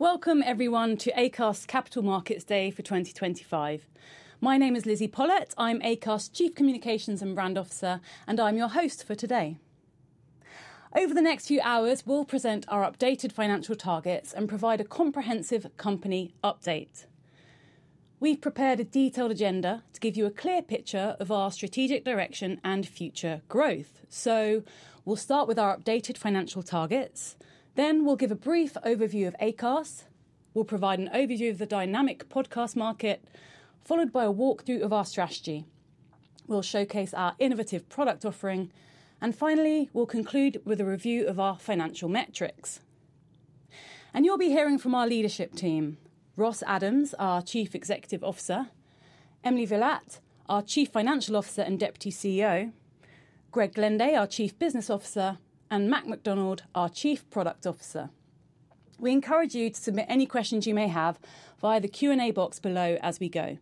Welcome, everyone, to Acast Capital Markets Day for 2025. My name is Lizzy Pollott. I'm Acast Chief Communications and Brand Officer, and I'm your host for today. Over the next few hours, we'll present our updated financial targets and provide a comprehensive company update. We've prepared a detailed agenda to give you a clear picture of our strategic direction and future growth. We will start with our updated financial targets. Then we'll give a brief overview of Acast. We'll provide an overview of the dynamic podcast market, followed by a walkthrough of our strategy. We'll showcase our innovative product offering. Finally, we'll conclude with a review of our financial metrics. You'll be hearing from our leadership team Ross Adams, our Chief Executive Officer Emily Villatte, our Chief Financial Officer and Deputy CEO Greg Glenday, our Chief Business Officer and Matt McDonald, our Chief Product Officer. We encourage you to submit any questions you may have via the Q&A box below as we go.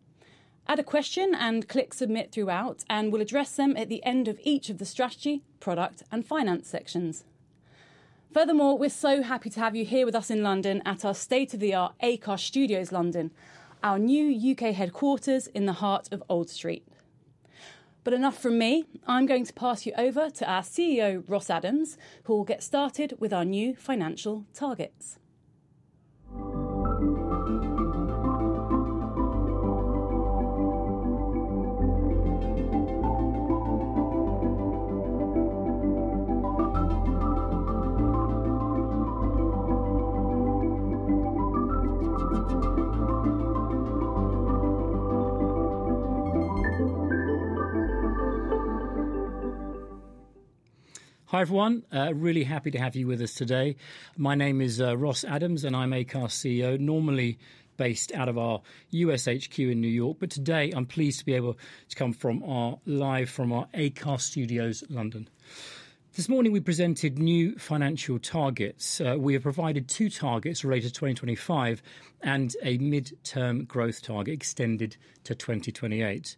Add a question and click submit throughout, and we'll address them at the end of each of the strategy, product, and finance sections. Furthermore, we're so happy to have you here with us in London at our state-of-the-art Acast Studios London, our new U.K. headquarters in the heart of Old Street. Enough from me. I'm going to pass you over to our CEO, Ross Adams, who will get started with our new financial targets. Hi, everyone. Really happy to have you with us today. My name is Ross Adams, and I'm Acast CEO, normally based out of our U.S. HQ in New York. Today, I'm pleased to be able to come live from our Acast Studios London. This morning, we presented new financial targets. We have provided two targets related to 2025 and a midterm growth target extended to 2028.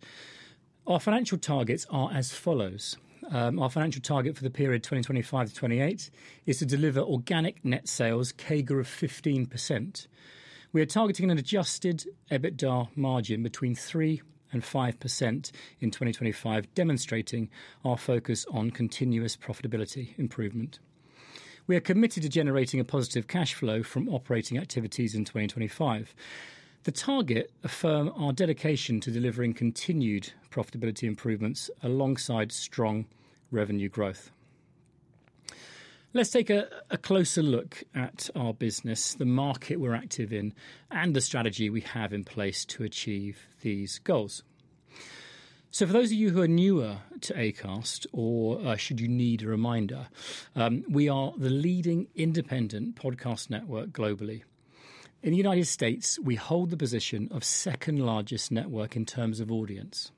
Our financial targets are as follows. Our financial target for the period 2025-2028 is to deliver organic net sales, CAGR of 15%. We are targeting an adjusted EBITDA margin between 3%-5% in 2025, demonstrating our focus on continuous profitability improvement. We are committed to generating a positive cash flow from operating activities in 2025. The target affirms our dedication to delivering continued profitability improvements alongside strong revenue growth. Let's take a closer look at our business, the market we're active in, and the strategy we have in place to achieve these goals. For those of you who are newer to Acast, or should you need a reminder, we are the leading independent podcast network globally. In the United States, we hold the position of second-largest network in terms of audience.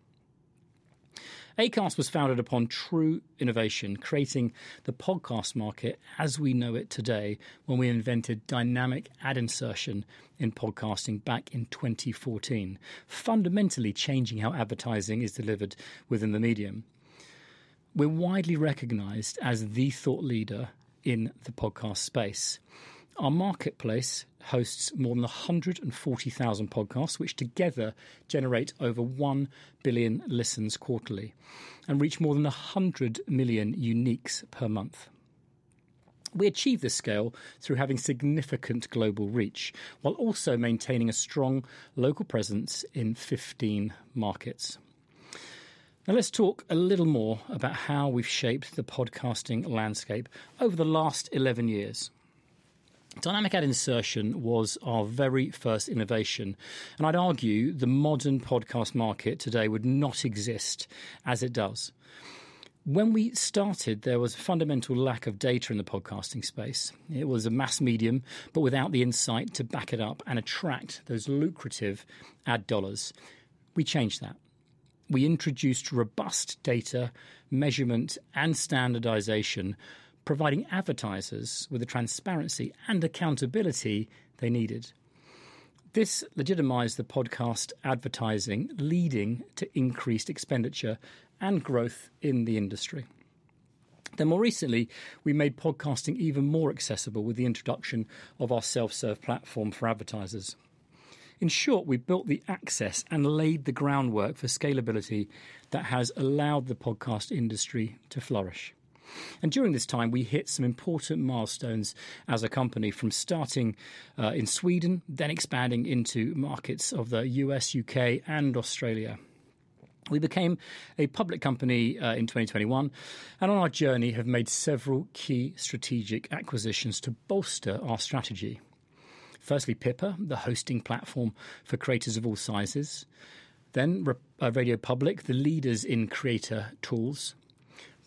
Acast was founded upon true innovation, creating the podcast market as we know it today when we invented dynamic ad insertion in podcasting back in 2014, fundamentally changing how advertising is delivered within the medium. We're widely recognized as the thought leader in the podcast space. Our marketplace hosts more than 140,000 podcasts, which together generate over 1 billion listens quarterly and reach more than 100 million uniques per month. We achieve this scale through having significant global reach while also maintaining a strong local presence in 15 markets. Now, let's talk a little more about how we've shaped the podcasting landscape over the last 11 years. Dynamic ad insertion was our very first innovation, and I'd argue the modern podcast market today would not exist as it does. When we started, there was a fundamental lack of data in the podcasting space. It was a mass medium, but without the insight to back it up and attract those lucrative ad dollars, we changed that. We introduced robust data measurement and standardization, providing advertisers with the transparency and accountability they needed. This legitimized the podcast advertising, leading to increased expenditure and growth in the industry. More recently, we made podcasting even more accessible with the introduction of our self-serve platform for advertisers. In short, we built the access and laid the groundwork for scalability that has allowed the podcast industry to flourish. During this time, we hit some important milestones as a company from starting in Sweden, then expanding into markets of the U.S., U.K., and Australia. We became a public company in 2021 and, on our journey, have made several key strategic acquisitions to bolster our strategy. Firstly, Pippa, the hosting platform for creators of all sizes. Then, RadioPublic, the leaders in creator tools.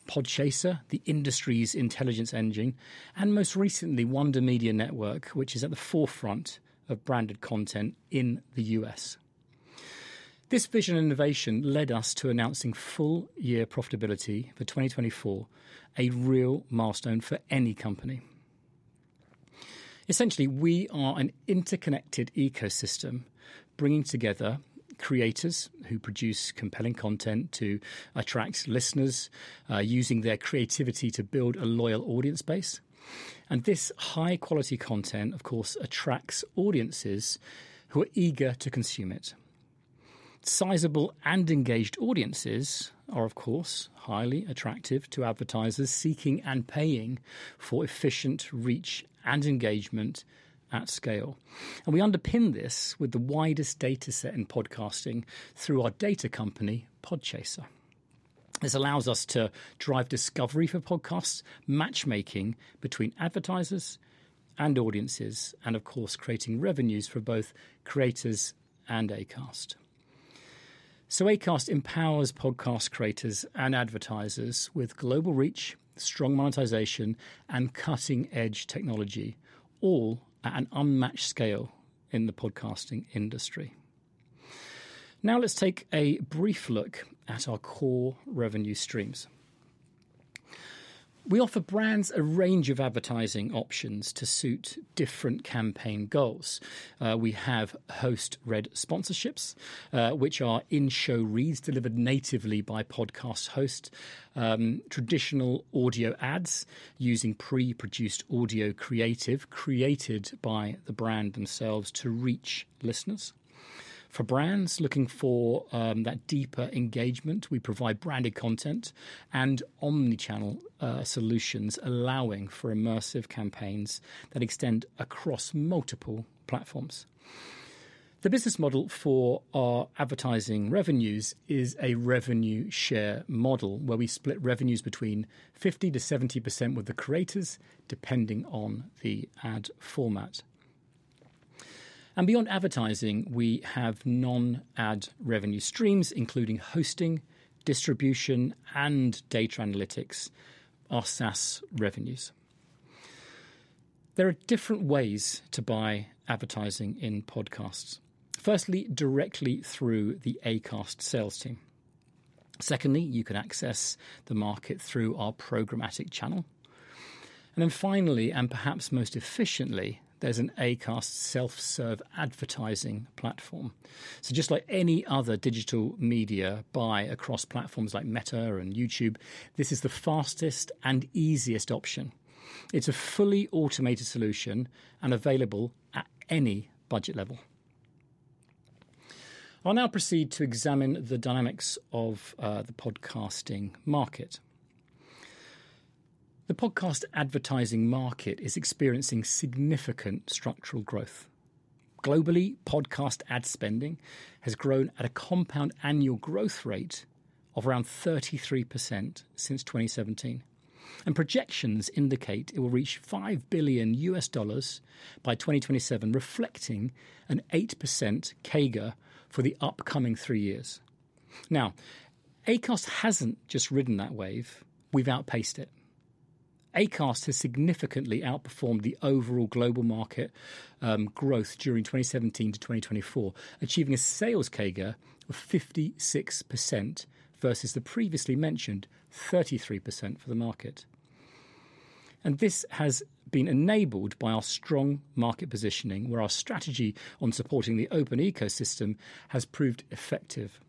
Podchaser, the industry's intelligence engine. Most recently, Wonder Media Network, which is at the forefront of branded content in the U.S.. This vision and innovation led us to announcing full-year profitability for 2024, a real milestone for any company. Essentially, we are an interconnected ecosystem bringing together creators who produce compelling content to attract listeners using their creativity to build a loyal audience base. This high-quality content, of course, attracts audiences who are eager to consume it. Sizable and engaged audiences are, of course, highly attractive to advertisers seeking and paying for efficient reach and engagement at scale. We underpin this with the widest data set in podcasting through our data company, Podchaser. This allows us to drive discovery for podcasts, matchmaking between advertisers and audiences, and, of course, creating revenues for both creators and Acast. Acast empowers podcast creators and advertisers with global reach, strong monetization, and cutting-edge technology, all at an unmatched scale in the podcasting industry. Now, let's take a brief look at our core revenue streams. We offer brands a range of advertising options to suit different campaign goals. We have Host-Read sponsorships, which are in-show reads delivered natively by podcast hosts, traditional audio ads using pre-produced audio creative created by the brand themselves to reach listeners. For brands looking for that deeper engagement, we provide branded content and omnichannel solutions allowing for immersive campaigns that extend across multiple platforms. The business model for our advertising revenues is a revenue share model where we split revenues between 50%-70% with the creators, depending on the ad format. Beyond advertising, we have non-ad revenue streams, including hosting, distribution, and data analytics, our SaaS revenues. There are different ways to buy advertising in podcasts. Firstly, directly through the Acast sales team. Secondly, you can access the market through our programmatic channel. Finally, and perhaps most efficiently, there is an Acast self-serve advertising platform. Just like any other digital media buy across platforms like Meta and YouTube, this is the fastest and easiest option. It is a fully automated solution and available at any budget level. I will now proceed to examine the dynamics of the podcasting market. The podcast advertising market is experiencing significant structural growth. Globally, podcast ad spending has grown at a compound annual growth rate of around 33% since 2017. Projections indicate it will reach $5 billion by 2027, reflecting an 8% CAGR for the upcoming three years. Acast has not just ridden that wave. We have outpaced it. Acast has significantly outperformed the overall global market growth during 2017-2024, achieving a sales CAGR of 56% versus the previously mentioned 33% for the market. This has been enabled by our strong market positioning, where our strategy on supporting the open ecosystem has proved effective,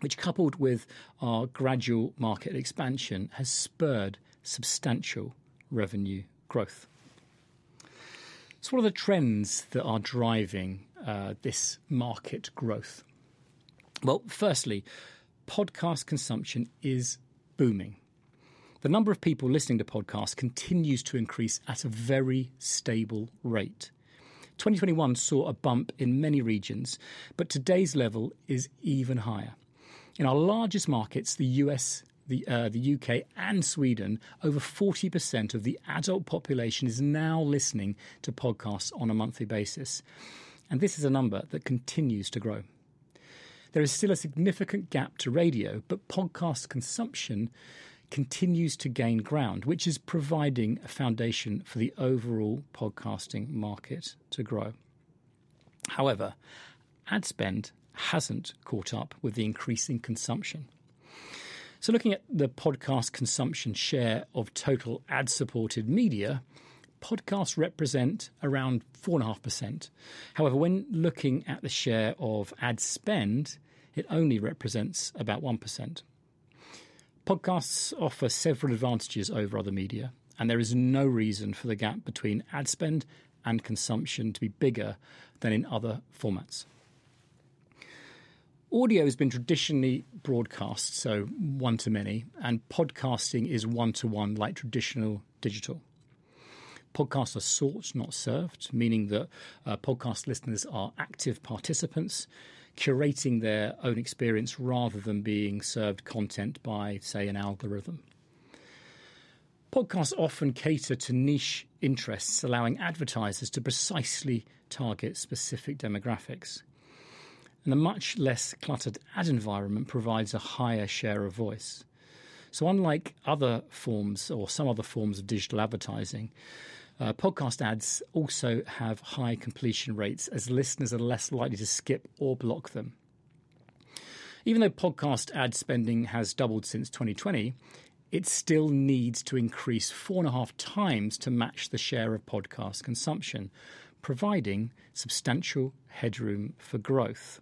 which, coupled with our gradual market expansion, has spurred substantial revenue growth. What are the trends that are driving this market growth? Firstly, podcast consumption is booming. The number of people listening to podcasts continues to increase at a very stable rate. 2021 saw a bump in many regions, but today's level is even higher. In our largest markets, the U.S., the U.K., and Sweden, over 40% of the adult population is now listening to podcasts on a monthly basis. This is a number that continues to grow. There is still a significant gap to radio, but podcast consumption continues to gain ground, which is providing a foundation for the overall podcasting market to grow. However, ad spend has not caught up with the increasing consumption. Looking at the podcast consumption share of total ad-supported media, podcasts represent around 4.5%. However, when looking at the share of ad spend, it only represents about 1%. Podcasts offer several advantages over other media, and there is no reason for the gap between ad spend and consumption to be bigger than in other formats. Audio has been traditionally broadcast, so one-to-many, and podcasting is one-to-one like traditional digital. Podcasts are sought, not served, meaning that podcast listeners are active participants curating their own experience rather than being served content by, say, an algorithm. Podcasts often cater to niche interests, allowing advertisers to precisely target specific demographics. A much less cluttered ad environment provides a higher share of voice. Unlike other forms or some other forms of digital advertising, podcast ads also have high completion rates as listeners are less likely to skip or block them. Even though podcast ad spending has doubled since 2020, it still needs to increase four and a half times to match the share of podcast consumption, providing substantial headroom for growth.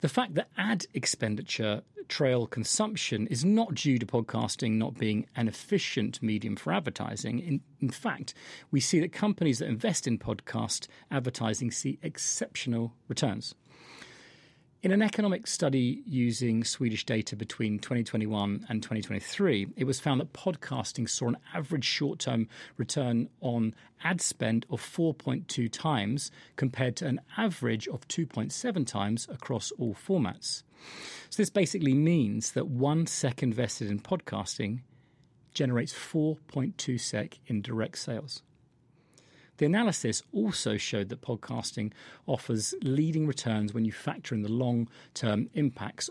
The fact that ad expenditure trail consumption is not due to podcasting not being an efficient medium for advertising, in fact, we see that companies that invest in podcast advertising see exceptional returns. In an economic study using Swedish data between 2021 and 2023, it was found that podcasting saw an average short-term return on ad spend of 4.2x compared to an average of 2.7x across all formats. This basically means that one SEK invested in podcasting generates 4.2 SEK in direct sales. The analysis also showed that podcasting offers leading returns when you factor in the long-term impacts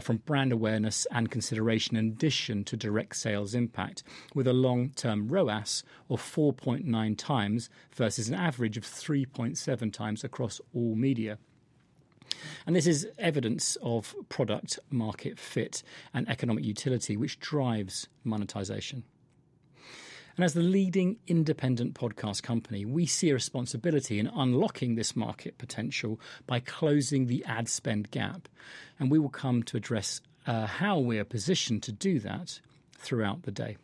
from brand awareness and consideration in addition to direct sales impact, with a long-term ROAS of 4.9x versus an average of 3.7x across all media. This is evidence of product-market fit and economic utility, which drives monetization. As the leading independent podcast company, we see a responsibility in unlocking this market potential by closing the ad spend gap. We will come to address how we are positioned to do that throughout the day.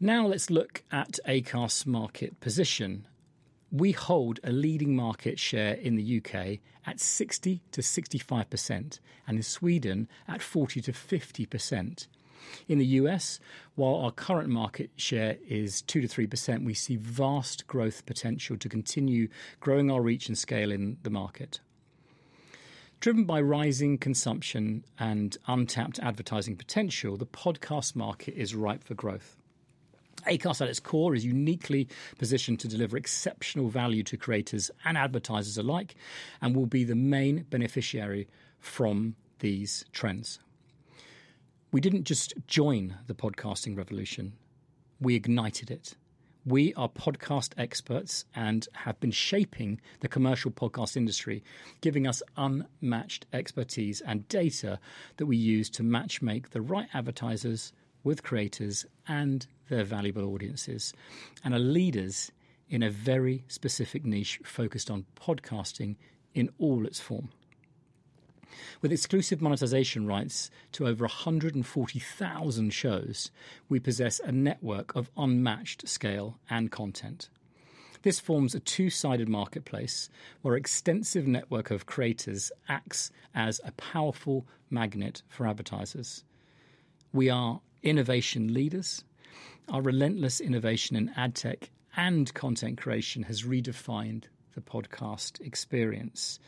Now, let's look at Acast's market position. We hold a leading market share in the U.K. at 60%-65%, and in Sweden at 40%-50%. In the U.S., while our current market share is 2%-3%, we see vast growth potential to continue growing our reach and scale in the market. Driven by rising consumption and untapped advertising potential, the podcast market is ripe for growth. Acast, at its core, is uniquely positioned to deliver exceptional value to creators and advertisers alike and will be the main beneficiary from these trends. We did not just join the podcasting revolution. We ignited it. We are podcast experts and have been shaping the commercial podcast industry, giving us unmatched expertise and data that we use to matchmake the right advertisers with creators and their valuable audiences and are leaders in a very specific niche focused on podcasting in all its form. With exclusive monetization rights to over 140,000 shows, we possess a network of unmatched scale and content. This forms a two-sided marketplace where an extensive network of creators acts as a powerful magnet for advertisers. We are innovation leaders. Our relentless innovation in ad tech and content creation has redefined the podcast experience.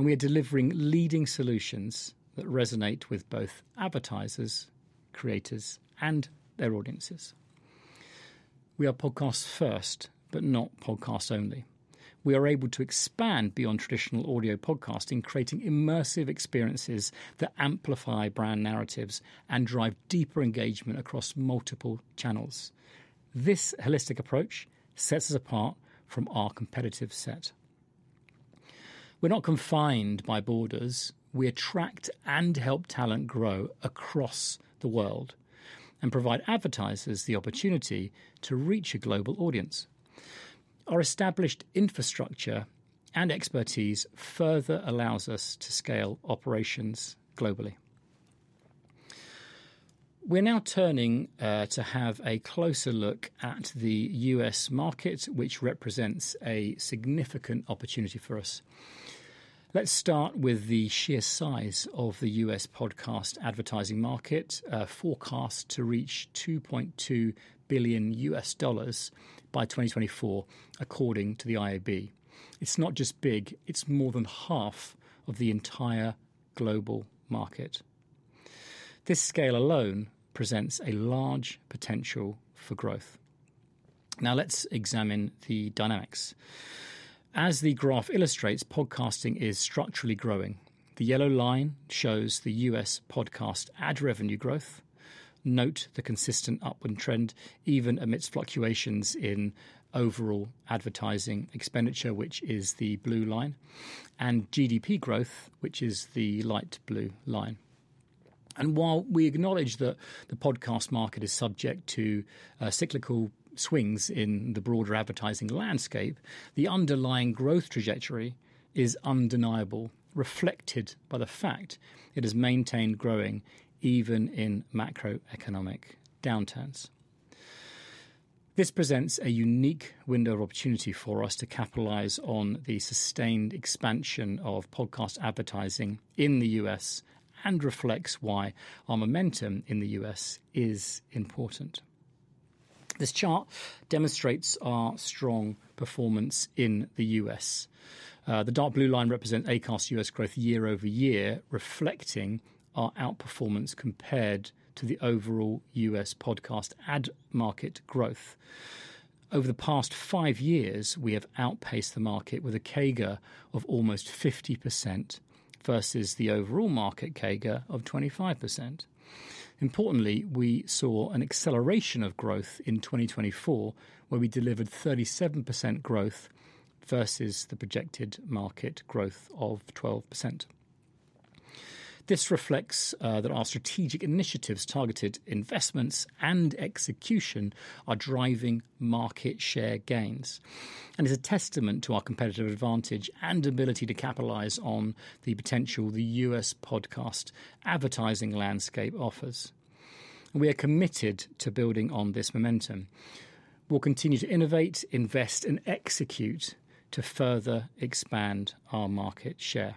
We are delivering leading solutions that resonate with both advertisers, creators, and their audiences. We are podcast first, but not podcast only. We are able to expand beyond traditional audio podcasting, creating immersive experiences that amplify brand narratives and drive deeper engagement across multiple channels. This holistic approach sets us apart from our competitive set. We're not confined by borders. We attract and help talent grow across the world and provide advertisers the opportunity to reach a global audience. Our established infrastructure and expertise further allows us to scale operations globally. We're now turning to have a closer look at the U.S. market, which represents a significant opportunity for us. Let's start with the sheer size of the U.S. podcast advertising market, forecast to reach $2.2 billion by 2024, according to the IAB. It's not just big. It's more than half of the entire global market. This scale alone presents a large potential for growth. Now, let's examine the dynamics. As the graph illustrates, podcasting is structurally growing. The yellow line shows the U.S. podcast ad revenue growth. Note the consistent upward trend, even amidst fluctuations in overall advertising expenditure, which is the blue line, and GDP growth, which is the light blue line. While we acknowledge that the podcast market is subject to cyclical swings in the broader advertising landscape, the underlying growth trajectory is undeniable, reflected by the fact it has maintained growing even in macroeconomic downturns. This presents a unique window of opportunity for us to cap.italize on the sustained expansion of podcast advertising in the U.S and reflects why our momentum in the U.S. is important. This chart demonstrates our strong performance in the U.S.. The dark blue line represents Acast's U.S. growth year-over-year, reflecting our outperformance compared to the overall U.S. podcast ad market growth. Over the past five years, we have outpaced the market with a CAGR of almost 50% versus the overall market CAGR of 25%. Importantly, we saw an acceleration of growth in 2024, where we delivered 37% growth versus the projected market growth of 12%. This reflects that our strategic initiatives, targeted investments, and execution are driving market share gains and is a testament to our competitive advantage and ability to capitalize on the potential the U.S. podcast advertising landscape offers. We are committed to building on this momentum. We'll continue to innovate, invest, and execute to further expand our market share.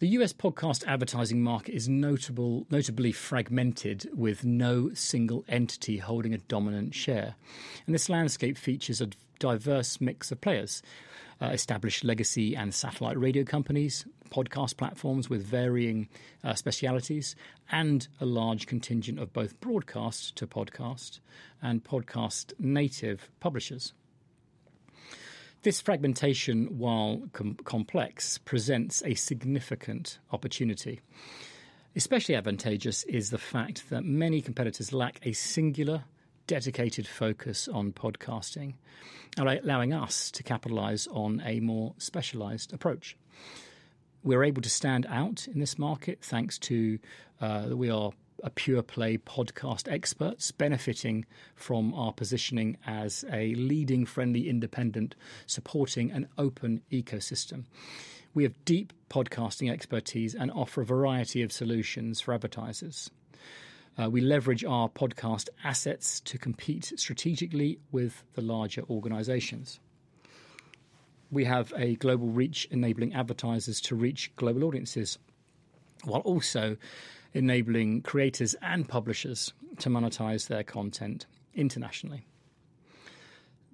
The U.S. podcast advertising market is notably fragmented, with no single entity holding a dominant share. This landscape features a diverse mix of players established legacy and satellite radio companies, podcast platforms with varying specialties, and a large contingent of both broadcast to podcast and podcast-native publishers. This fragmentation, while complex, presents a significant opportunity. Especially advantageous is the fact that many competitors lack a singular dedicated focus on podcasting, allowing us to capitalize on a more specialized approach. We're able to stand out in this market thanks to that we are a pure-play podcast expert, benefiting from our positioning as a leading friendly independent supporting an open ecosystem. We have deep podcasting expertise and offer a variety of solutions for advertisers. We leverage our podcast assets to compete strategically with the larger organizations. We have a global reach, enabling advertisers to reach global audiences while also enabling creators and publishers to monetize their content internationally.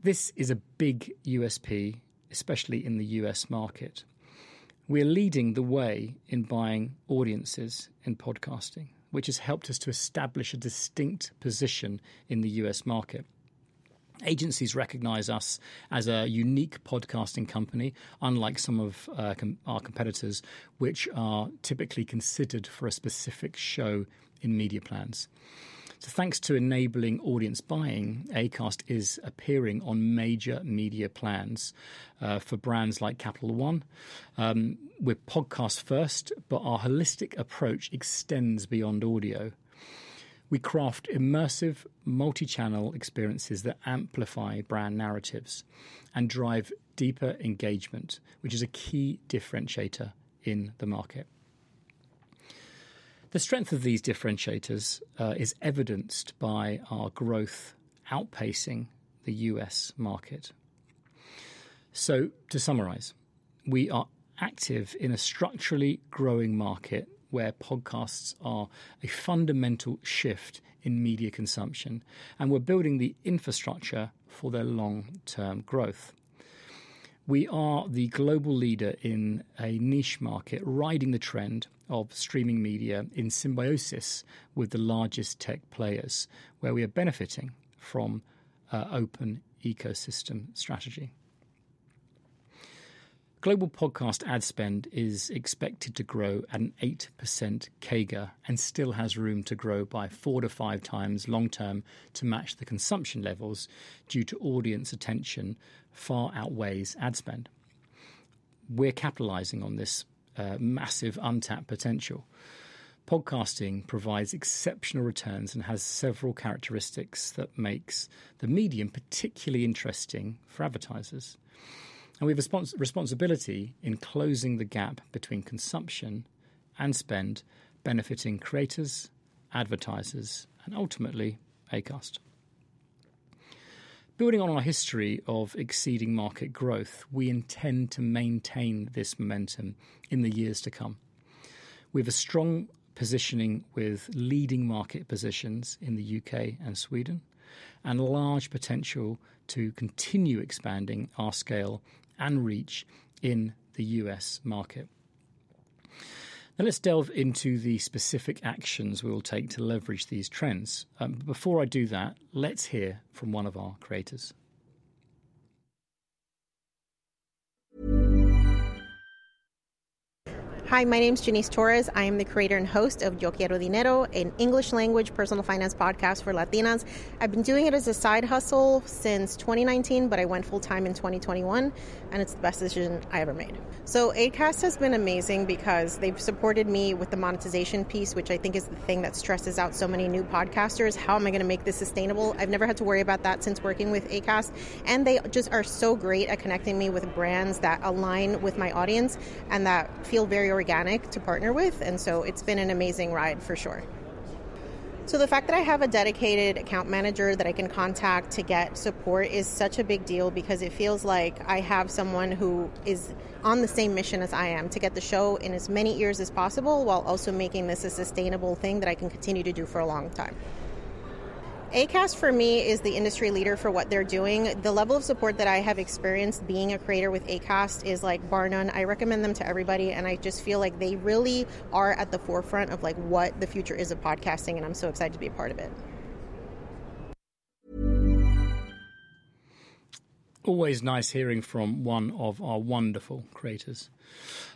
This is a big USP, especially in the U.S. market. We are leading the way in buying audiences in podcasting, which has helped us to establish a distinct position in the U.S. market. Agencies recognize us as a unique podcasting company, unlike some of our competitors, which are typically considered for a specific show in media plans. Thanks to enabling audience buying, Acast is appearing on major media plans for brands like Capital One. We're podcast first, but our holistic approach extends beyond audio. We craft immersive multi-channel experiences that amplify brand narratives and drive deeper engagement, which is a key differentiator in the market. The strength of these differentiators is evidenced by our growth outpacing the U.S. market. To summarize, we are active in a structurally growing market where podcasts are a fundamental shift in media consumption, and we're building the infrastructure for their long-term growth. We are the global leader in a niche market, riding the trend of streaming media in symbiosis with the largest tech players, where we are benefiting from an open ecosystem strategy. Global podcast ad spend is expected to grow at an 8% CAGR and still has room to grow by four to five times long-term to match the consumption levels due to audience attention far outweighs ad spend. We are capitalizing on this massive untapped potential. Podcasting provides exceptional returns and has several characteristics that make the medium particularly interesting for advertisers. We have a responsibility in closing the gap between consumption and spend, benefiting creators, advertisers, and ultimately Acast. Building on our history of exceeding market growth, we intend to maintain this momentum in the years to come. We have a strong positioning with leading market positions in the U.K. and Sweden and a large potential to continue expanding our scale and reach in the U.S. market. Now, let's delve into the specific actions we will take to leverage these trends. But before I do that, let's hear from one of our creators. Hi, my name is Jannese Torres. I am the creator and host of Yo Quiero Dinero, an English-language personal finance podcast for Latinas. I've been doing it as a side hustle since 2019, but I went full-time in 2021, and it's the best decision I ever made. Acast has been amazing because they've supported me with the monetization piece, which I think is the thing that stresses out so many new podcasters. How am I going to make this sustainable? I've never had to worry about that since working with Acast. They just are so great at connecting me with brands that align with my audience and that feel very organic to partner with. It's been an amazing ride for sure. The fact that I have a dedicated account manager that I can contact to get support is such a big deal because it feels like I have someone who is on the same mission as I am to get the show in as many ears as possible while also making this a sustainable thing that I can continue to do for a long time. Acast, for me, is the industry leader for what they're doing. The level of support that I have experienced being a creator with Acast is like bar none. I recommend them to everybody, and I just feel like they really are at the forefront of what the future is of podcasting, and I'm so excited to be a part of it. Always nice hearing from one of our wonderful creators.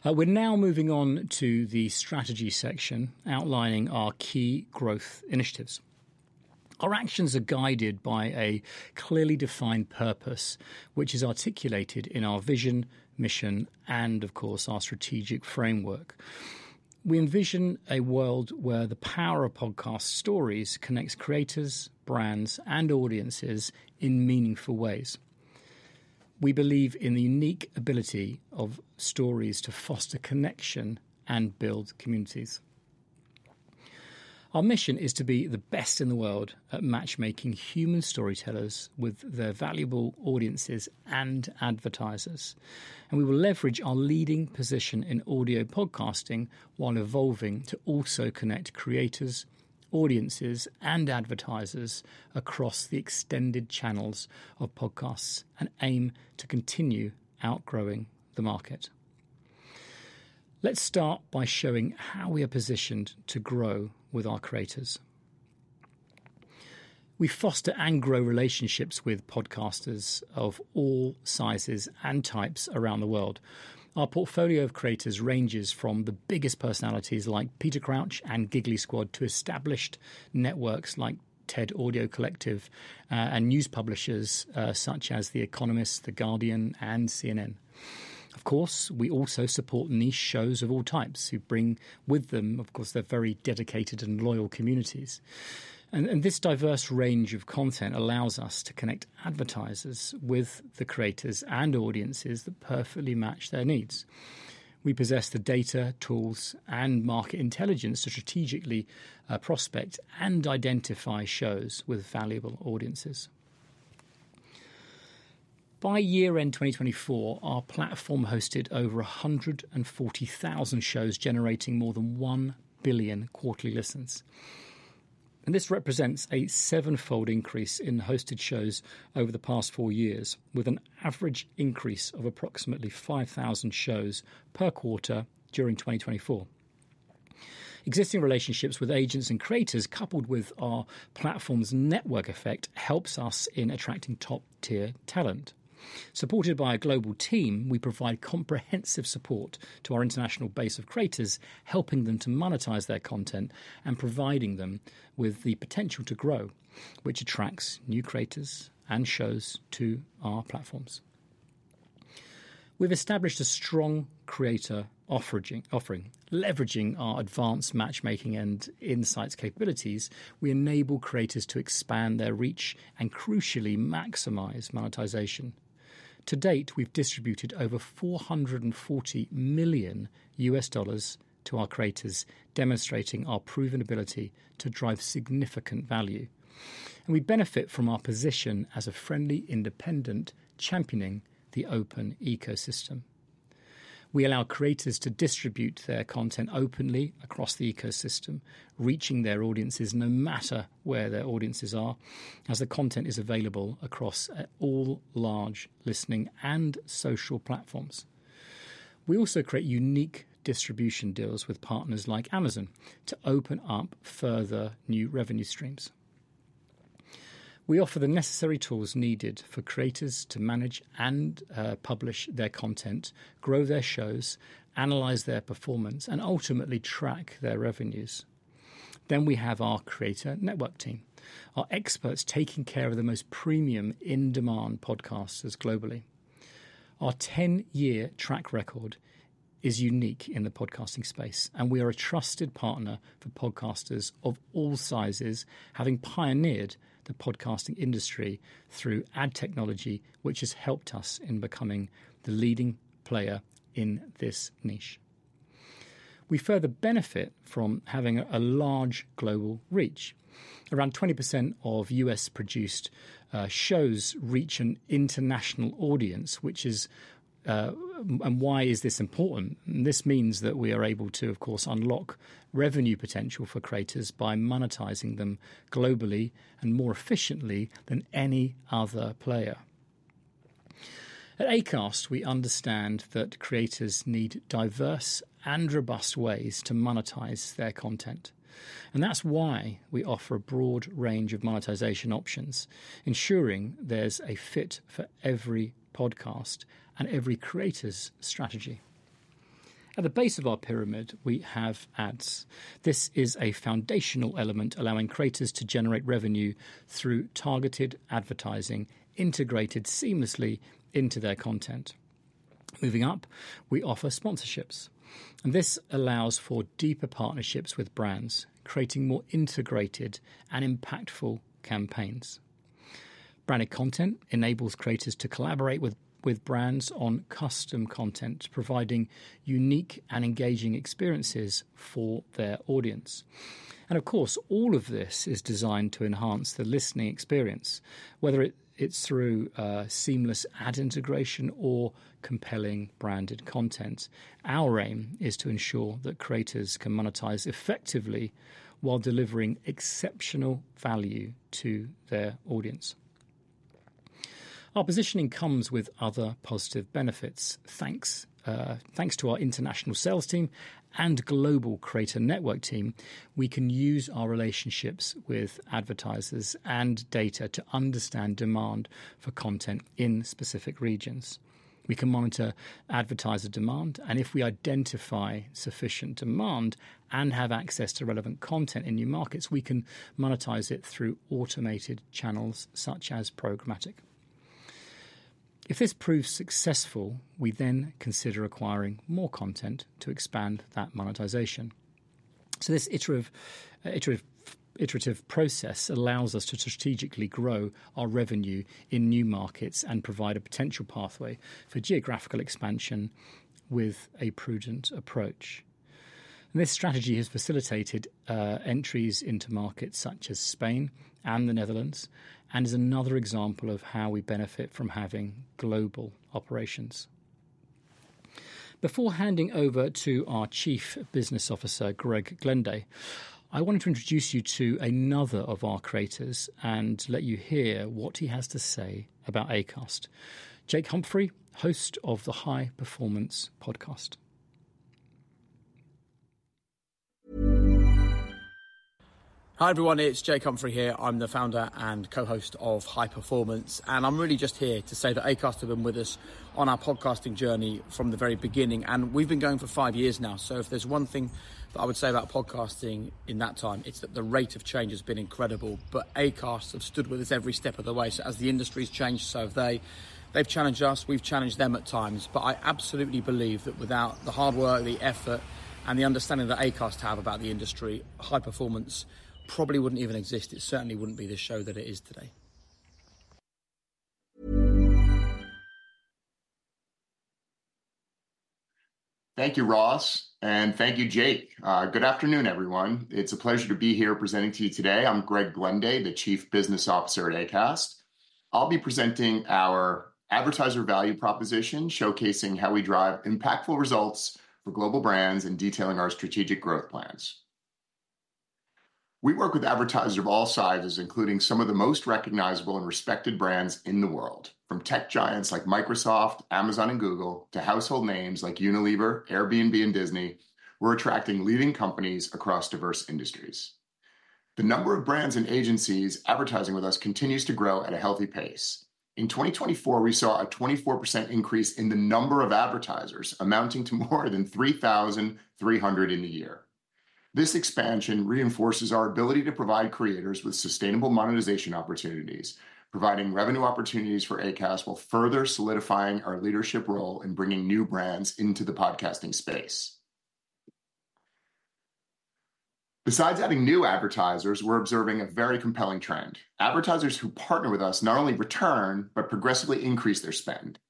We're now moving on to the strategy section, outlining our key growth initiatives. Our actions are guided by a clearly defined purpose, which is articulated in our vision, mission, and, of course, our strategic framework. We envision a world where the power of podcast stories connects creators, brands, and audiences in meaningful ways. We believe in the unique ability of stories to foster connection and build communities. Our mission is to be the best in the world at matchmaking human storytellers with their valuable audiences and advertisers. We will leverage our leading position in audio podcasting while evolving to also connect creators, audiences, and advertisers across the extended channels of podcasts and aim to continue outgrowing the market. Let's start by showing how we are positioned to grow with our creators. We foster and grow relationships with podcasters of all sizes and types around the world. Our portfolio of creators ranges from the biggest personalities like Peter Crouch and Giggly Squad to established networks like TED Audio Collective and news publishers such as The Economist, The Guardian, and CNN. Of course, we also support niche shows of all types who bring with them, of course, their very dedicated and loyal communities. This diverse range of content allows us to connect advertisers with the creators and audiences that perfectly match their needs. We possess the data, tools, and market intelligence to strategically prospect and identify shows with valuable audiences. By year-end 2024, our platform hosted over 140,000 shows, generating more than 1 billion quarterly listens. This represents a seven-fold increase in hosted shows over the past four years, with an average increase of approximately 5,000 shows per quarter during 2024. Existing relationships with agents and creators, coupled with our platform's network effect, help us in attracting top-tier talent. Supported by a global team, we provide comprehensive support to our international base of creators, helping them to monetize their content and providing them with the potential to grow, which attracts new creators and shows to our platforms. We have established a strong creator offering. Leveraging our advanced matchmaking and insights capabilities, we enable creators to expand their reach and crucially maximize monetization. To date, we have distributed over $440 million to our creators, demonstrating our proven ability to drive significant value. We benefit from our position as a friendly independent championing the open ecosystem. We allow creators to distribute their content openly across the ecosystem, reaching their audiences no matter where their audiences are, as the content is available across all large listening and social platforms. We also create unique distribution deals with partners like Amazon to open up further new revenue streams. We offer the necessary tools needed for creators to manage and publish their content, grow their shows, analyze their performance, and ultimately track their revenues. We have our creator network team, our experts taking care of the most premium in-demand podcasters globally. Our 10-year track record is unique in the podcasting space, and we are a trusted partner for podcasters of all sizes, having pioneered the podcasting industry through ad technology, which has helped us in becoming the leading player in this niche. We further benefit from having a large global reach. Around 20% of U.S.-produced shows reach an international audience, which is—why is this important? This means that we are able to, of course, unlock revenue potential for creators by monetizing them globally and more efficiently than any other player. At Acast, we understand that creators need diverse and robust ways to monetize their content. That is why we offer a broad range of monetization options, ensuring there is a fit for every podcast and every creator's strategy. At the base of our pyramid, we have ads. This is a foundational element, allowing creators to generate revenue through targeted advertising integrated seamlessly into their content. Moving up, we offer sponsorships. This allows for deeper partnerships with brands, creating more integrated and impactful campaigns. Branded content enables creators to collaborate with brands on custom content, providing unique and engaging experiences for their audience. Of course, all of this is designed to enhance the listening experience, whether it is through seamless ad integration or compelling branded content. Our aim is to ensure that creators can monetize effectively while delivering exceptional value to their audience. Our positioning comes with other positive benefits. Thanks to our international sales team and global creator network team, we can use our relationships with advertisers and data to understand demand for content in specific regions. We can monitor advertiser demand. If we identify sufficient demand and have access to relevant content in new markets, we can monetize it through automated channels such as programmatic. If this proves successful, we then consider acquiring more content to expand that monetization. This iterative process allows us to strategically grow our revenue in new markets and provide a potential pathway for geographical expansion with a prudent approach. This strategy has facilitated entries into markets such as Spain and the Netherlands and is another example of how we benefit from having global operations. Before handing over to our Chief Business Officer, Greg Glenday, I wanted to introduce you to another of our creators and let you hear what he has to say about Acast. Jake Humphrey, host of the High Performance Podcast. Hi everyone, it's Jake Humphrey here. I'm the founder and co-host of High Performance. I'm really just here to say that Acast have been with us on our podcasting journey from the very beginning. We've been going for five years now. If there's one thing that I would say about podcasting in that time, it's that the rate of change has been incredible. Acast have stood with us every step of the way as the industry's changed. They've challenged us. We've challenged them at times. I absolutely believe that without the hard work, the effort, and the understanding that Acast have about the industry, High Performance probably wouldn't even exist. It certainly wouldn't be the show that it is today. Thank you, Ross. Thank you, Jake. Good afternoon, everyone. It's a pleasure to be here presenting to you today. I'm Greg Glenday, the Chief Business Officer at Acast. I'll be presenting our advertiser value proposition, showcasing how we drive impactful results for global brands and detailing our strategic growth plans. We work with advertisers of all sizes, including some of the most recognizable and respected brands in the world. From tech giants like Microsoft, Amazon, and Google to household names like Unilever, Airbnb, and Disney, we're attracting leading companies across diverse industries. The number of brands and agencies advertising with us continues to grow at a healthy pace. In 2024, we saw a 24% increase in the number of advertisers amounting to more than 3,300 in a year. This expansion reinforces our ability to provide creators with sustainable monetization opportunities. Providing revenue opportunities for Acast will further solidify our leadership role in bringing new brands into the podcasting space. Besides adding new advertisers, we're observing a very compelling trend. Advertisers who partner with us not only return, but progressively increase their spend.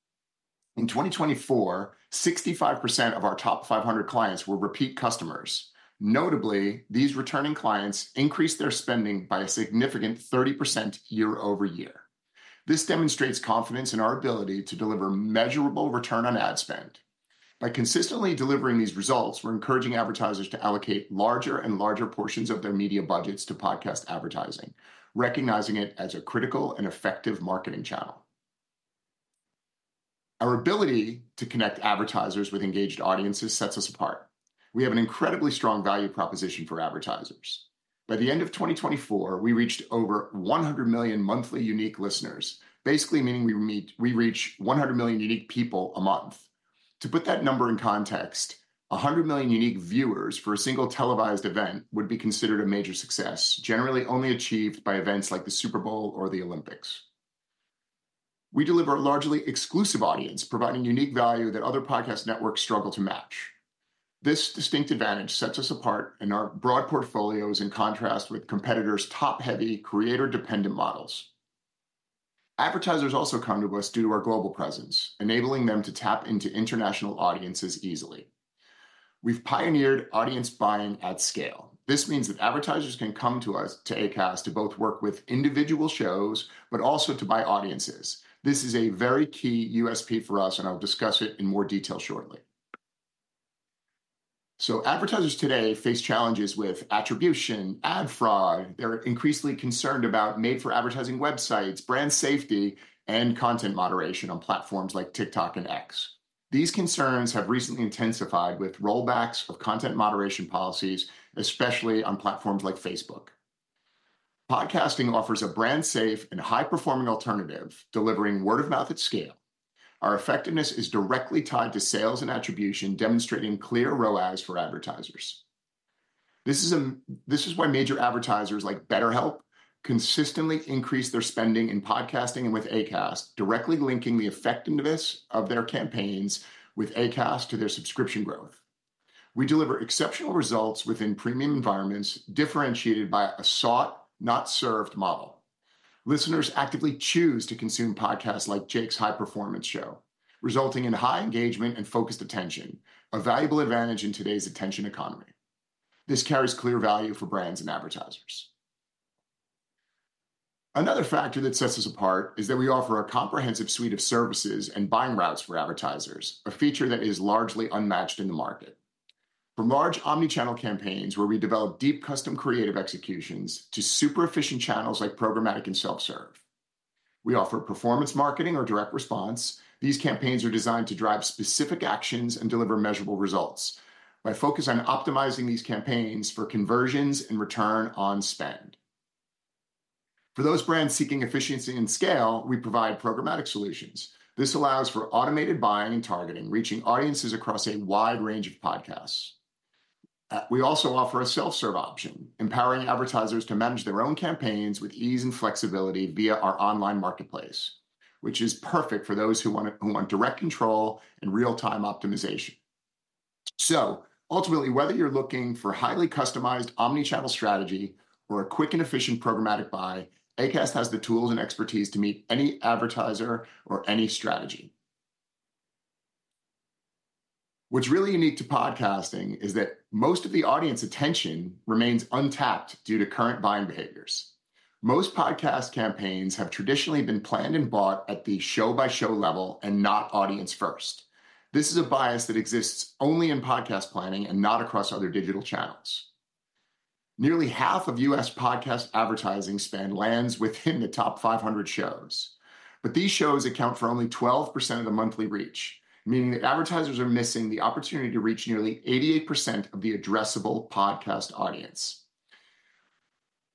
In 2024, 65% of our top 500 clients were repeat customers. Notably, these returning clients increased their spending by a significant 30% year-over-year. This demonstrates confidence in our ability to deliver measurable return on ad spend. By consistently delivering these results, we're encouraging advertisers to allocate larger and larger portions of their media budgets to podcast advertising, recognizing it as a critical and effective marketing channel. Our ability to connect advertisers with engaged audiences sets us apart. We have an incredibly strong value proposition for advertisers. By the end of 2024, we reached over 100 million monthly unique listeners, basically meaning we reach 100 million unique people a month. To put that number in context, 100 million unique viewers for a single televised event would be considered a major success, generally only achieved by events like the Super Bowl or the Olympics. We deliver a largely exclusive audience, providing unique value that other podcast networks struggle to match. This distinct advantage sets us apart in our broad portfolios in contrast with competitors' top-heavy creator-dependent models. Advertisers also come to us due to our global presence, enabling them to tap into international audiences easily. We have pioneered audience buying at scale. This means that advertisers can come to us, to Acast, to both work with individual shows, but also to buy audiences. This is a very key USP for us, and I'll discuss it in more detail shortly. Advertisers today face challenges with attribution, ad fraud. They're increasingly concerned about made-for-advertising websites, brand safety, and content moderation on platforms like TikTok and X. These concerns have recently intensified with rollbacks of content moderation policies, especially on platforms like Facebook. Podcasting offers a brand-safe and high-performing alternative, delivering word-of-mouth at scale. Our effectiveness is directly tied to sales and attribution, demonstrating clear ROAS for advertisers. This is why major advertisers like BetterHelp consistently increase their spending in podcasting and with Acast, directly linking the effectiveness of their campaigns with Acast to their subscription growth. We deliver exceptional results within premium environments differentiated by a sought-not-served model. Listeners actively choose to consume podcasts like Jake's High Performance Show, resulting in high engagement and focused attention, a valuable advantage in today's attention economy. This carries clear value for brands and advertisers. Another factor that sets us apart is that we offer a comprehensive suite of services and buying routes for advertisers, a feature that is largely unmatched in the market. From large omnichannel campaigns where we develop deep custom creative executions to super-efficient channels like programmatic and self-serve, we offer performance marketing or direct response. These campaigns are designed to drive specific actions and deliver measurable results by focusing on optimizing these campaigns for conversions and return on spend. For those brands seeking efficiency and scale, we provide programmatic solutions. This allows for automated buying and targeting, reaching audiences across a wide range of podcasts. We also offer a self-serve option, empowering advertisers to manage their own campaigns with ease and flexibility via our online marketplace, which is perfect for those who want direct control and real-time optimization. Ultimately, whether you're looking for a highly customized omnichannel strategy or a quick and efficient programmatic buy, Acast has the tools and expertise to meet any advertiser or any strategy. What's really unique to podcasting is that most of the audience attention remains untapped due to current buying behaviors. Most podcast campaigns have traditionally been planned and bought at the show-by-show level and not audience-first. This is a bias that exists only in podcast planning and not across other digital channels. Nearly half of U.S. podcast advertising spend lands within the top 500 shows. These shows account for only 12% of the monthly reach, meaning that advertisers are missing the opportunity to reach nearly 88% of the addressable podcast audience.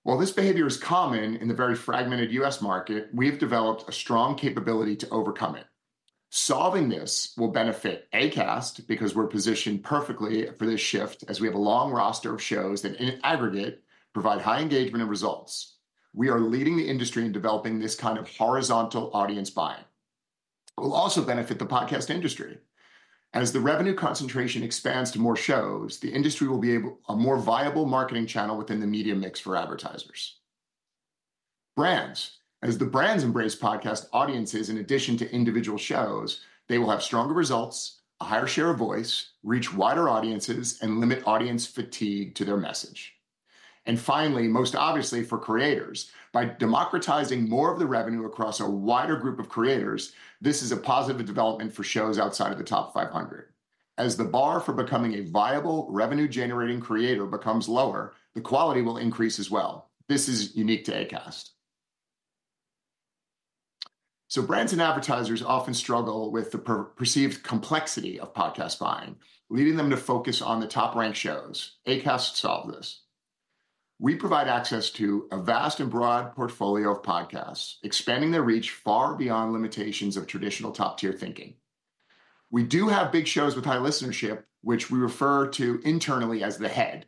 While this behavior is common in the very fragmented U.S. market, we have developed a strong capability to overcome it. Solving this will benefit Acast because we're positioned perfectly for this shift as we have a long roster of shows that, in aggregate, provide high engagement and results. We are leading the industry in developing this kind of horizontal audience buying. It will also benefit the podcast industry. As the revenue concentration expands to more shows, the industry will be a more viable marketing channel within the media mix for advertisers. As brands embrace podcast audiences in addition to individual shows, they will have stronger results, a higher share of voice, reach wider audiences, and limit audience fatigue to their message. Finally, most obviously for creators, by democratizing more of the revenue across a wider group of creators, this is a positive development for shows outside of the top 500. As the bar for becoming a viable, revenue-generating creator becomes lower, the quality will increase as well. This is unique to Acast. Brands and advertisers often struggle with the perceived complexity of podcast buying, leading them to focus on the top-ranked shows. Acast solves this. We provide access to a vast and broad portfolio of podcasts, expanding their reach far beyond limitations of traditional top-tier thinking. We do have big shows with high listenership, which we refer to internally as the head,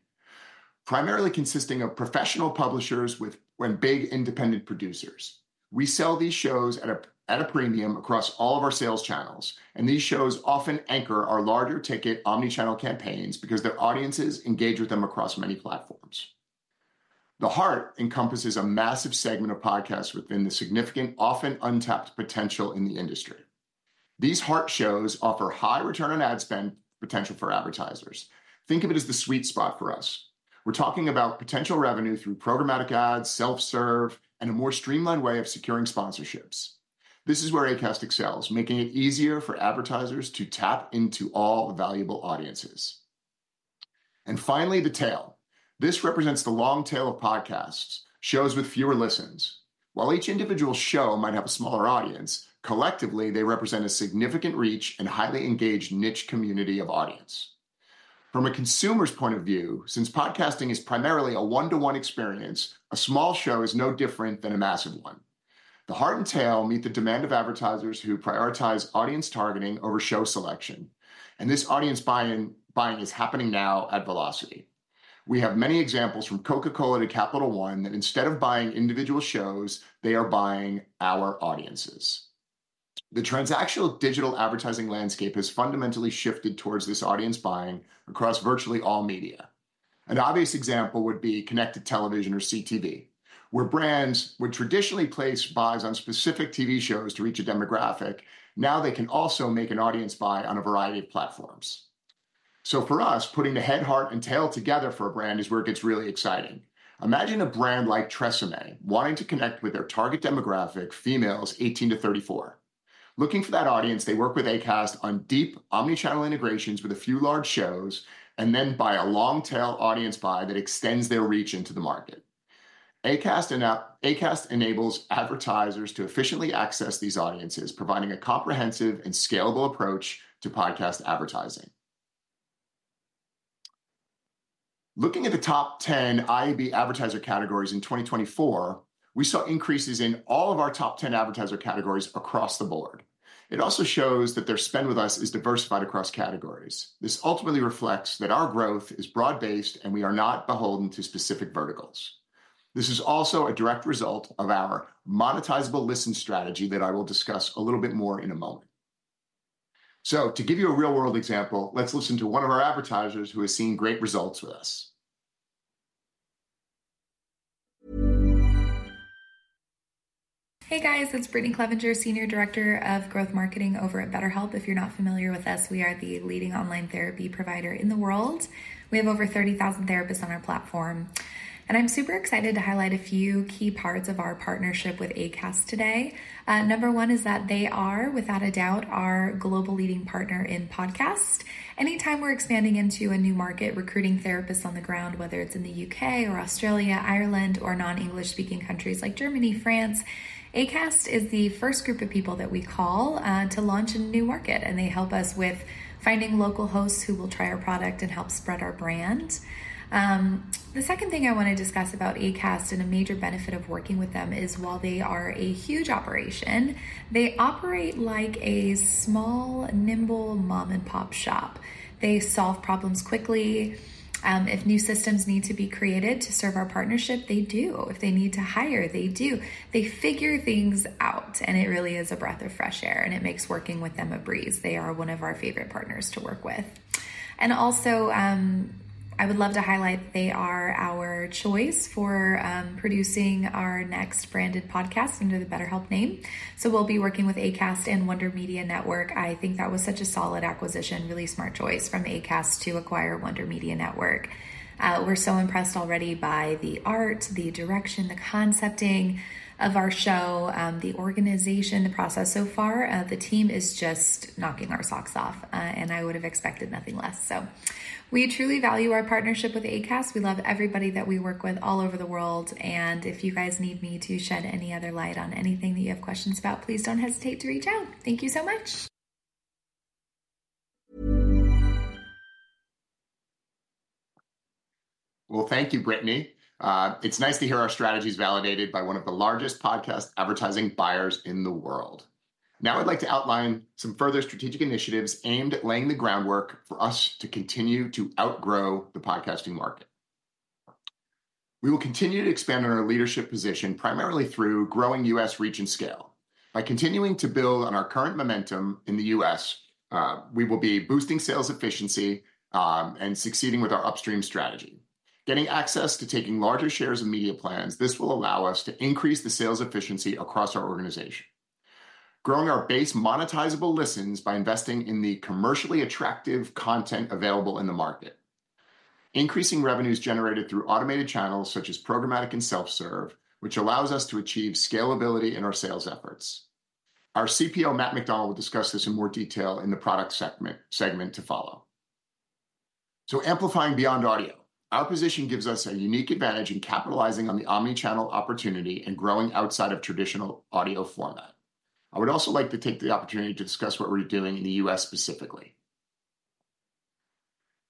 primarily consisting of professional publishers and big independent producers. We sell these shows at a premium across all of our sales channels, and these shows often anchor our larger ticket omnichannel campaigns because their audiences engage with them across many platforms. The heart encompasses a massive segment of podcasts with significant, often untapped potential in the industry. These heart shows offer high return on ad spend potential for advertisers. Think of it as the sweet spot for us. We're talking about potential revenue through programmatic ads, self-serve, and a more streamlined way of securing sponsorships. This is where Acast excels, making it easier for advertisers to tap into all valuable audiences. Finally, the tail. This represents the long tail of podcasts, shows with fewer listens. While each individual show might have a smaller audience, collectively, they represent a significant reach and highly engaged niche community of audience. From a consumer's point of view, since podcasting is primarily a one-to-one experience, a small show is no different than a massive one. The heart and tail meet the demand of advertisers who prioritize audience targeting over show selection. This audience buying is happening now at velocity. We have many examples from Coca-Cola to Capital One that instead of buying individual shows, they are buying our audiences. The transactional digital advertising landscape has fundamentally shifted towards this audience buying across virtually all media. An obvious example would be connected television or CTV, where brands would traditionally place buys on specific TV shows to reach a demographic. Now they can also make an audience buy on a variety of platforms. For us, putting the head, heart, and tail together for a brand is where it gets really exciting. Imagine a brand like TRESemmé wanting to connect with their target demographic, females 18-34. Looking for that audience, they work with Acast on deep omnichannel integrations with a few large shows and then buy a long-tail audience buy that extends their reach into the market. Acast enables advertisers to efficiently access these audiences, providing a comprehensive and scalable approach to podcast advertising. Looking at the top 10 IAB advertiser categories in 2024, we saw increases in all of our top 10 advertiser categories across the board. It also shows that their spend with us is diversified across categories. This ultimately reflects that our growth is broad-based and we are not beholden to specific verticals. This is also a direct result of our monetizable listen strategy that I will discuss a little bit more in a moment. To give you a real-world example, let's listen to one of our advertisers who has seen great results with us. Hey, guys. It's Brittany Clevenger, Senior Director of Growth Marketing over at BetterHelp. If you're not familiar with us, we are the leading online therapy provider in the world. We have over 30,000 therapists on our platform. I'm super excited to highlight a few key parts of our partnership with Acast today. Number one is that they are, without a doubt, our global leading partner in podcasts. Anytime we're expanding into a new market, recruiting therapists on the ground, whether it's in the U.K. or Australia, Ireland, or non-English-speaking countries like Germany, France, Acast is the first group of people that we call to launch a new market, and they help us with finding local hosts who will try our product and help spread our brand. The second thing I want to discuss about Acast and a major benefit of working with them is while they are a huge operation, they operate like a small, nimble mom-and-pop shop. They solve problems quickly. If new systems need to be created to serve our partnership, they do. If they need to hire, they do. They figure things out, and it really is a breath of fresh air, and it makes working with them a breeze. They are one of our favorite partners to work with. I would love to highlight they are our choice for producing our next branded podcast under the BetterHelp name. We will be working with Acast and Wonder Media Network. I think that was such a solid acquisition, really smart choice from Acast to acquire Wonder Media Network. We're so impressed already by the art, the direction, the concepting of our show, the organization, the process so far. The team is just knocking our socks off, and I would have expected nothing less. We truly value our partnership with Acast. We love everybody that we work with all over the world. If you guys need me to shed any other light on anything that you have questions about, please don't hesitate to reach out. Thank you so much. Thank you, Brittany. It's nice to hear our strategy is validated by one of the largest podcast advertising buyers in the world. Now I'd like to outline some further strategic initiatives aimed at laying the groundwork for us to continue to outgrow the podcasting market. We will continue to expand on our leadership position primarily through growing U.S. reach and scale. By continuing to build on our current momentum in the U.S., we will be boosting sales efficiency and succeeding with our upstream strategy. Getting access to taking larger shares of media plans, this will allow us to increase the sales efficiency across our organization. Growing our base monetizable listens by investing in the commercially attractive content available in the market. Increasing revenues generated through automated channels such as programmatic and self-serve, which allows us to achieve scalability in our sales efforts. Our CPO, Matt McDonald, will discuss this in more detail in the product segment to follow. Amplifying beyond audio, our position gives us a unique advantage in capitalizing on the omnichannel opportunity and growing outside of traditional audio format. I would also like to take the opportunity to discuss what we're doing in the U.S. specifically.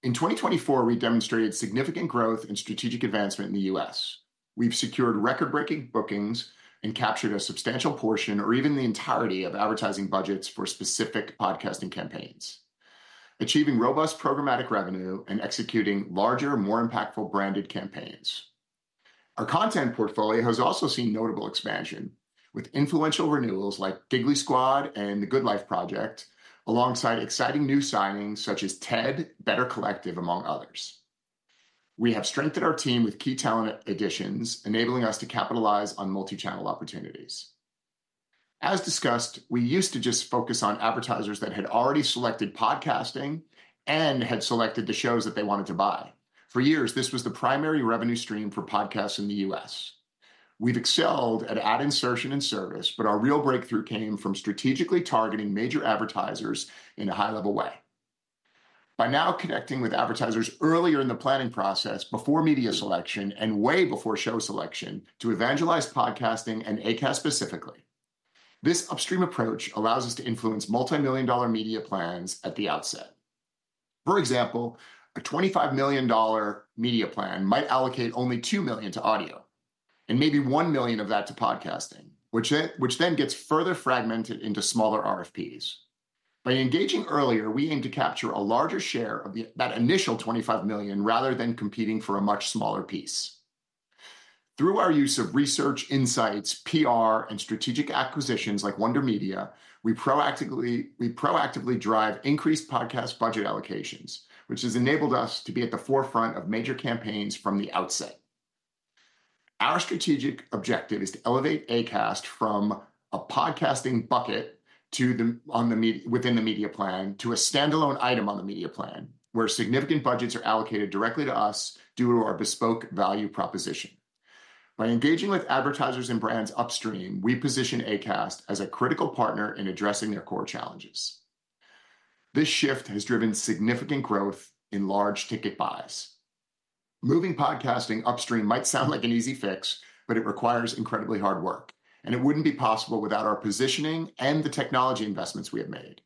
In 2024, we demonstrated significant growth and strategic advancement in the U.S.. We've secured record-breaking bookings and captured a substantial portion or even the entirety of advertising budgets for specific podcasting campaigns, achieving robust programmatic revenue and executing larger, more impactful branded campaigns. Our content portfolio has also seen notable expansion with influential renewals like Giggly Squad and the Good Life Project, alongside exciting new signings such as TED, Better Collective, among others. We have strengthened our team with key talent additions, enabling us to capitalize on multi-channel opportunities. As discussed, we used to just focus on advertisers that had already selected podcasting and had selected the shows that they wanted to buy. For years, this was the primary revenue stream for podcasts in the U.S.. We've excelled at ad insertion and service, but our real breakthrough came from strategically targeting major advertisers in a high-level way. By now connecting with advertisers earlier in the planning process, before media selection and way before show selection, to evangelize podcasting and Acast specifically, this upstream approach allows us to influence multi-million dollar media plans at the outset. For example, a $25 million media plan might allocate only $2 million to audio and maybe $1 million of that to podcasting, which then gets further fragmented into smaller RFPs. By engaging earlier, we aim to capture a larger share of that initial $25 million rather than competing for a much smaller piece. Through our use of research, insights, PR, and strategic acquisitions like Wonder Media Network, we proactively drive increased podcast budget allocations, which has enabled us to be at the forefront of major campaigns from the outset. Our strategic objective is to elevate Acast from a podcasting bucket within the media plan to a standalone item on the media plan where significant budgets are allocated directly to us due to our bespoke value proposition. By engaging with advertisers and brands upstream, we position Acast as a critical partner in addressing their core challenges. This shift has driven significant growth in large ticket buys. Moving podcasting upstream might sound like an easy fix, but it requires incredibly hard work, and it would not be possible without our positioning and the technology investments we have made.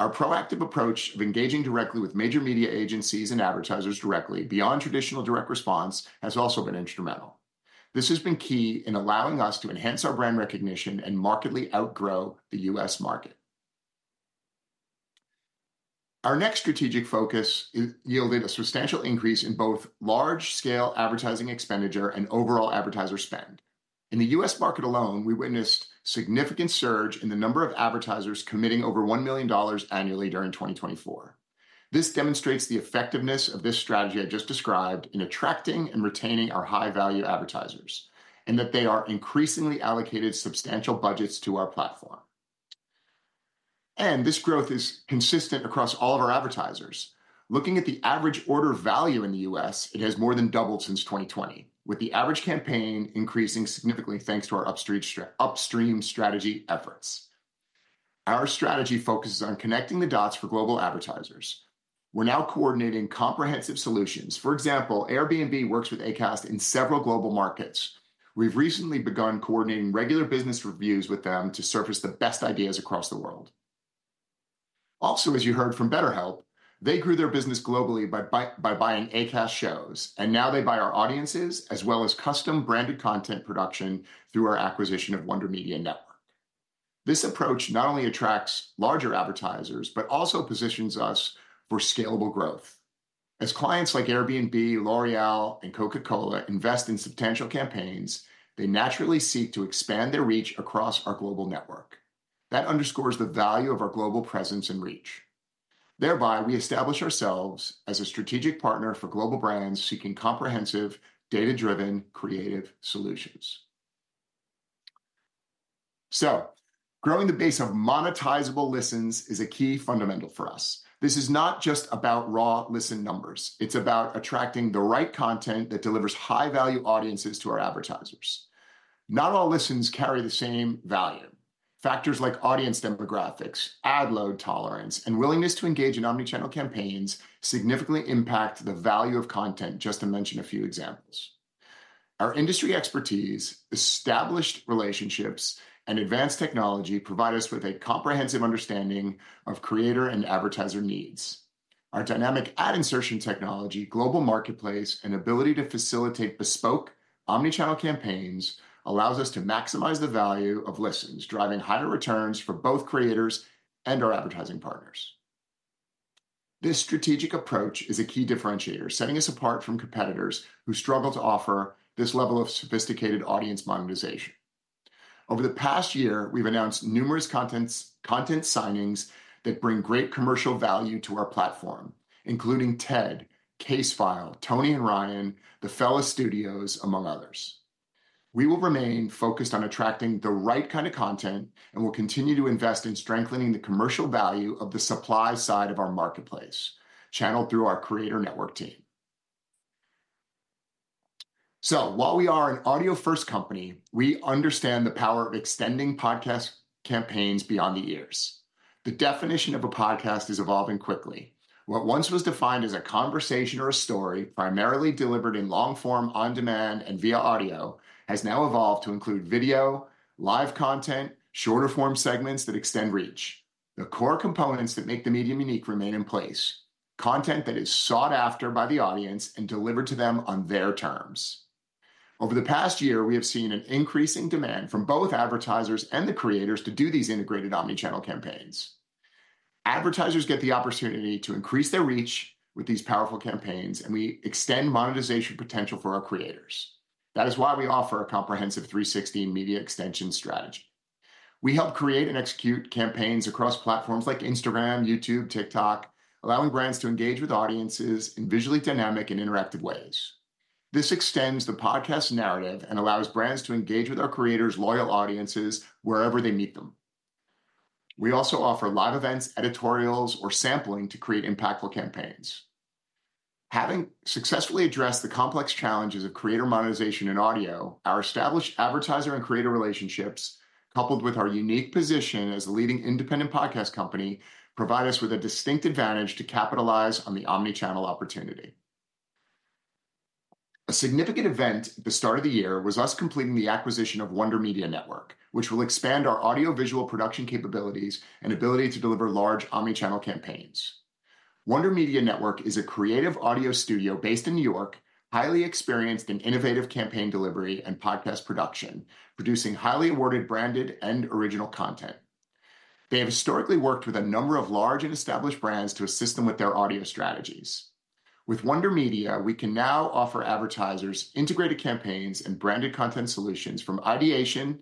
Our proactive approach of engaging directly with major media agencies and advertisers directly beyond traditional direct response has also been instrumental. This has been key in allowing us to enhance our brand recognition and markedly outgrow the U.S. market. Our next strategic focus yielded a substantial increase in both large-scale advertising expenditure and overall advertiser spend. In the U.S. market alone, we witnessed a significant surge in the number of advertisers committing over $1 million annually during 2024. This demonstrates the effectiveness of this strategy I just described in attracting and retaining our high-value advertisers and that they are increasingly allocating substantial budgets to our platform. This growth is consistent across all of our advertisers. Looking at the average order value in the U.S., it has more than doubled since 2020, with the average campaign increasing significantly thanks to our upstream strategy efforts. Our strategy focuses on connecting the dots for global advertisers. We are now coordinating comprehensive solutions. For example, Airbnb works with Acast in several global markets. We have recently begun coordinating regular business reviews with them to surface the best ideas across the world. Also, as you heard from BetterHelp, they grew their business globally by buying Acast shows, and now they buy our audiences as well as custom branded content production through our acquisition of Wonder Media Network. This approach not only attracts larger advertisers, but also positions us for scalable growth. As clients like Airbnb, L'Oréal, and Coca-Cola invest in substantial campaigns, they naturally seek to expand their reach across our global network. That underscores the value of our global presence and reach. Thereby, we establish ourselves as a strategic partner for global brands seeking comprehensive, data-driven, creative solutions. Growing the base of monetizable listens is a key fundamental for us. This is not just about raw listen numbers. It's about attracting the right content that delivers high-value audiences to our advertisers. Not all listens carry the same value. Factors like audience demographics, ad load tolerance, and willingness to engage in omnichannel campaigns significantly impact the value of content, just to mention a few examples. Our industry expertise, established relationships, and advanced technology provide us with a comprehensive understanding of creator and advertiser needs. Our Dynamic Ad Insertion technology, global marketplace, and ability to facilitate bespoke omnichannel campaigns allow us to maximize the value of listens, driving higher returns for both creators and our advertising partners. This strategic approach is a key differentiator, setting us apart from competitors who struggle to offer this level of sophisticated audience monetization. Over the past year, we've announced numerous content signings that bring great commercial value to our platform, including TED Audio Collective, Casefile, Toni and Ryan, The Fellas Studios, among others. We will remain focused on attracting the right kind of content and will continue to invest in strengthening the commercial value of the supply side of our marketplace channeled through our creator network team. While we are an audio-first company, we understand the power of extending podcast campaigns beyond the ears. The definition of a podcast is evolving quickly. What once was defined as a conversation or a story primarily delivered in long form on demand and via audio has now evolved to include video, live content, shorter form segments that extend reach. The core components that make the medium unique remain in place: content that is sought after by the audience and delivered to them on their terms. Over the past year, we have seen an increasing demand from both advertisers and the creators to do these integrated omnichannel campaigns. Advertisers get the opportunity to increase their reach with these powerful campaigns, and we extend monetization potential for our creators. That is why we offer a comprehensive 360 media extension strategy. We help create and execute campaigns across platforms like Instagram, YouTube, TikTok, allowing brands to engage with audiences in visually dynamic and interactive ways. This extends the podcast narrative and allows brands to engage with our creators' loyal audiences wherever they meet them. We also offer live events, editorials, or sampling to create impactful campaigns. Having successfully addressed the complex challenges of creator monetization and audio, our established advertiser and creator relationships, coupled with our unique position as a leading independent podcast company, provide us with a distinct advantage to capitalize on the omnichannel opportunity. A significant event at the start of the year was us completing the acquisition of Wonder Media Network, which will expand our audio-visual production capabilities and ability to deliver large omnichannel campaigns. Wonder Media Network is a creative audio studio based in New York, highly experienced in innovative campaign delivery and podcast production, producing highly awarded branded and original content. They have historically worked with a number of large and established brands to assist them with their audio strategies. With Wonder Media, we can now offer advertisers integrated campaigns and branded content solutions from ideation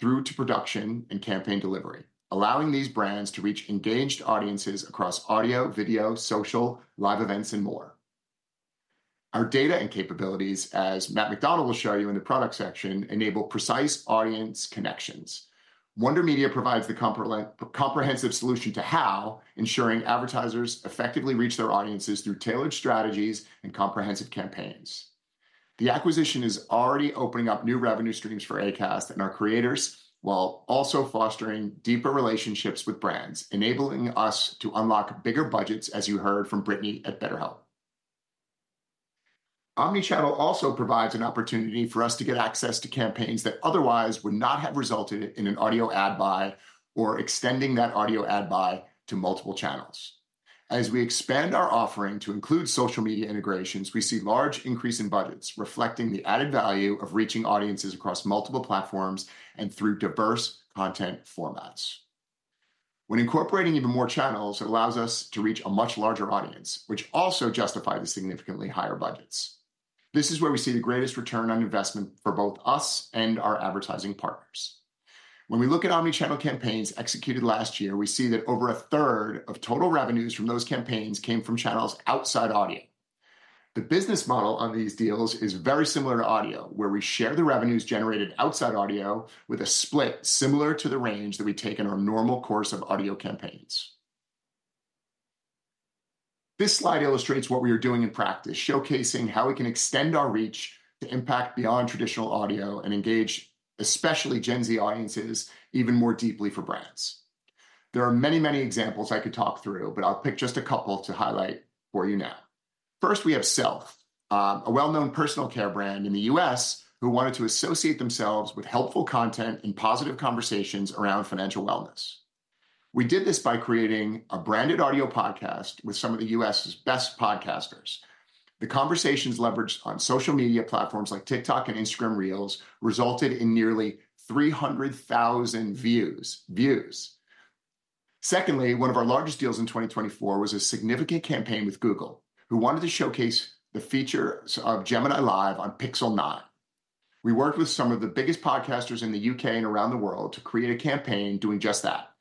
through to production and campaign delivery, allowing these brands to reach engaged audiences across audio, video, social, live events, and more. Our data and capabilities, as Matt McDonald will show you in the product section, enable precise audience connections. Wonder Media provides the comprehensive solution to how, ensuring advertisers effectively reach their audiences through tailored strategies and comprehensive campaigns. The acquisition is already opening up new revenue streams for Acast and our creators while also fostering deeper relationships with brands, enabling us to unlock bigger budgets, as you heard from Brittany at BetterHelp. Omnichannel also provides an opportunity for us to get access to campaigns that otherwise would not have resulted in an audio ad buy or extending that audio ad buy to multiple channels. As we expand our offering to include social media integrations, we see large increases in budgets, reflecting the added value of reaching audiences across multiple platforms and through diverse content formats. When incorporating even more channels, it allows us to reach a much larger audience, which also justifies the significantly higher budgets. This is where we see the greatest return on investment for both us and our advertising partners. When we look at omnichannel campaigns executed last year, we see that over a third of total revenues from those campaigns came from channels outside audio. The business model on these deals is very similar to audio, where we share the revenues generated outside audio with a split similar to the range that we take in our normal course of audio campaigns. This slide illustrates what we are doing in practice, showcasing how we can extend our reach to impact beyond traditional audio and engage especially Gen Z audiences even more deeply for brands. There are many, many examples I could talk through, but I'll pick just a couple to highlight for you now. First, we have Self, a well-known personal care brand in the U.S. who wanted to associate themselves with helpful content and positive conversations around financial wellness. We did this by creating a branded audio podcast with some of the U.S.'s best podcasters. The conversations leveraged on social media platforms like TikTok and Instagram Reels resulted in nearly 300,000 views. Secondly, one of our largest deals in 2024 was a significant campaign with Google, who wanted to showcase the features of Gemini Live on Pixel 9. We worked with some of the biggest podcasters in the U.K. and around the world to create a campaign doing just that,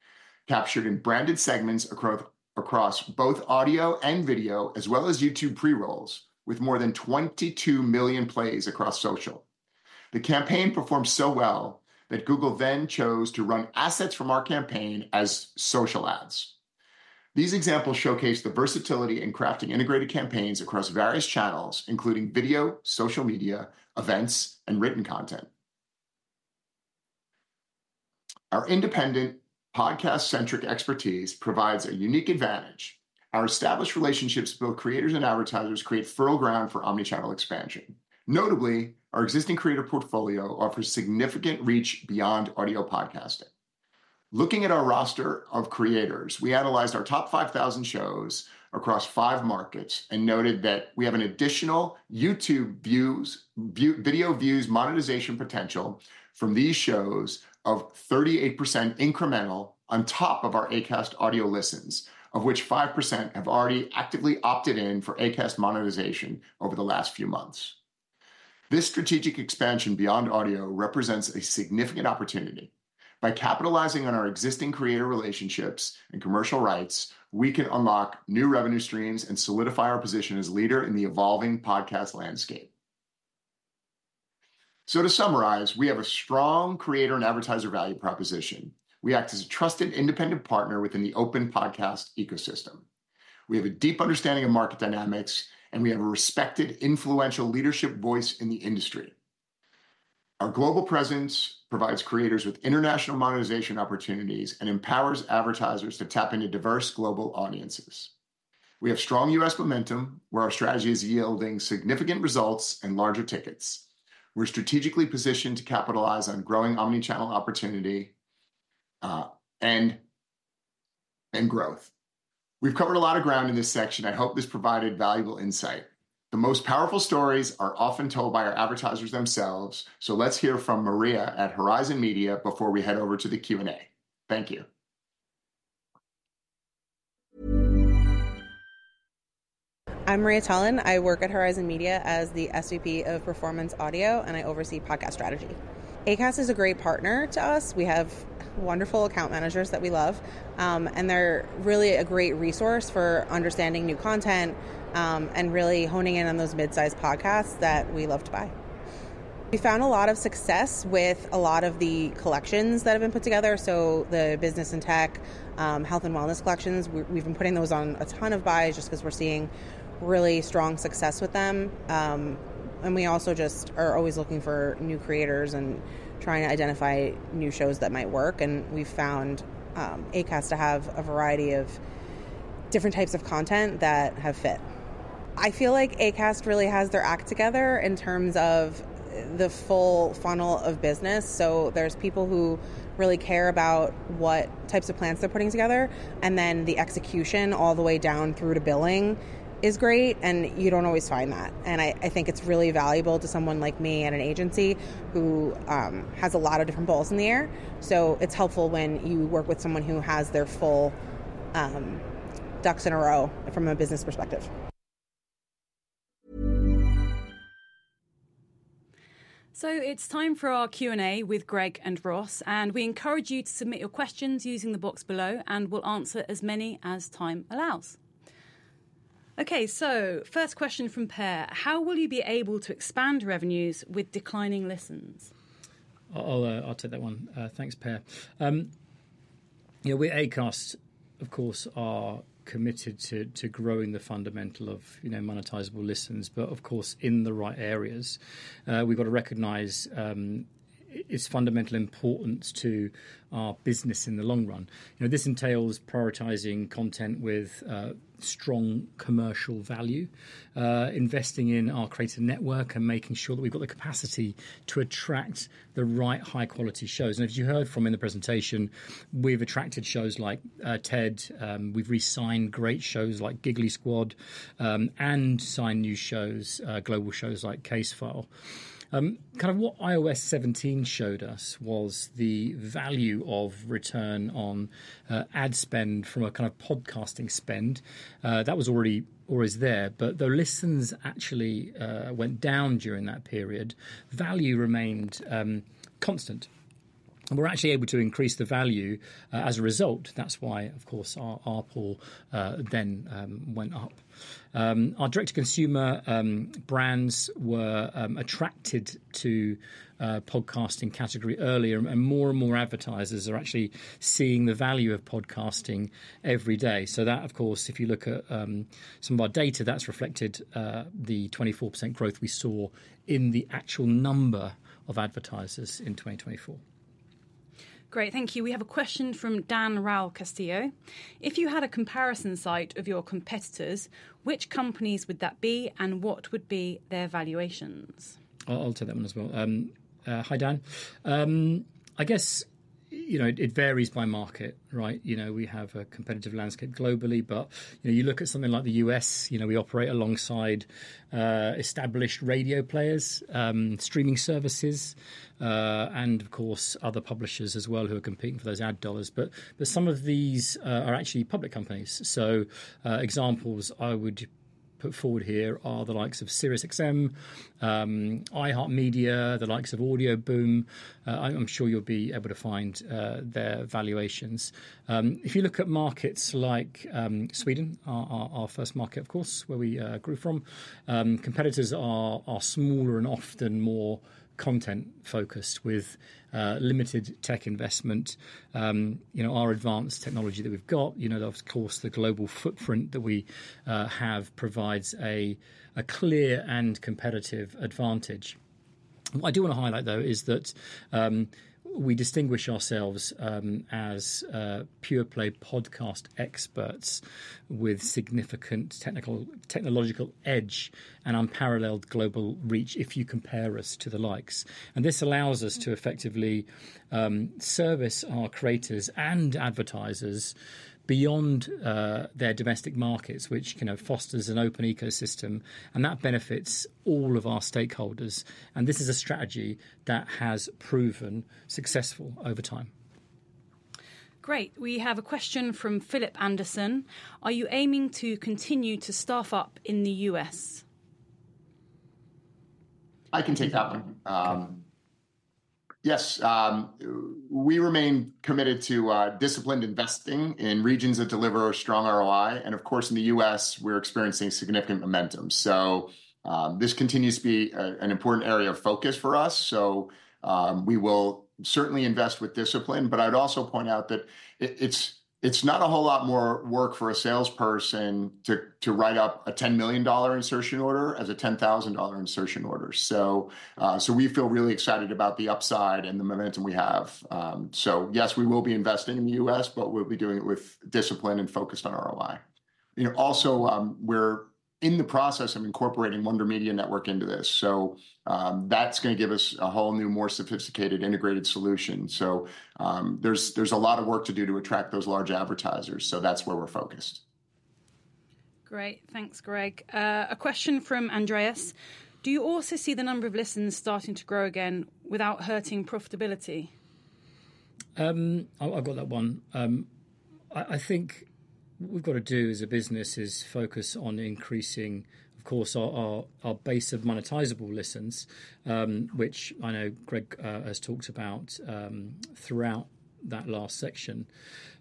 captured in branded segments across both audio and video, as well as YouTube pre-rolls, with more than 22 million plays across social. The campaign performed so well that Google then chose to run assets from our campaign as social ads. These examples showcase the versatility in crafting integrated campaigns across various channels, including video, social media, events, and written content. Our independent podcast-centric expertise provides a unique advantage. Our established relationships with both creators and advertisers create fertile ground for omnichannel expansion. Notably, our existing creator portfolio offers significant reach beyond audio podcasting. Looking at our roster of creators, we analyzed our top 5,000 shows across five markets and noted that we have an additional YouTube video views monetization potential from these shows of 38% incremental on top of our Acast audio listens, of which 5% have already actively opted in for Acast monetization over the last few months. This strategic expansion beyond audio represents a significant opportunity. By capitalizing on our existing creator relationships and commercial rights, we can unlock new revenue streams and solidify our position as a leader in the evolving podcast landscape. To summarize, we have a strong creator and advertiser value proposition. We act as a trusted independent partner within the open podcast ecosystem. We have a deep understanding of market dynamics, and we have a respected, influential leadership voice in the industry. Our global presence provides creators with international monetization opportunities and empowers advertisers to tap into diverse global audiences. We have strong U.S. momentum, where our strategy is yielding significant results and larger tickets. We are strategically positioned to capitalize on growing omnichannel opportunity and growth. We have covered a lot of ground in this section. I hope this provided valuable insight. The most powerful stories are often told by our advertisers themselves, so let's hear from Maria at Horizon Media before we head over to the Q&A. Thank you. I'm Maria Tullin. I work at Horizon Media as the SVP of Performance Audio, and I oversee podcast strategy. Acast is a great partner to us. We have wonderful account managers that we love, and they're really a great resource for understanding new content and really honing in on those mid-sized podcasts that we love to buy. We found a lot of success with a lot of the collections that have been put together. The business and tech, health and wellness collections, we've been putting those on a ton of buys just because we're seeing really strong success with them. We also just are always looking for new creators and trying to identify new shows that might work. We've found Acast to have a variety of different types of content that have fit. I feel like Acast really has their act together in terms of the full funnel of business. There are people who really care about what types of plans they're putting together, and then the execution all the way down through to billing is great, and you don't always find that. I think it's really valuable to someone like me at an agency who has a lot of different balls in the air. It's helpful when you work with someone who has their full ducks in a row from a business perspective. It's time for our Q&A with Greg and Ross, and we encourage you to submit your questions using the box below, and we'll answer as many as time allows. Okay, first question from Pear. How will you be able to expand revenues with declining listens? I'll take that one. Thanks, Pear. You know, we at Acast, of course, are committed to growing the fundamental of monetizable listens, but of course, in the right areas. We've got to recognize its fundamental importance to our business in the long run. You know, this entails prioritizing content with strong commercial value, investing in our creative network, and making sure that we've got the capacity to attract the right high-quality shows. And as you heard from in the presentation, we've attracted shows like TED. We've re-signed great shows like Giggly Squad and signed new global shows like Casefile. Kind of what iOS 17 showed us was the value of return on ad spend from a kind of podcasting spend that was already always there. Though listens actually went down during that period, value remained constant. We're actually able to increase the value as a result. That's why, of course, our pool then went up. Our direct-to-consumer brands were attracted to podcasting category earlier, and more and more advertisers are actually seeing the value of podcasting every day. That, of course, if you look at some of our data, that's reflected the 24% growth we saw in the actual number of advertisers in 2024. Great, thank you. We have a question from Dan Rao Castillo. If you had a comparison site of your competitors, which companies would that be, and what would be their valuations? I'll take that one as well. Hi, Dan. I guess, you know, it varies by market, right? You know, we have a competitive landscape globally, but you know, you look at something like the U.S., you know, we operate alongside established radio players, streaming services, and, of course, other publishers as well who are competing for those ad dollars. Some of these are actually public companies. Examples I would put forward here are the likes of SiriusXM, iHeartMedia, the likes of AudioBoom. I'm sure you'll be able to find their valuations. If you look at markets like Sweden, our first market, of course, where we grew from, competitors are smaller and often more content-focused with limited tech investment. You know, our advanced technology that we've got, you know, of course, the global footprint that we have provides a clear and competitive advantage. What I do want to highlight, though, is that we distinguish ourselves as pure-play podcast experts with significant technological edge and unparalleled global reach if you compare us to the likes. This allows us to effectively service our creators and advertisers beyond their domestic markets, which, you know, fosters an open ecosystem, and that benefits all of our stakeholders. This is a strategy that has proven successful over time. Great. We have a question from Philip Anderson. Are you aiming to continue to staff up in the U.S.? I can take that one. Yes, we remain committed to disciplined investing in regions that deliver a strong ROI. Of course, in the U.S., we're experiencing significant momentum. This continues to be an important area of focus for us. We will certainly invest with discipline. I'd also point out that it's not a whole lot more work for a salesperson to write up a $10 million insertion order as a $10,000 insertion order. We feel really excited about the upside and the momentum we have. Yes, we will be investing in the U.S., but we'll be doing it with discipline and focused on ROI. You know, also, we're in the process of incorporating Wonder Media Network into this. That is going to give us a whole new, more sophisticated integrated solution. There is a lot of work to do to attract those large advertisers. That is where we're focused. Great. Thanks, Greg. A question from Andreas. Do you also see the number of listens starting to grow again without hurting profitability? I've got that one. I think what we've got to do as a business is focus on increasing, of course, our base of monetizable listens, which I know Greg has talked about throughout that last section.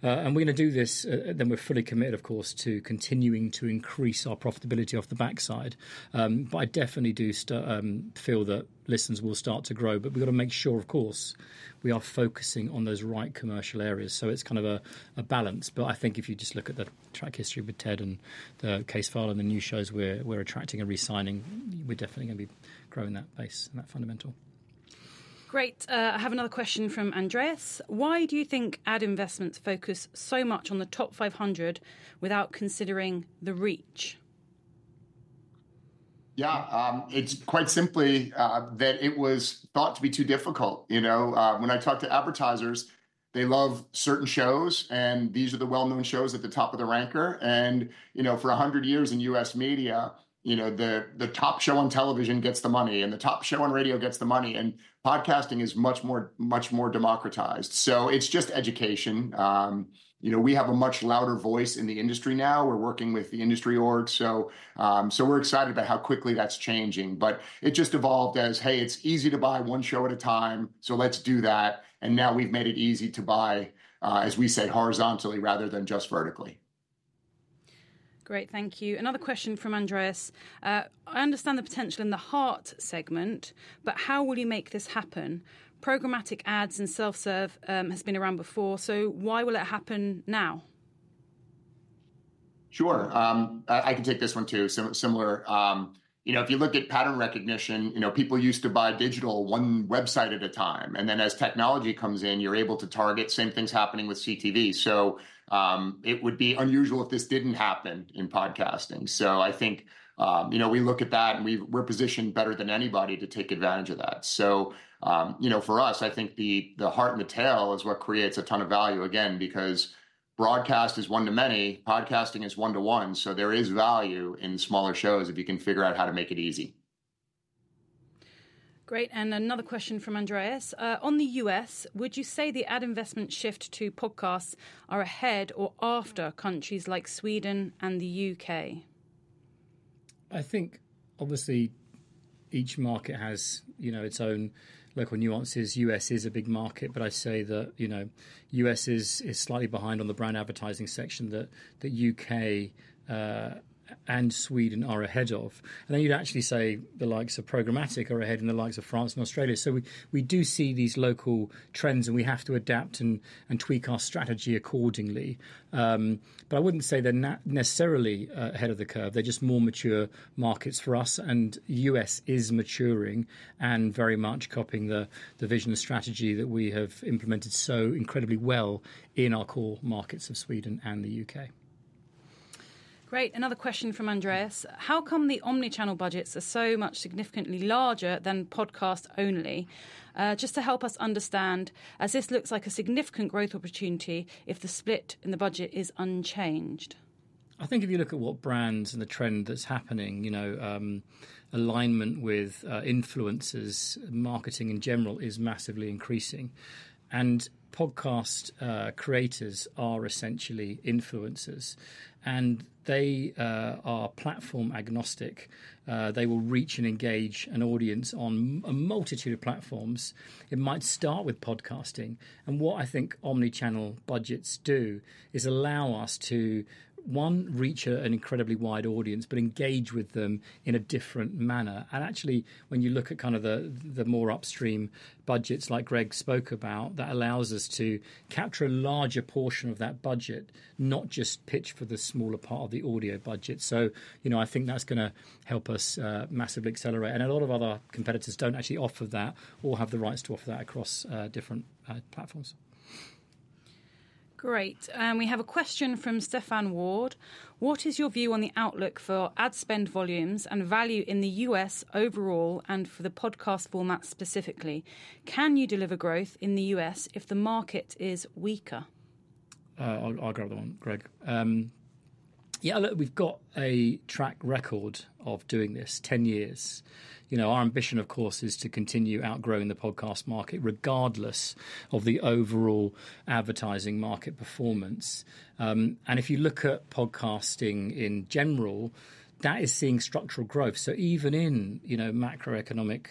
We're going to do this. We're fully committed, of course, to continuing to increase our profitability off the backside. I definitely do feel that listens will start to grow. We have got to make sure, of course, we are focusing on those right commercial areas. It is kind of a balance. I think if you just look at the track history with TED and Casefile and the new shows we are attracting and resigning, we are definitely going to be growing that base and that fundamental. Great. I have another question from Andreas. Why do you think ad investments focus so much on the top 500 without considering the reach? Yeah, it is quite simply that it was thought to be too difficult. You know, when I talk to advertisers, they love certain shows, and these are the well-known shows at the top of the ranker. You know, for 100 years in U.S. media, the top show on television gets the money, and the top show on radio gets the money. Podcasting is much more, much more democratized. It is just education. You know, we have a much louder voice in the industry now. We are working with the industry org. We are excited about how quickly that is changing. It just evolved as, hey, it is easy to buy one show at a time, so let us do that. Now we have made it easy to buy, as we say, horizontally rather than just vertically. Great, thank you. Another question from Andreas. I understand the potential in the heart segment, but how will you make this happen? Programmatic ads and self-serve have been around before. Why will it happen now? Sure, I can take this one too. Similar, you know, if you look at pattern recognition, you know, people used to buy digital one website at a time. Then as technology comes in, you're able to target. Same thing is happening with CTV. It would be unusual if this did not happen in podcasting. I think, you know, we look at that, and we're positioned better than anybody to take advantage of that. You know, for us, I think the heart and the tail is what creates a ton of value, again, because broadcast is one to many. Podcasting is one to one. There is value in smaller shows if you can figure out how to make it easy. Great. Another question from Andreas. On the U.S., would you say the ad investment shift to podcasts is ahead or after countries like Sweden and the U.K.? I think, obviously, each market has, you know, its own local nuances. US is a big market, but I say that, you know, U.S. is slightly behind on the brand advertising section that the U.K. and Sweden are ahead of. You'd actually say the likes of Programmatic are ahead in the likes of France and Australia. We do see these local trends, and we have to adapt and tweak our strategy accordingly. I wouldn't say they're necessarily ahead of the curve. They're just more mature markets for us. U.S. is maturing and very much copying the vision and strategy that we have implemented so incredibly well in our core markets of Sweden and the U.K. Great. Another question from Andreas. How come the omnichannel budgets are so much significantly larger than podcast only? Just to help us understand, as this looks like a significant growth opportunity if the split in the budget is unchanged? I think if you look at what brands and the trend that's happening, you know, alignment with influencers, marketing in general is massively increasing. And podcast creators are essentially influencers, and they are platform agnostic. They will reach and engage an audience on a multitude of platforms. It might start with podcasting. What I think omnichannel budgets do is allow us to, one, reach an incredibly wide audience, but engage with them in a different manner. Actually, when you look at kind of the more upstream budgets like Greg spoke about, that allows us to capture a larger portion of that budget, not just pitch for the smaller part of the audio budget. You know, I think that's going to help us massively accelerate. A lot of other competitors don't actually offer that or have the rights to offer that across different platforms. Great. We have a question from Stefan Ward. What is your view on the outlook for ad spend volumes and value in the U.S. overall and for the podcast format specifically? Can you deliver growth in the U.S. if the market is weaker? I'll grab that one, Greg. Yeah, look, we've got a track record of doing this 10 years. You know, our ambition, of course, is to continue outgrowing the podcast market regardless of the overall advertising market performance. If you look at podcasting in general, that is seeing structural growth. Even in, you know, macroeconomic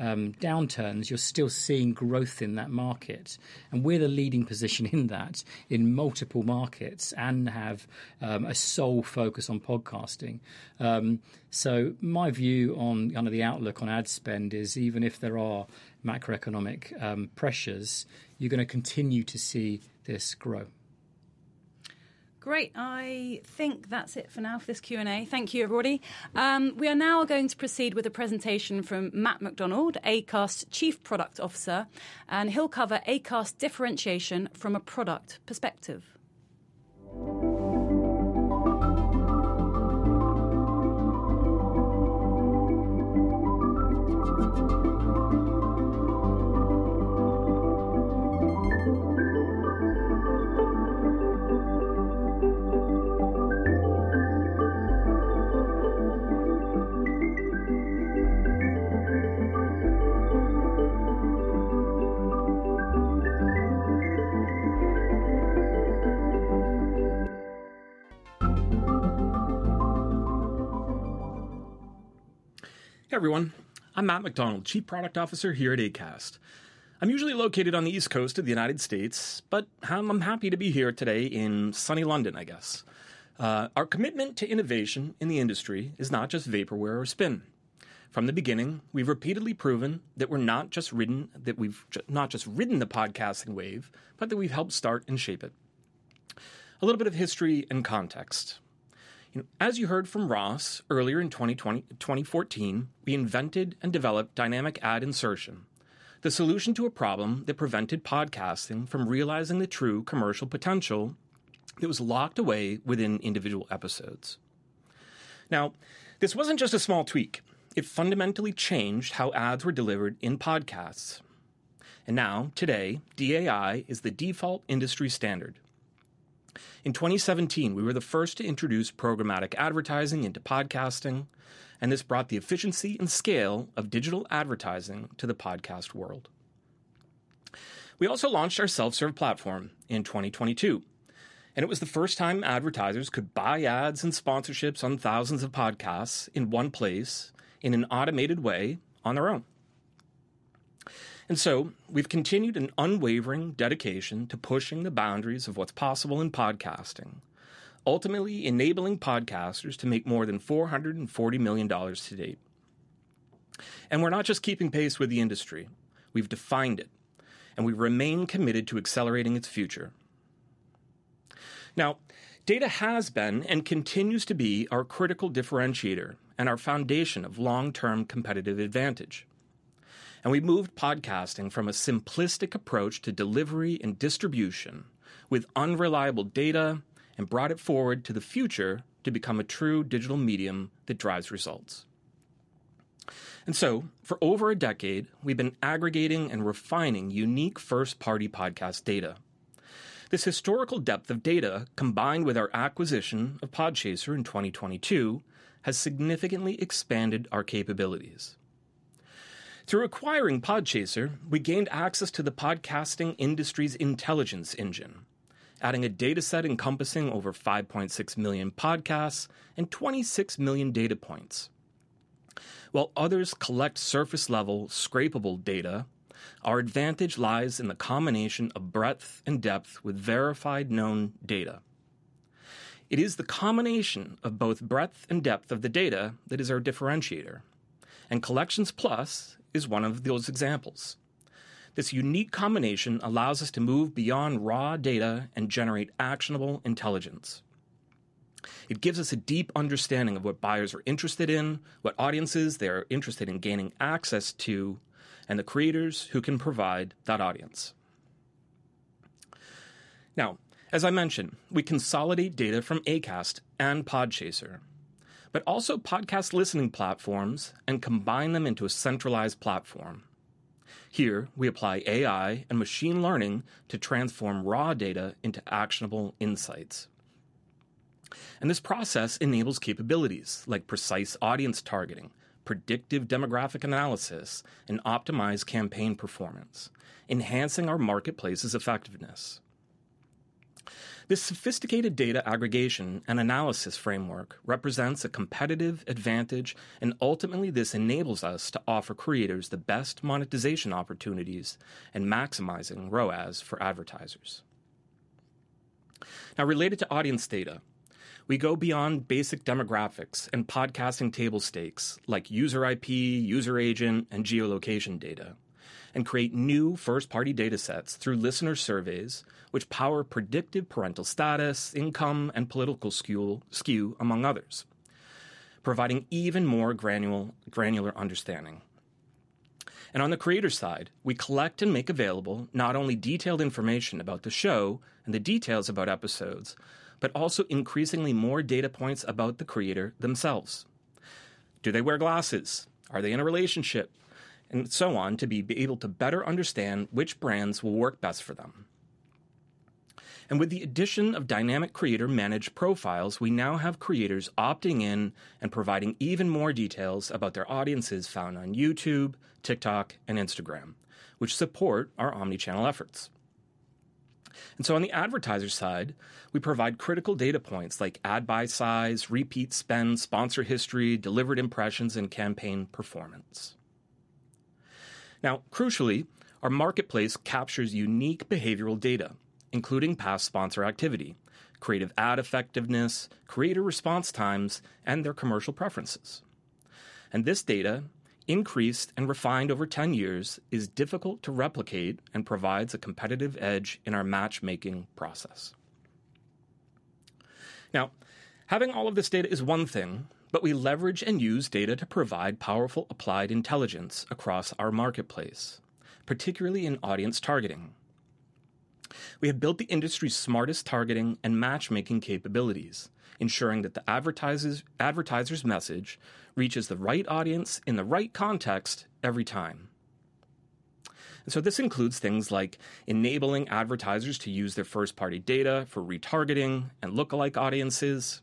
downturns, you're still seeing growth in that market. We're the leading position in that in multiple markets and have a sole focus on podcasting. My view on the outlook on ad spend is even if there are macroeconomic pressures, you're going to continue to see this grow. Great. I think that's it for now for this Q&A. Thank you, everybody. We are now going to proceed with a presentation from Matt McDonald, Acast's Chief Product Officer, and he'll cover Acast's differentiation from a product perspective. Hey, everyone. I'm Matt McDonald, Chief Product Officer here at Acast. I'm usually located on the East Coast of the United States, but I'm happy to be here today in sunny London, I guess. Our commitment to innovation in the industry is not just vaporware or spin. From the beginning, we've repeatedly proven that we're not just ridden, that we've not just ridden the podcasting wave, but that we've helped start and shape it. A little bit of history and context. As you heard from Ross earlier in 2014, we invented and developed dynamic ad insertion, the solution to a problem that prevented podcasting from realizing the true commercial potential that was locked away within individual episodes. This was not just a small tweak. It fundamentally changed how ads were delivered in podcasts. Now, today, DAI is the default industry standard. In 2017, we were the first to introduce programmatic advertising into podcasting, and this brought the efficiency and scale of digital advertising to the podcast world. We also launched our self-serve platform in 2022, and it was the first time advertisers could buy ads and sponsorships on thousands of podcasts in one place in an automated way on their own. We have continued an unwavering dedication to pushing the boundaries of what is possible in podcasting, ultimately enabling podcasters to make more than $440 million to date. We are not just keeping pace with the industry. We have defined it, and we remain committed to accelerating its future. Data has been and continues to be our critical differentiator and our foundation of long-term competitive advantage. We moved podcasting from a simplistic approach to delivery and distribution with unreliable data and brought it forward to the future to become a true digital medium that drives results. For over a decade, we have been aggregating and refining unique first-party podcast data. This historical depth of data, combined with our acquisition of Podchaser in 2022, has significantly expanded our capabilities. Through acquiring Podchaser, we gained access to the podcasting industry's intelligence engine, adding a dataset encompassing over 5.6 million podcasts and 26 million data points. While others collect surface-level scrapable data, our advantage lies in the combination of breadth and depth with verified known data. It is the combination of both breadth and depth of the data that is our differentiator. Collections Plus is one of those examples. This unique combination allows us to move beyond raw data and generate actionable intelligence. It gives us a deep understanding of what buyers are interested in, what audiences they are interested in gaining access to, and the creators who can provide that audience. Now, as I mentioned, we consolidate data from Acast and Podchaser, but also podcast listening platforms and combine them into a centralized platform. Here, we apply AI and machine learning to transform raw data into actionable insights. This process enables capabilities like precise audience targeting, predictive demographic analysis, and optimized campaign performance, enhancing our marketplace's effectiveness. This sophisticated data aggregation and analysis framework represents a competitive advantage, and ultimately, this enables us to offer creators the best monetization opportunities and maximizing ROAS for advertisers. Now, related to audience data, we go beyond basic demographics and podcasting table stakes like user IP, user agent, and geolocation data and create new first-party datasets through listener surveys, which power predictive parental status, income, and political skew, among others, providing even more granular understanding. On the creator side, we collect and make available not only detailed information about the show and the details about episodes, but also increasingly more data points about the creator themselves. Do they wear glasses? Are they in a relationship? And so on to be able to better understand which brands will work best for them. With the addition of dynamic creator-managed profiles, we now have creators opting in and providing even more details about their audiences found on YouTube, TikTok, and Instagram, which support our omnichannel efforts. On the advertiser side, we provide critical data points like ad buy size, repeat spend, sponsor history, delivered impressions, and campaign performance. Crucially, our marketplace captures unique behavioral data, including past sponsor activity, creative ad effectiveness, creator response times, and their commercial preferences. This data, increased and refined over 10 years, is difficult to replicate and provides a competitive edge in our matchmaking process. Having all of this data is one thing, but we leverage and use data to provide powerful applied intelligence across our marketplace, particularly in audience targeting. We have built the industry's smartest targeting and matchmaking capabilities, ensuring that the advertiser's message reaches the right audience in the right context every time. This includes things like enabling advertisers to use their first-party data for retargeting and lookalike audiences,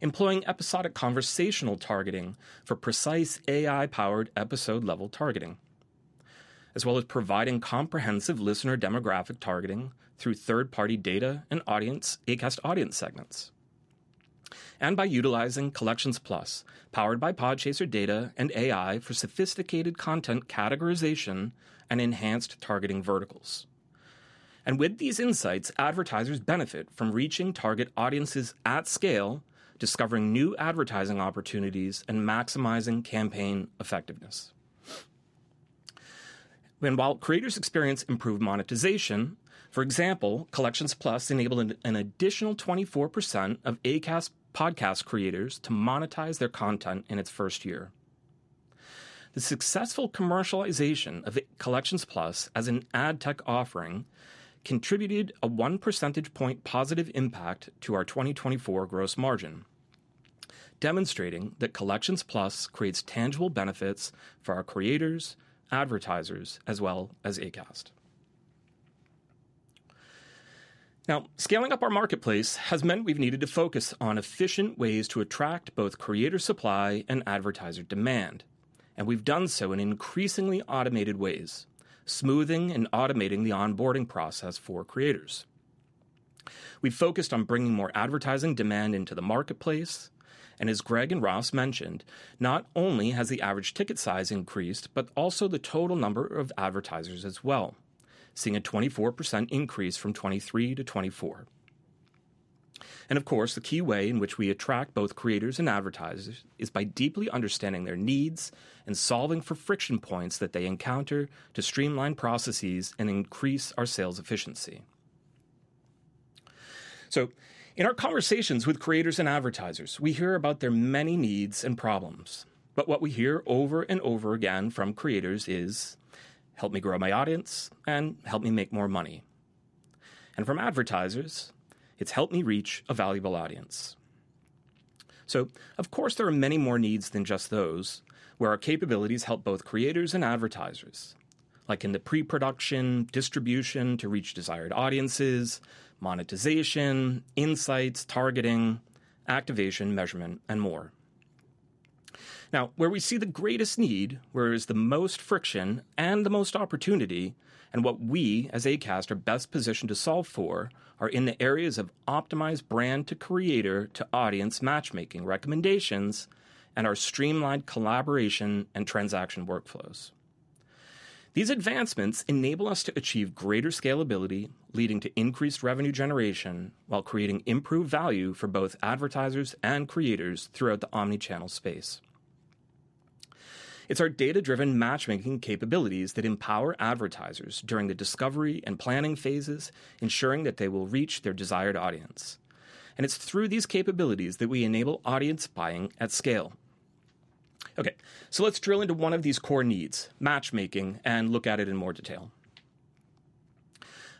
employing episodic conversational targeting for precise AI-powered episode-level targeting, as well as providing comprehensive listener demographic targeting through third-party data and Acast audience segments, and by utilizing Collections Plus, powered by Podchaser data and AI for sophisticated content categorization and enhanced targeting verticals. With these insights, advertisers benefit from reaching target audiences at scale, discovering new advertising opportunities, and maximizing campaign effectiveness. While creators experience improved monetization, for example, Collections Plus enabled an additional 24% of Acast podcast creators to monetize their content in its first year. The successful commercialization of Collections Plus as an ad tech offering contributed a 1 percentage point positive impact to our 2024 gross margin, demonstrating that Collections Plus creates tangible benefits for our creators, advertisers, as well as Acast. Now, scaling up our marketplace has meant we've needed to focus on efficient ways to attract both creator supply and advertiser demand. We've done so in increasingly automated ways, smoothing and automating the onboarding process for creators. We've focused on bringing more advertising demand into the marketplace. As Greg and Ross mentioned, not only has the average ticket size increased, but also the total number of advertisers as well, seeing a 24% increase from 2023-2024. Of course, the key way in which we attract both creators and advertisers is by deeply understanding their needs and solving for friction points that they encounter to streamline processes and increase our sales efficiency. In our conversations with creators and advertisers, we hear about their many needs and problems. What we hear over and over again from creators is, "Help me grow my audience and help me make more money." From advertisers, it's, "Help me reach a valuable audience." There are many more needs than just those where our capabilities help both creators and advertisers, like in the pre-production, distribution to reach desired audiences, monetization, insights, targeting, activation, measurement, and more. Now, where we see the greatest need, where there is the most friction and the most opportunity, and what we as Acast are best positioned to solve for are in the areas of optimized brand-to-creator-to-audience matchmaking recommendations and our streamlined collaboration and transaction workflows. These advancements enable us to achieve greater scalability, leading to increased revenue generation while creating improved value for both advertisers and creators throughout the omnichannel space. It's our data-driven matchmaking capabilities that empower advertisers during the discovery and planning phases, ensuring that they will reach their desired audience. It's through these capabilities that we enable audience buying at scale. Okay, let's drill into one of these core needs, matchmaking, and look at it in more detail.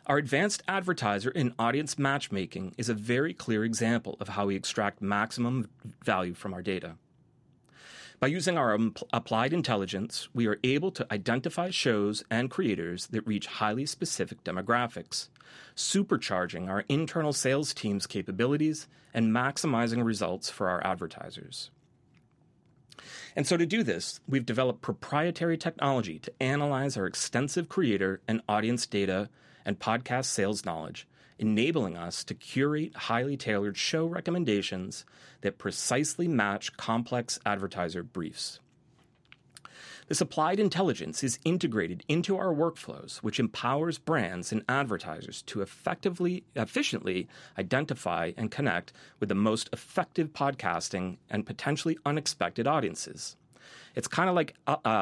Our advanced advertiser and audience matchmaking is a very clear example of how we extract maximum value from our data. By using our applied intelligence, we are able to identify shows and creators that reach highly specific demographics, supercharging our internal sales team's capabilities and maximizing results for our advertisers. To do this, we have developed proprietary technology to analyze our extensive creator and audience data and podcast sales knowledge, enabling us to curate highly tailored show recommendations that precisely match complex advertiser briefs. This applied intelligence is integrated into our workflows, which empowers brands and advertisers to effectively, efficiently identify and connect with the most effective podcasting and potentially unexpected audiences. It's kind of like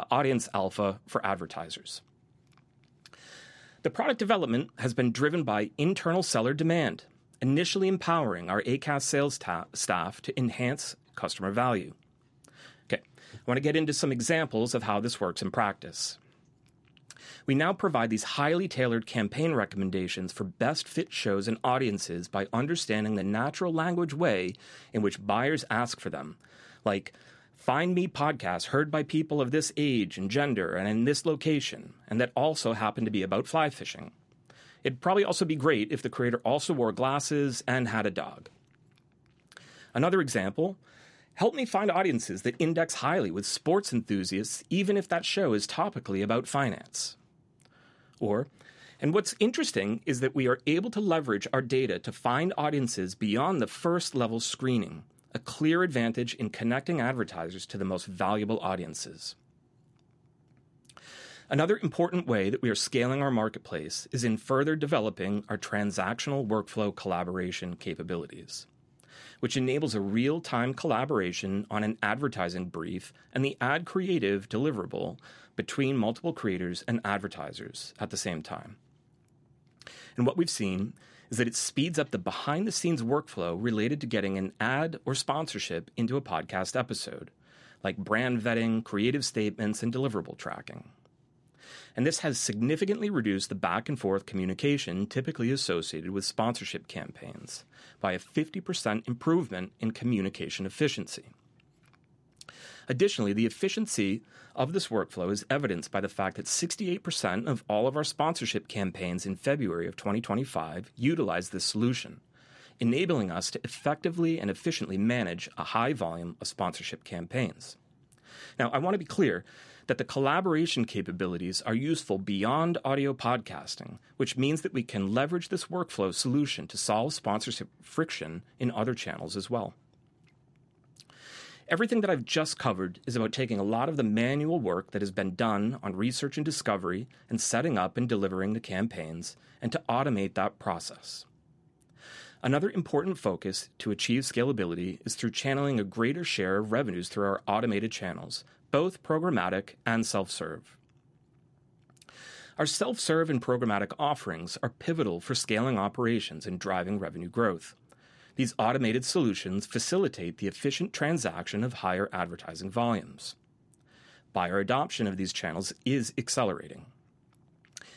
audience alpha for advertisers. The product development has been driven by internal seller demand, initially empowering our Acast sales staff to enhance customer value. Okay, I want to get into some examples of how this works in practice. We now provide these highly tailored campaign recommendations for best-fit shows and audiences by understanding the natural language way in which buyers ask for them, like "Find me podcast heard by people of this age and gender and in this location," and that also happened to be about fly fishing. It'd probably also be great if the creator also wore glasses and had a dog. Another example, "Help me find audiences that index highly with sports enthusiasts, even if that show is topically about finance." What is interesting is that we are able to leverage our data to find audiences beyond the first-level screening, a clear advantage in connecting advertisers to the most valuable audiences. Another important way that we are scaling our marketplace is in further developing our transactional workflow collaboration capabilities, which enables a real-time collaboration on an advertising brief and the ad creative deliverable between multiple creators and advertisers at the same time. What we've seen is that it speeds up the behind-the-scenes workflow related to getting an ad or sponsorship into a podcast episode, like brand vetting, creative statements, and deliverable tracking. This has significantly reduced the back-and-forth communication typically associated with sponsorship campaigns by a 50% improvement in communication efficiency. Additionally, the efficiency of this workflow is evidenced by the fact that 68% of all of our sponsorship campaigns in February of 2025 utilize this solution, enabling us to effectively and efficiently manage a high volume of sponsorship campaigns. Now, I want to be clear that the collaboration capabilities are useful beyond audio podcasting, which means that we can leverage this workflow solution to solve sponsorship friction in other channels as well. Everything that I've just covered is about taking a lot of the manual work that has been done on research and discovery and setting up and delivering the campaigns and to automate that process. Another important focus to achieve scalability is through channeling a greater share of revenues through our automated channels, both programmatic and self-serve. Our self-serve and programmatic offerings are pivotal for scaling operations and driving revenue growth. These automated solutions facilitate the efficient transaction of higher advertising volumes. Buyer adoption of these channels is accelerating.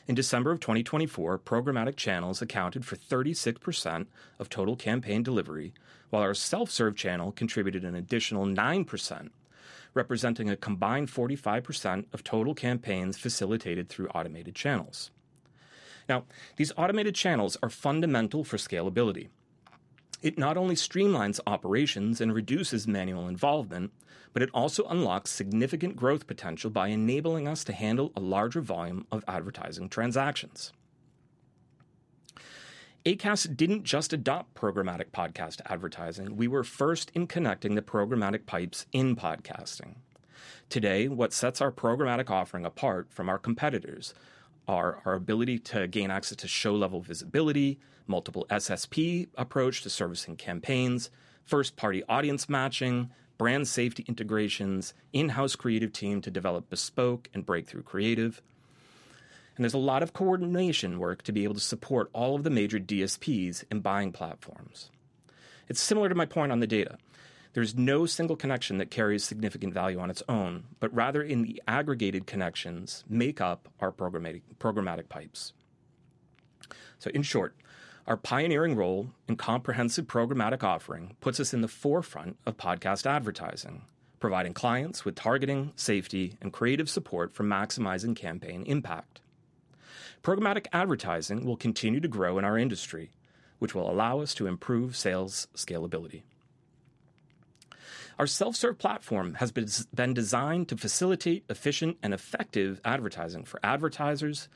In December of 2024, programmatic channels accounted for 36% of total campaign delivery, while our self-serve channel contributed an additional 9%, representing a combined 45% of total campaigns facilitated through automated channels. Now, these automated channels are fundamental for scalability. It not only streamlines operations and reduces manual involvement, but it also unlocks significant growth potential by enabling us to handle a larger volume of advertising transactions. Acast did not just adopt programmatic podcast advertising. We were first in connecting the programmatic pipes in podcasting. Today, what sets our programmatic offering apart from our competitors are our ability to gain access to show-level visibility, multiple SSP approach to servicing campaigns, first-party audience matching, brand safety integrations, in-house creative team to develop bespoke and breakthrough creative. There is a lot of coordination work to be able to support all of the major DSPs and buying platforms. It's similar to my point on the data. There's no single connection that carries significant value on its own, but rather in the aggregated connections make up our programmatic pipes. In short, our pioneering role in comprehensive programmatic offering puts us in the forefront of podcast advertising, providing clients with targeting, safety, and creative support for maximizing campaign impact. Programmatic advertising will continue to grow in our industry, which will allow us to improve sales scalability. Our self-serve platform has been designed to facilitate efficient and effective advertising for advertisers,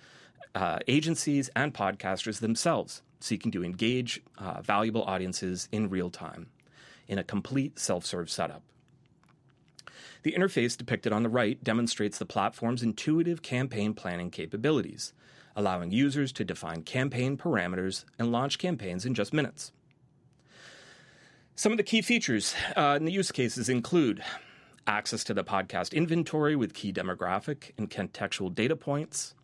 agencies, and podcasters themselves seeking to engage valuable audiences in real time in a complete self-serve setup. The interface depicted on the right demonstrates the platform's intuitive campaign planning capabilities, allowing users to define campaign parameters and launch campaigns in just minutes. Some of the key features in the use cases include access to the podcast inventory with key demographic and contextual data points,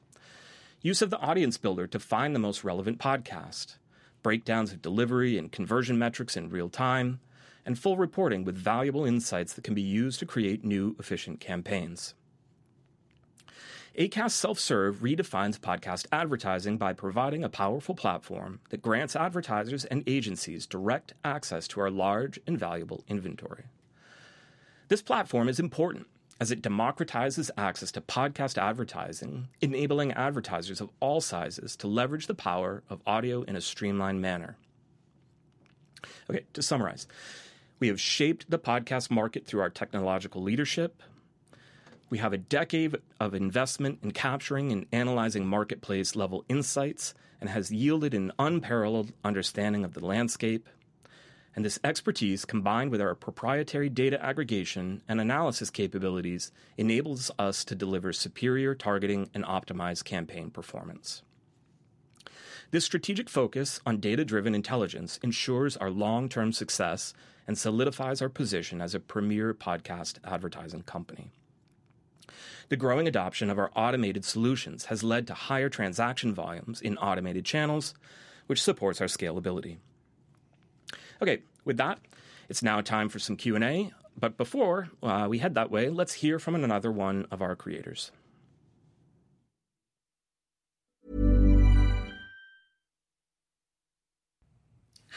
use of the audience builder to find the most relevant podcast, breakdowns of delivery and conversion metrics in real time, and full reporting with valuable insights that can be used to create new efficient campaigns. Acast self-serve redefines podcast advertising by providing a powerful platform that grants advertisers and agencies direct access to our large and valuable inventory. This platform is important as it democratizes access to podcast advertising, enabling advertisers of all sizes to leverage the power of audio in a streamlined manner. Okay, to summarize, we have shaped the podcast market through our technological leadership. We have a decade of investment in capturing and analyzing marketplace-level insights and has yielded an unparalleled understanding of the landscape. This expertise, combined with our proprietary data aggregation and analysis capabilities, enables us to deliver superior targeting and optimized campaign performance. This strategic focus on data-driven intelligence ensures our long-term success and solidifies our position as a premier podcast advertising company. The growing adoption of our automated solutions has led to higher transaction volumes in automated channels, which supports our scalability. Okay, with that, it is now time for some Q&A. Before we head that way, let's hear from another one of our creators.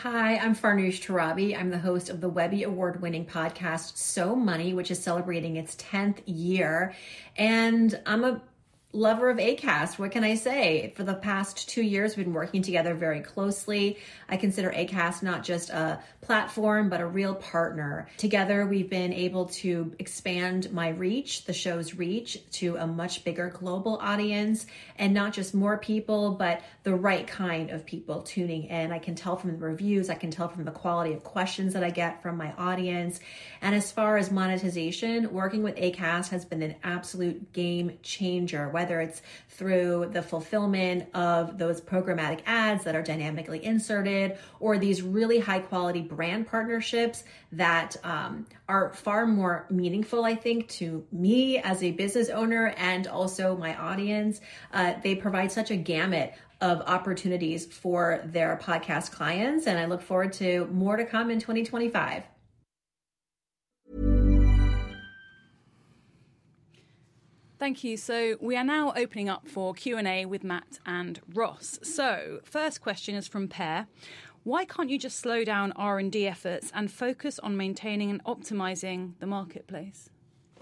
Hi, I'm Farnoosh Torabi. I'm the host of the Webby Award-winning podcast, So Money, which is celebrating its 10th year. I'm a lover of Acast. What can I say? For the past two years, we've been working together very closely. I consider Acast not just a platform, but a real partner. Together, we've been able to expand my reach, the show's reach, to a much bigger global audience, and not just more people, but the right kind of people tuning in. I can tell from the reviews. I can tell from the quality of questions that I get from my audience. As far as monetization, working with Acast has been an absolute game changer, whether it's through the fulfillment of those programmatic ads that are dynamically inserted or these really high-quality brand partnerships that are far more meaningful, I think, to me as a business owner and also my audience. They provide such a gamut of opportunities for their podcast clients, and I look forward to more to come in 2025. Thank you. We are now opening up for Q&A with Matt and Ross. First question is from Pear. Why can't you just slow down R&D efforts and focus on maintaining and optimizing the marketplace?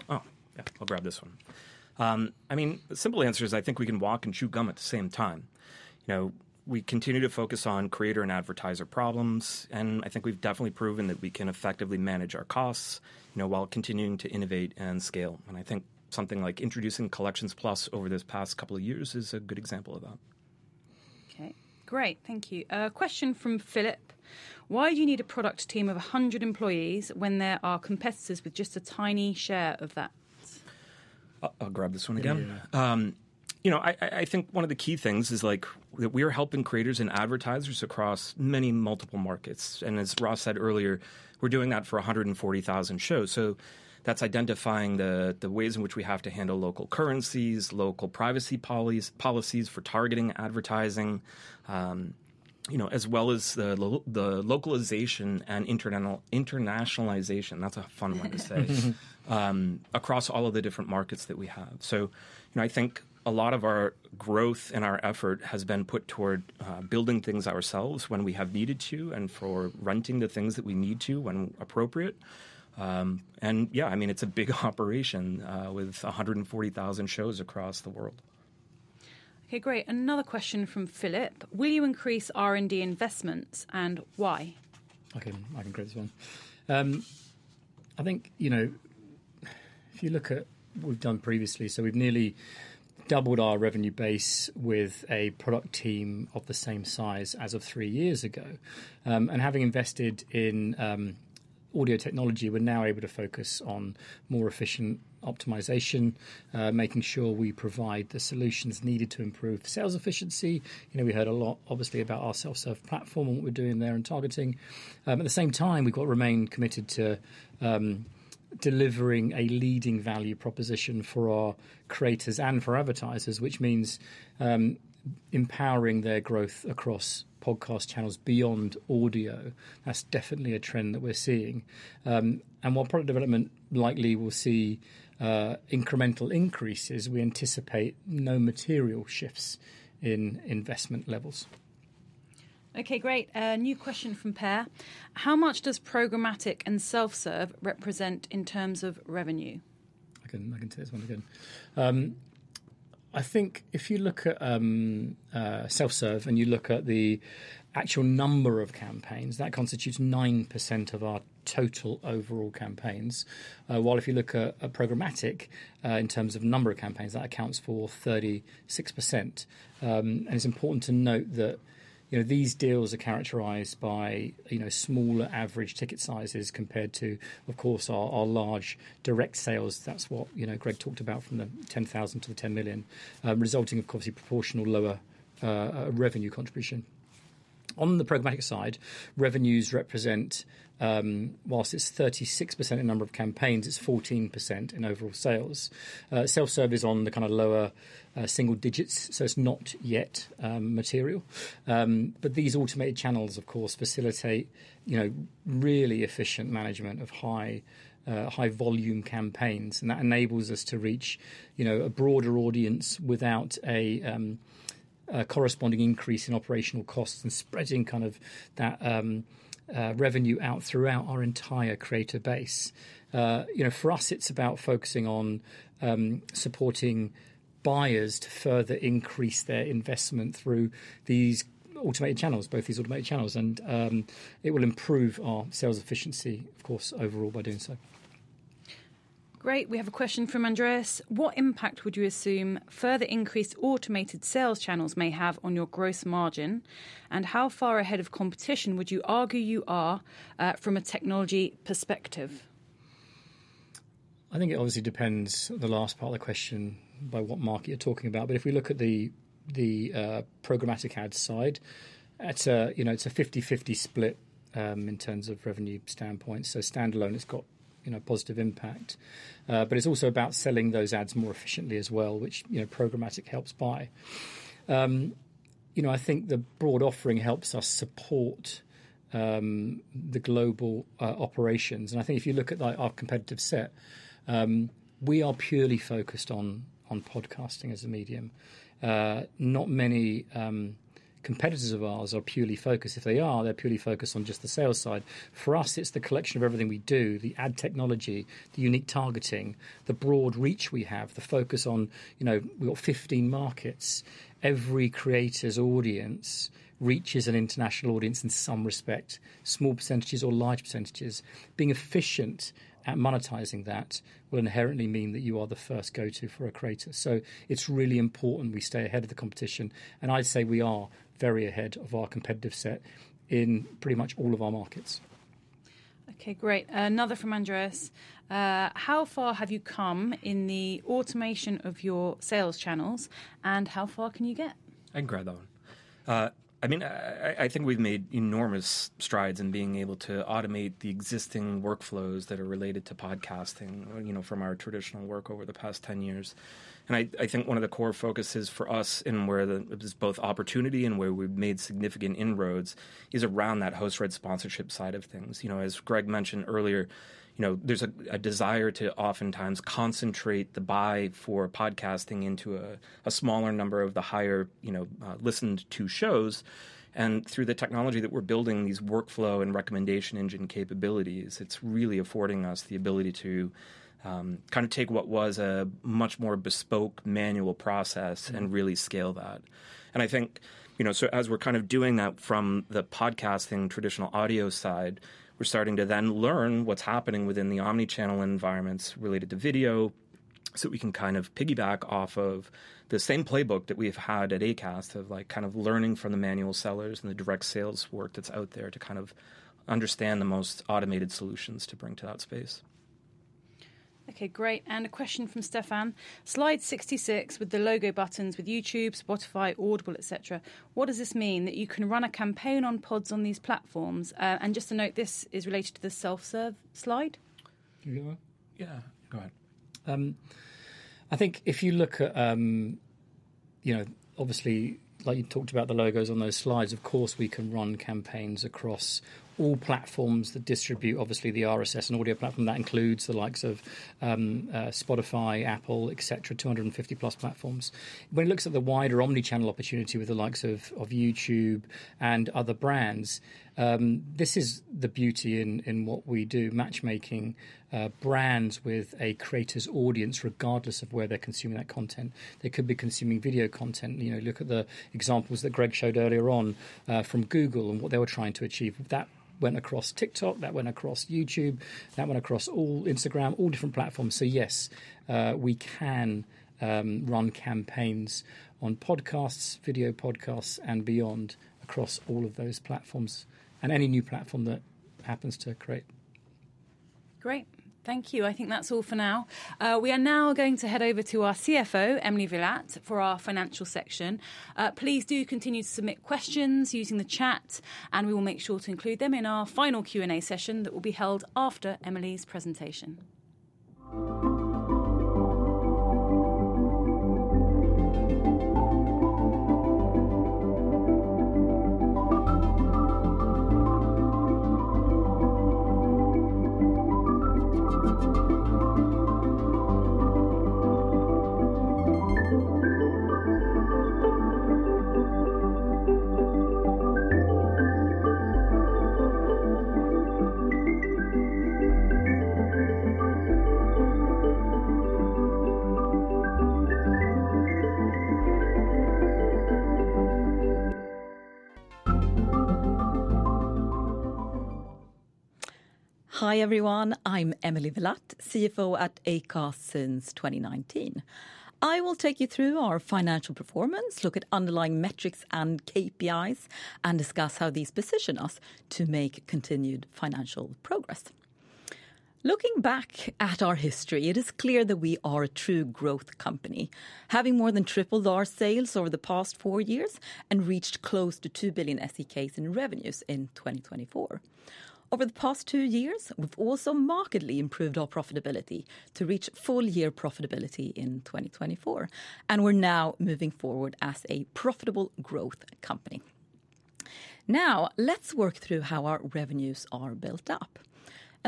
Oh, yeah, I'll grab this one. I mean, the simple answer is I think we can walk and chew gum at the same time. You know, we continue to focus on creator and advertiser problems, and I think we've definitely proven that we can effectively manage our costs, you know, while continuing to innovate and scale. I think something like introducing Collections Plus over this past couple of years is a good example of that. Okay, great. Thank you. A question from Philip. Why do you need a product team of 100 employees when there are competitors with just a tiny share of that? I'll grab this one again. You know, I think one of the key things is like that we are helping creators and advertisers across many multiple markets. As Ross said earlier, we're doing that for 140,000 shows. That's identifying the ways in which we have to handle local currencies, local privacy policies for targeting advertising, you know, as well as the localization and internationalization. That's a fun one to say across all of the different markets that we have. You know, I think a lot of our growth and our effort has been put toward building things ourselves when we have needed to and for renting the things that we need to when appropriate. Yeah, I mean, it's a big operation with 140,000 shows across the world. Okay, great. Another question from Philip. Will you increase R&D investments and why? Okay, I can create this one. I think, you know, if you look at what we've done previously, we've nearly doubled our revenue base with a product team of the same size as of three years ago. Having invested in audio technology, we're now able to focus on more efficient optimization, making sure we provide the solutions needed to improve sales efficiency. You know, we heard a lot, obviously, about our self-serve platform and what we're doing there and targeting. At the same time, we've got to remain committed to delivering a leading value proposition for our creators and for advertisers, which means empowering their growth across podcast channels beyond audio. That's definitely a trend that we're seeing. While product development likely will see incremental increases, we anticipate no material shifts in investment levels. Okay, great. A new question from Pear. How much does programmatic and self-serve represent in terms of revenue? I can take this one again. I think if you look at self-serve and you look at the actual number of campaigns, that constitutes 9% of our total overall campaigns. While if you look at programmatic in terms of number of campaigns, that accounts for 36%. And it's important to note that, you know, these deals are characterized by, you know, smaller average ticket sizes compared to, of course, our large direct sales. That's what, you know, Greg talked about from the $10,000 to the $10 million, resulting in, of course, a proportional lower revenue contribution. On the programmatic side, revenues represent, whilst it's 36% in number of campaigns, it's 14% in overall sales. Self-serve is on the kind of lower single digits, so it's not yet material. But these automated channels, of course, facilitate, you know, really efficient management of high-volume campaigns. That enables us to reach, you know, a broader audience without a corresponding increase in operational costs and spreading kind of that revenue out throughout our entire creator base. You know, for us, it's about focusing on supporting buyers to further increase their investment through these automated channels, both these automated channels. It will improve our sales efficiency, of course, overall by doing so. Great. We have a question from Andreas. What impact would you assume further increased automated sales channels may have on your gross margin? How far ahead of competition would you argue you are from a technology perspective? I think it obviously depends on the last part of the question by what market you're talking about. If we look at the programmatic ad side, it's a, you know, it's a 50-50 split in terms of revenue standpoint. Standalone, it's got, you know, positive impact. But it's also about selling those ads more efficiently as well, which, you know, programmatic helps buy. You know, I think the broad offering helps us support the global operations. I think if you look at our competitive set, we are purely focused on podcasting as a medium. Not many competitors of ours are purely focused. If they are, they're purely focused on just the sales side. For us, it's the collection of everything we do, the ad technology, the unique targeting, the broad reach we have, the focus on, you know, we've got 15 markets. Every creator's audience reaches an international audience in some respect, small percentages or large percentages. Being efficient at monetizing that will inherently mean that you are the first go-to for a creator. It's really important we stay ahead of the competition. I'd say we are very ahead of our competitive set in pretty much all of our markets. Okay, great. Another from Andreas. How far have you come in the automation of your sales channels and how far can you get? I can grab that one. I mean, I think we've made enormous strides in being able to automate the existing workflows that are related to podcasting, you know, from our traditional work over the past 10 years. I think one of the core focuses for us and where there's both opportunity and where we've made significant inroads is around that host-read sponsorship side of things. You know, as Greg mentioned earlier, you know, there's a desire to oftentimes concentrate the buy for podcasting into a smaller number of the higher, you know, listened-to shows. Through the technology that we're building, these workflow and recommendation engine capabilities, it's really affording us the ability to kind of take what was a much more bespoke manual process and really scale that. I think, you know, as we're kind of doing that from the podcasting traditional audio side, we're starting to then learn what's happening within the omnichannel environments related to video so that we can kind of piggyback off of the same playbook that we've had at Acast of like kind of learning from the manual sellers and the direct sales work that's out there to kind of understand the most automated solutions to bring to that space. Okay, great. A question from Stefan. Slide 66 with the logo buttons with YouTube, Spotify, Audible, etc. What does this mean that you can run a campaign on pods on these platforms? Just to note, this is related to the self-serve slide. You're good? Yeah, go ahead. I think if you look at, you know, obviously, like you talked about the logos on those slides, of course, we can run campaigns across all platforms that distribute, obviously, the RSS and audio platform. That includes the likes of Spotify, Apple, etc. 250 plus platforms. When it looks at the wider omnichannel opportunity with the likes of YouTube and other brands, this is the beauty in what we do, matchmaking brands with a creator's audience regardless of where they're consuming that content. They could be consuming video content. You know, look at the examples that Greg showed earlier on from Google and what they were trying to achieve. That went across TikTok, that went across YouTube, that went across all Instagram, all different platforms. Yes, we can run campaigns on podcasts, video podcasts and beyond across all of those platforms and any new platform that happens to create. Great. Thank you. I think that's all for now. We are now going to head over to our CFO, Emily Villatte, for our financial section. Please do continue to submit questions using the chat, and we will make sure to include them in our final Q&A session that will be held after Emily's presentation. Hi everyone, I'm Emily Villatte, CFO at Acast since 2019. I will take you through our financial performance, look at underlying metrics and KPIs, and discuss how these position us to make continued financial progress. Looking back at our history, it is clear that we are a true growth company. Having more than tripled our sales over the past four years and reached close to 2 billion SEK in revenues in 2024. Over the past two years, we've also markedly improved our profitability to reach full year profitability in 2024, and we're now moving forward as a profitable growth company. Now let's work through how our revenues are built up.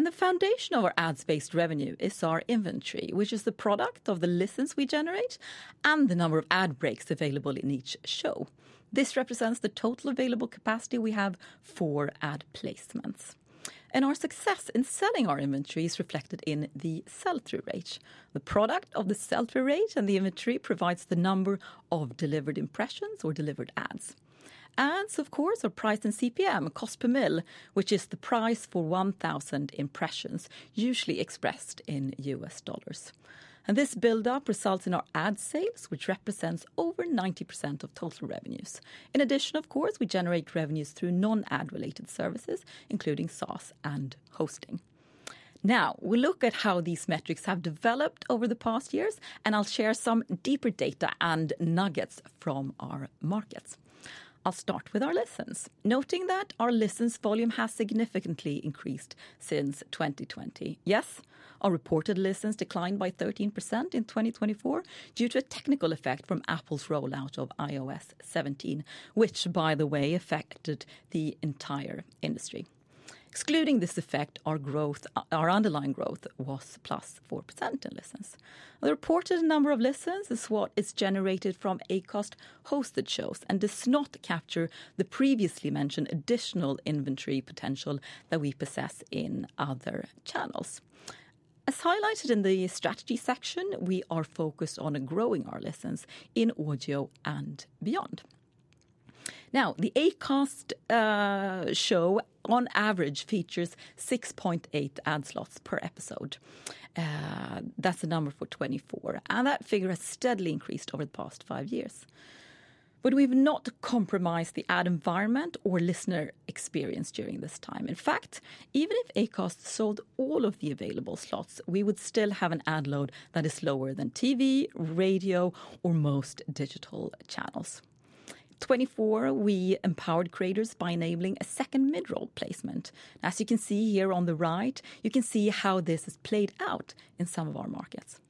The foundation of our ads-based revenue is our inventory, which is the product of the listens we generate and the number of ad breaks available in each show. This represents the total available capacity we have for ad placements. Our success in selling our inventory is reflected in the sell-through rate. The product of the sell-through rate and the inventory provides the number of delivered impressions or delivered ads. Ads, of course, are priced in CPM, cost per mill, which is the price for 1,000 impressions, usually expressed in U.S. dollars. This build-up results in our ad sales, which represents over 90% of total revenues. In addition, of course, we generate revenues through non-ad-related services, including SaaS and hosting. Now we'll look at how these metrics have developed over the past years, and I'll share some deeper data and nuggets from our markets. I'll start with our listens, noting that our listens volume has significantly increased since 2020. Yes, our reported listens declined by 13% in 2024 due to a technical effect from Apple's rollout of iOS 17, which, by the way, affected the entire industry. Excluding this effect, our underlying growth was +4% in listens. The reported number of listens is what is generated from Acast-hosted shows and does not capture the previously mentioned additional inventory potential that we possess in other channels. As highlighted in the strategy section, we are focused on growing our listens in audio and beyond. Now, the Acast show on average features 6.8 ad slots per episode. That is a number for 2024, and that figure has steadily increased over the past five years. We have not compromised the ad environment or listener experience during this time. In fact, even if Acast sold all of the available slots, we would still have an ad load that is lower than TV, radio, or most digital channels. In 2024, we empowered creators by enabling a second mid-roll placement. As you can see here on the right, you can see how this has played out in some of our markets.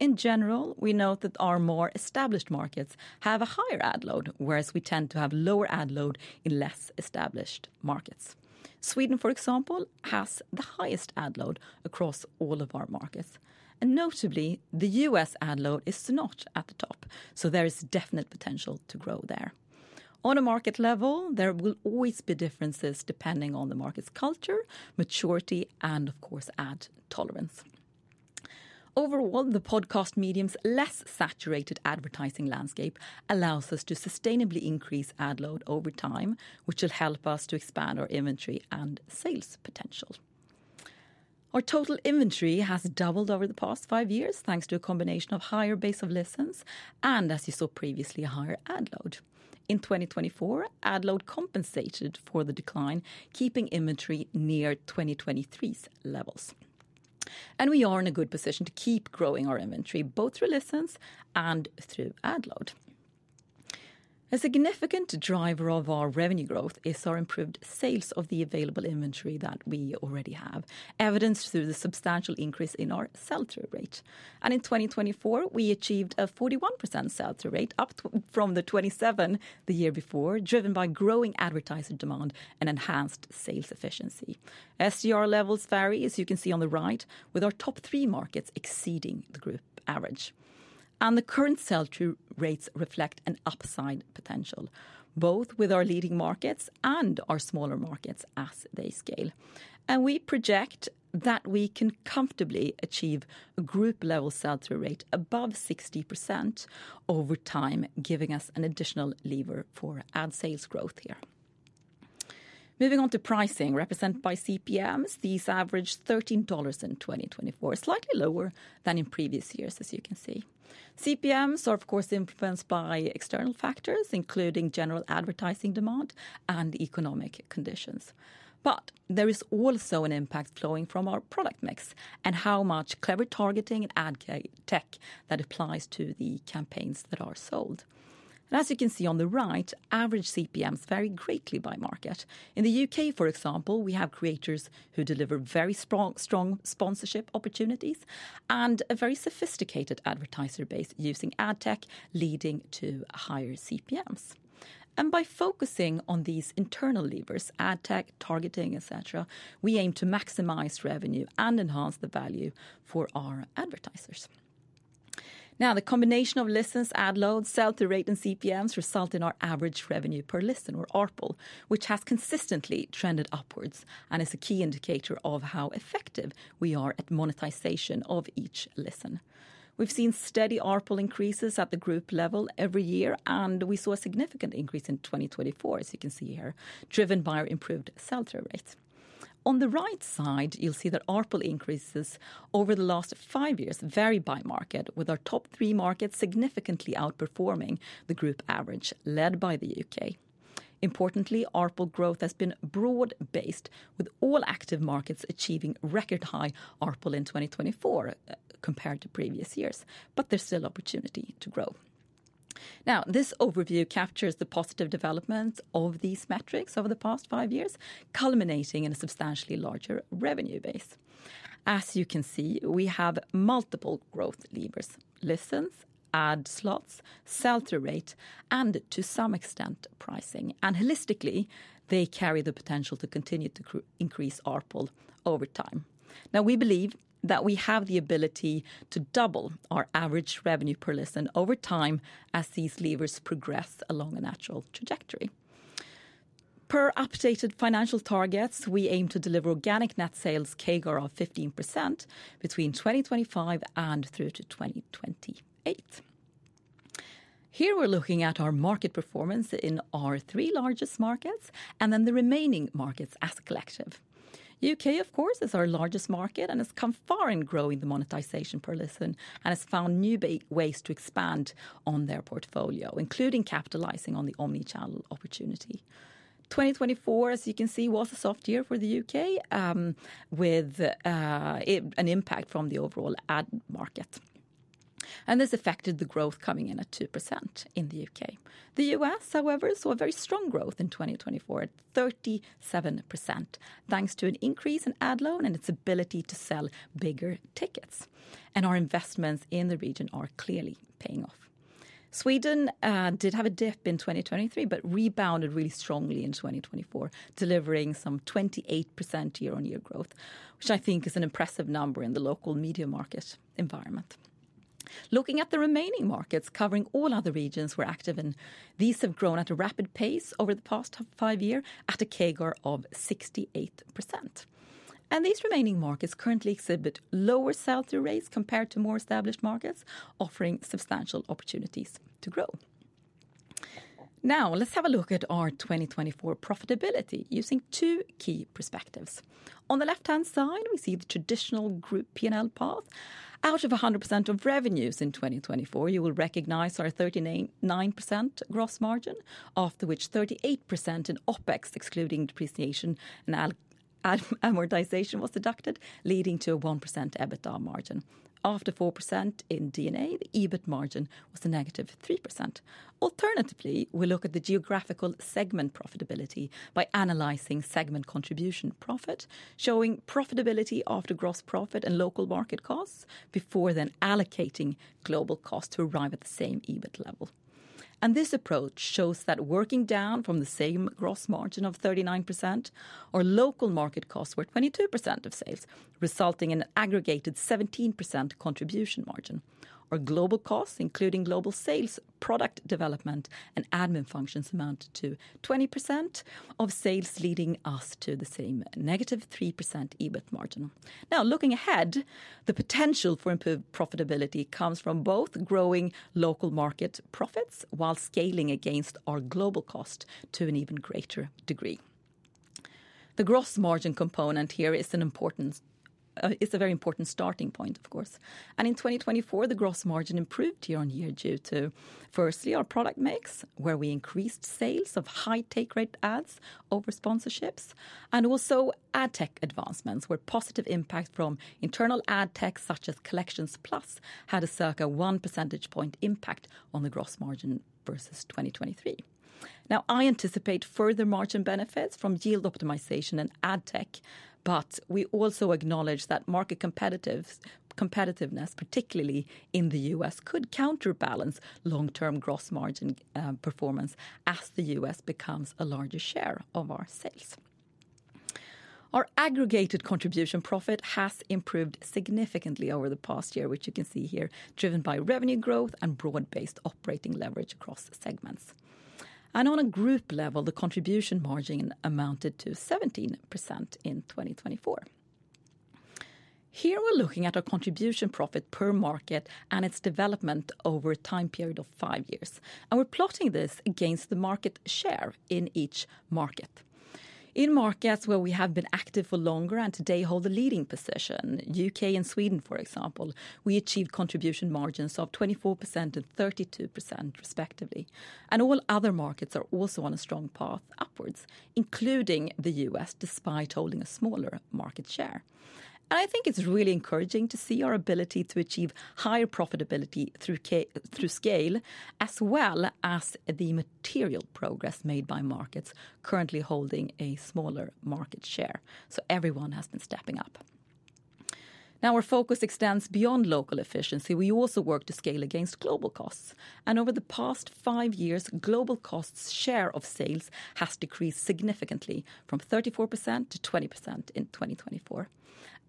In general, we note that our more established markets have a higher ad load, whereas we tend to have lower ad load in less established markets. Sweden, for example, has the highest ad load across all of our markets. Notably, the U.S. ad load is not at the top, so there is definite potential to grow there. On a market level, there will always be differences depending on the market's culture, maturity, and of course, ad tolerance. Overall, the podcast medium's less saturated advertising landscape allows us to sustainably increase ad load over time, which will help us to expand our inventory and sales potential. Our total inventory has doubled over the past five years thanks to a combination of higher base of listens and, as you saw previously, a higher ad load. In 2024, ad load compensated for the decline, keeping inventory near 2023's levels. We are in a good position to keep growing our inventory both through listens and through ad load. A significant driver of our revenue growth is our improved sales of the available inventory that we already have, evidenced through the substantial increase in our sell-through rate. In 2024, we achieved a 41% sell-through rate, up from the 27% the year before, driven by growing advertiser demand and enhanced sales efficiency. Sell-through rate levels vary, as you can see on the right, with our top three markets exceeding the group average. The current sell-through rates reflect an upside potential, both with our leading markets and our smaller markets as they scale. We project that we can comfortably achieve a group-level sell-through rate above 60% over time, giving us an additional lever for ad sales growth here. Moving on to pricing, represented by CPMs, these averaged $13 in 2024, slightly lower than in previous years, as you can see. CPMs are, of course, influenced by external factors, including general advertising demand and economic conditions. There is also an impact flowing from our product mix and how much clever targeting and ad tech that applies to the campaigns that are sold. As you can see on the right, average CPMs vary greatly by market. In the U.K., for example, we have creators who deliver very strong sponsorship opportunities and a very sophisticated advertiser base using ad tech, leading to higher CPMs. By focusing on these internal levers, ad tech, targeting, etc., we aim to maximize revenue and enhance the value for our advertisers. Now, the combination of listens, ad load, sell-through rate, and CPMs results in our average revenue per listen, or ARPL, which has consistently trended upwards and is a key indicator of how effective we are at monetization of each listen. We've seen steady ARPL increases at the group level every year, and we saw a significant increase in 2024, as you can see here, driven by our improved sell-through rate. On the right side, you'll see that ARPL increases over the last five years vary by market, with our top three markets significantly outperforming the group average led by the U.K. Importantly, ARPL growth has been broad-based, with all active markets achieving record high ARPL in 2024 compared to previous years, but there's still opportunity to grow. Now, this overview captures the positive developments of these metrics over the past five years, culminating in a substantially larger revenue base. As you can see, we have multiple growth levers: listens, ad slots, sell-through rate, and to some extent, pricing. Holistically, they carry the potential to continue to increase ARPL over time. Now, we believe that we have the ability to double our average revenue per listen over time as these levers progress along a natural trajectory. Per updated financial targets, we aim to deliver organic net sales CAGR of 15% between 2025 and through to 2028. Here we are looking at our market performance in our three largest markets and then the remaining markets as a collective. U.K., of course, is our largest market and has come far in growing the monetization per listen and has found new ways to expand on their portfolio, including capitalizing on the omnichannel opportunity. 2024, as you can see, was a soft year for the U.K., with an impact from the overall ad market. This affected the growth coming in at 2% in the U.K. The U.S., however, saw very strong growth in 2024 at 37%, thanks to an increase in ad load and its ability to sell bigger tickets. Our investments in the region are clearly paying off. Sweden did have a dip in 2023, but rebounded really strongly in 2024, delivering some 28% year-on-year growth, which I think is an impressive number in the local media market environment. Looking at the remaining markets covering all other regions we are active in, these have grown at a rapid pace over the past five years at a CAGR of 68%. These remaining markets currently exhibit lower sell-through rates compared to more established markets, offering substantial opportunities to grow. Now, let's have a look at our 2024 profitability using two key perspectives. On the left-hand side, we see the traditional group P&L path. Out of 100% of revenues in 2024, you will recognize our 39% gross margin, after which 38% in OpEx, excluding depreciation and amortization, was deducted, leading to a 1% EBITDA margin. After 4% in D&A, the EBIT margin was a negative 3%. Alternatively, we look at the geographical segment profitability by analyzing segment contribution profit, showing profitability after gross profit and local market costs before then allocating global costs to arrive at the same EBIT level. This approach shows that working down from the same gross margin of 39%, our local market costs were 22% of sales, resulting in an aggregated 17% contribution margin. Our global costs, including global sales, product development, and admin functions, amount to 20% of sales, leading us to the same -3% EBIT margin. Now, looking ahead, the potential for improved profitability comes from both growing local market profits while scaling against our global costs to an even greater degree. The gross margin component here is an important, is a very important starting point, of course. In 2024, the gross margin improved year on year due to, firstly, our product mix, where we increased sales of high take rate ads over sponsorships, and also ad tech advancements, where positive impact from internal ad tech such as Collections Plus had a circa one percentage point impact on the gross margin versus 2023. I anticipate further margin benefits from yield optimization and ad tech, but we also acknowledge that market competitiveness, particularly in the U.S., could counterbalance long-term gross margin performance as the U.S. becomes a larger share of our sales. Our aggregated contribution profit has improved significantly over the past year, which you can see here, driven by revenue growth and broad-based operating leverage across segments. On a group level, the contribution margin amounted to 17% in 2024. Here we're looking at our contribution profit per market and its development over a time period of five years. We're plotting this against the market share in each market. In markets where we have been active for longer and today hold the leading position, U.K. and Sweden, for example, we achieved contribution margins of 24% and 32%, respectively. All other markets are also on a strong path upwards, including the U.S., despite holding a smaller market share. I think it's really encouraging to see our ability to achieve higher profitability through scale, as well as the material progress made by markets currently holding a smaller market share. Everyone has been stepping up. Now our focus extends beyond local efficiency. We also work to scale against global costs. Over the past five years, global costs share of sales has decreased significantly from 34%-20% in 2024.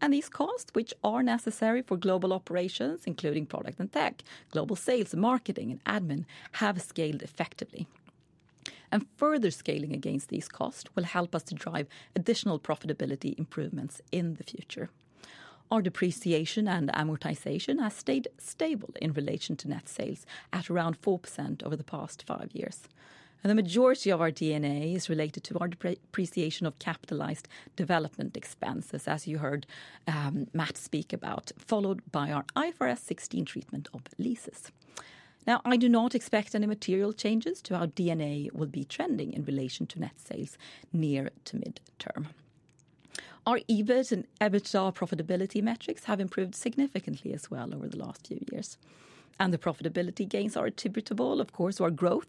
These costs, which are necessary for global operations, including product and tech, global sales, marketing, and admin, have scaled effectively. Further scaling against these costs will help us to drive additional profitability improvements in the future. Our depreciation and amortization has stayed stable in relation to net sales at around 4% over the past five years. The majority of our D&A is related to our depreciation of capitalized development expenses, as you heard Matt speak about, followed by our IFRS 16 treatment of leases. I do not expect any material changes to our D&A will be trending in relation to net sales near to midterm. Our EBIT and EBITDA profitability metrics have improved significantly as well over the last few years. The profitability gains are attributable, of course, to our growth,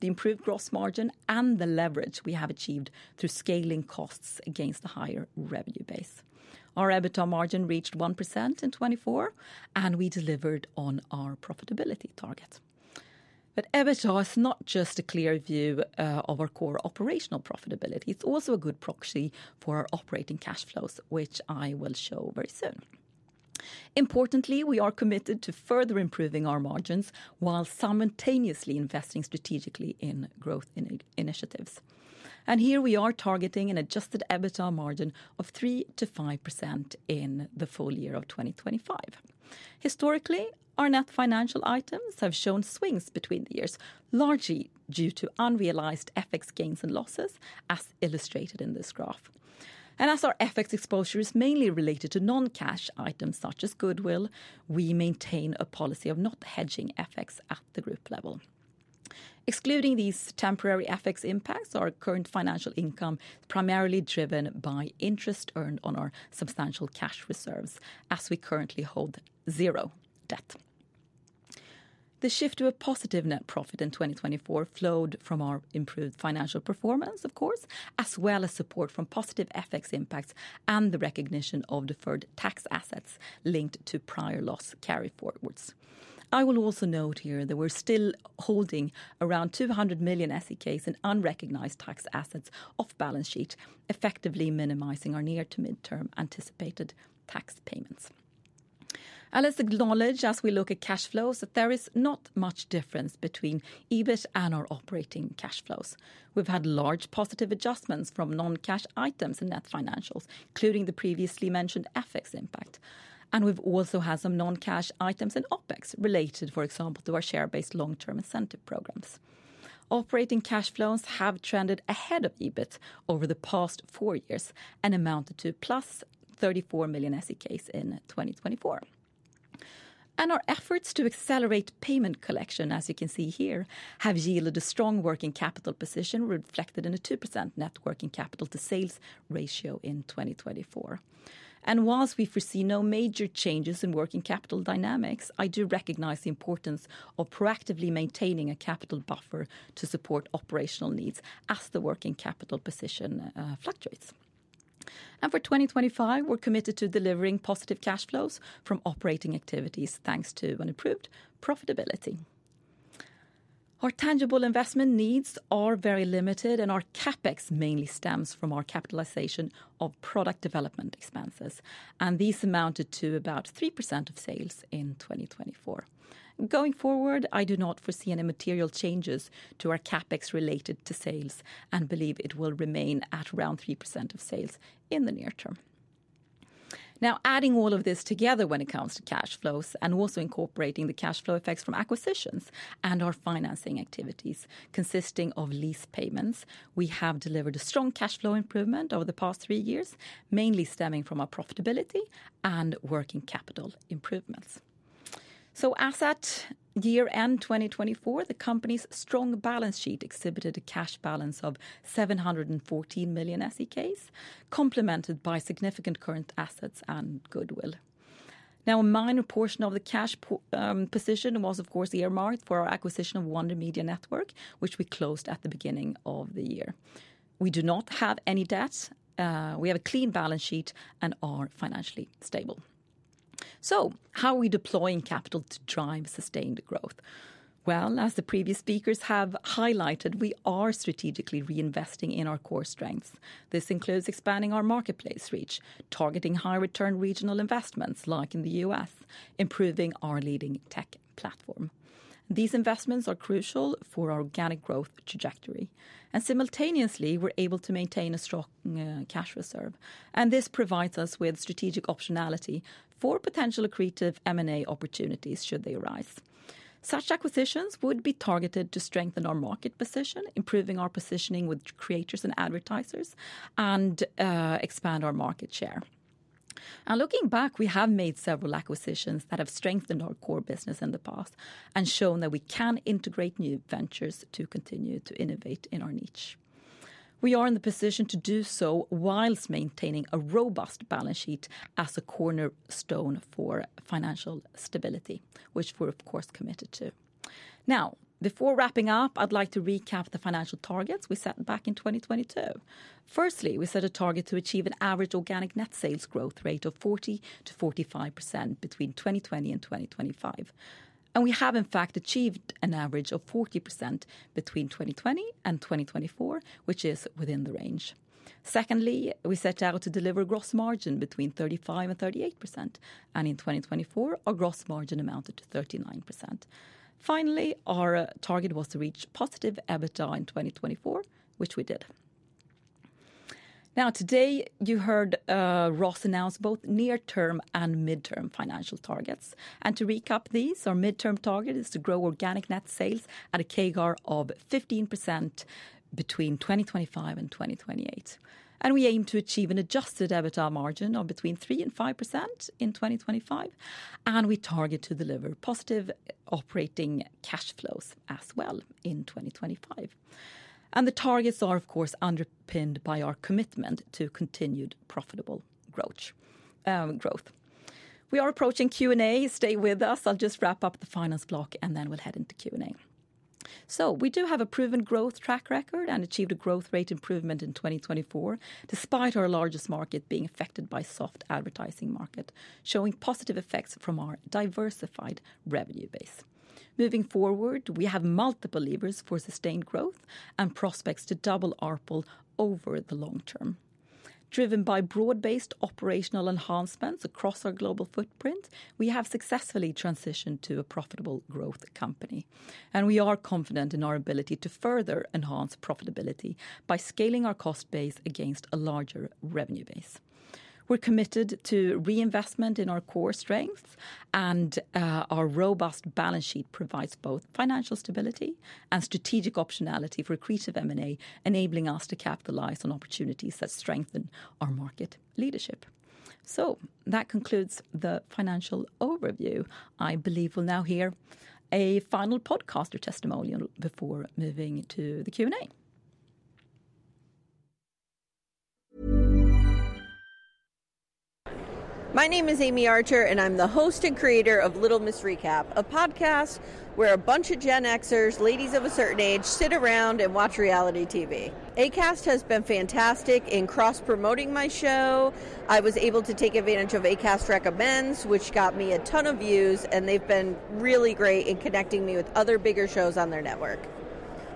the improved gross margin, and the leverage we have achieved through scaling costs against a higher revenue base. Our EBITDA margin reached 1% in 2024, and we delivered on our profitability target. EBITDA is not just a clear view of our core operational profitability. It is also a good proxy for our operating cash flows, which I will show very soon. Importantly, we are committed to further improving our margins while simultaneously investing strategically in growth initiatives. Here we are targeting an adjusted EBITDA margin of 3%-5% in the full year of 2025. Historically, our net financial items have shown swings between the years, largely due to unrealized FX gains and losses, as illustrated in this graph. As our FX exposure is mainly related to non-cash items such as goodwill, we maintain a policy of not hedging FX at the group level. Excluding these temporary FX impacts, our current financial income is primarily driven by interest earned on our substantial cash reserves, as we currently hold zero debt. The shift to a positive net profit in 2024 flowed from our improved financial performance, of course, as well as support from positive FX impacts and the recognition of deferred tax assets linked to prior loss carry forwards. I will also note here that we're still holding around 200 million SEK in unrecognized tax assets off balance sheet, effectively minimizing our near to midterm anticipated tax payments. Let's acknowledge, as we look at cash flows, that there is not much difference between EBIT and our operating cash flows. have had large positive adjustments from non-cash items in net financials, including the previously mentioned FX impact. We have also had some non-cash items in OpEx related, for example, to our share-based long-term incentive programs. Operating cash flows have trended ahead of EBIT over the past four years and amounted to 34 million SEK in 2024. Our efforts to accelerate payment collection, as you can see here, have yielded a strong working capital position reflected in a 2% net working capital to sales ratio in 2024. Whilst we foresee no major changes in working capital dynamics, I do recognize the importance of proactively maintaining a capital buffer to support operational needs as the working capital position fluctuates. For 2025, we are committed to delivering positive cash flows from operating activities, thanks to improved profitability. Our tangible investment needs are very limited, and our CapEx mainly stems from our capitalization of product development expenses. These amounted to about 3% of sales in 2024. Going forward, I do not foresee any material changes to our CapEx related to sales and believe it will remain at around 3% of sales in the near term. Now, adding all of this together when it comes to cash flows and also incorporating the cash flow effects from acquisitions and our financing activities consisting of lease payments, we have delivered a strong cash flow improvement over the past three years, mainly stemming from our profitability and working capital improvements. As at year-end 2024, the company's strong balance sheet exhibited a cash balance of 714 million SEK, complemented by significant current assets and Goodwill. Now, a minor portion of the cash position was, of course, earmarked for our acquisition of Wonder Media Network, which we closed at the beginning of the year. We do not have any debt. We have a clean balance sheet and are financially stable. How are we deploying capital to drive sustained growth? As the previous speakers have highlighted, we are strategically reinvesting in our core strengths. This includes expanding our marketplace reach, targeting high-return regional investments like in the U.S., improving our leading tech platform. These investments are crucial for our organic growth trajectory. Simultaneously, we're able to maintain a strong cash reserve. This provides us with strategic optionality for potential accretive M&A opportunities should they arise. Such acquisitions would be targeted to strengthen our market position, improving our positioning with creators and advertisers, and expand our market share. Looking back, we have made several acquisitions that have strengthened our core business in the past and shown that we can integrate new ventures to continue to innovate in our niche. We are in the position to do so whilst maintaining a robust balance sheet as a cornerstone for financial stability, which we're, of course, committed to. Now, before wrapping up, I'd like to recap the financial targets we set back in 2022. Firstly, we set a target to achieve an average organic net sales growth rate of 40%-45% between 2020 and 2025. We have, in fact, achieved an average of 40% between 2020 and 2024, which is within the range. Secondly, we set out to deliver gross margin between 35%-38%. In 2024, our gross margin amounted to 39%. Finally, our target was to reach positive EBITDA in 2024, which we did. Now, today, you heard Ross announce both near-term and mid-term financial targets. To recap these, our mid-term target is to grow organic net sales at a CAGR of 15% between 2025 and 2028. We aim to achieve an adjusted EBITDA margin of between 3%-5% in 2025. We target to deliver positive operating cash flows as well in 2025. The targets are, of course, underpinned by our commitment to continued profitable growth. We are approaching Q&A. Stay with us. I'll just wrap up the finance block, and then we'll head into Q&A. We do have a proven growth track record and achieved a growth rate improvement in 2024, despite our largest market being affected by soft advertising market, showing positive effects from our diversified revenue base. Moving forward, we have multiple levers for sustained growth and prospects to double our pull over the long term. Driven by broad-based operational enhancements across our global footprint, we have successfully transitioned to a profitable growth company. We are confident in our ability to further enhance profitability by scaling our cost base against a larger revenue base. We're committed to reinvestment in our core strengths, and our robust balance sheet provides both financial stability and strategic optionality for accretive M&A, enabling us to capitalize on opportunities that strengthen our market leadership. That concludes the financial overview. I believe we'll now hear a final podcast or testimonial before moving to the Q&A. My name is Amye Archer, and I'm the host and creator of Little Miss Recap, a podcast where a bunch of Gen Xers, ladies of a certain age, sit around and watch reality TV. Acast has been fantastic in cross-promoting my show. I was able to take advantage of Acast Recommends, which got me a ton of views, and they've been really great in connecting me with other bigger shows on their network.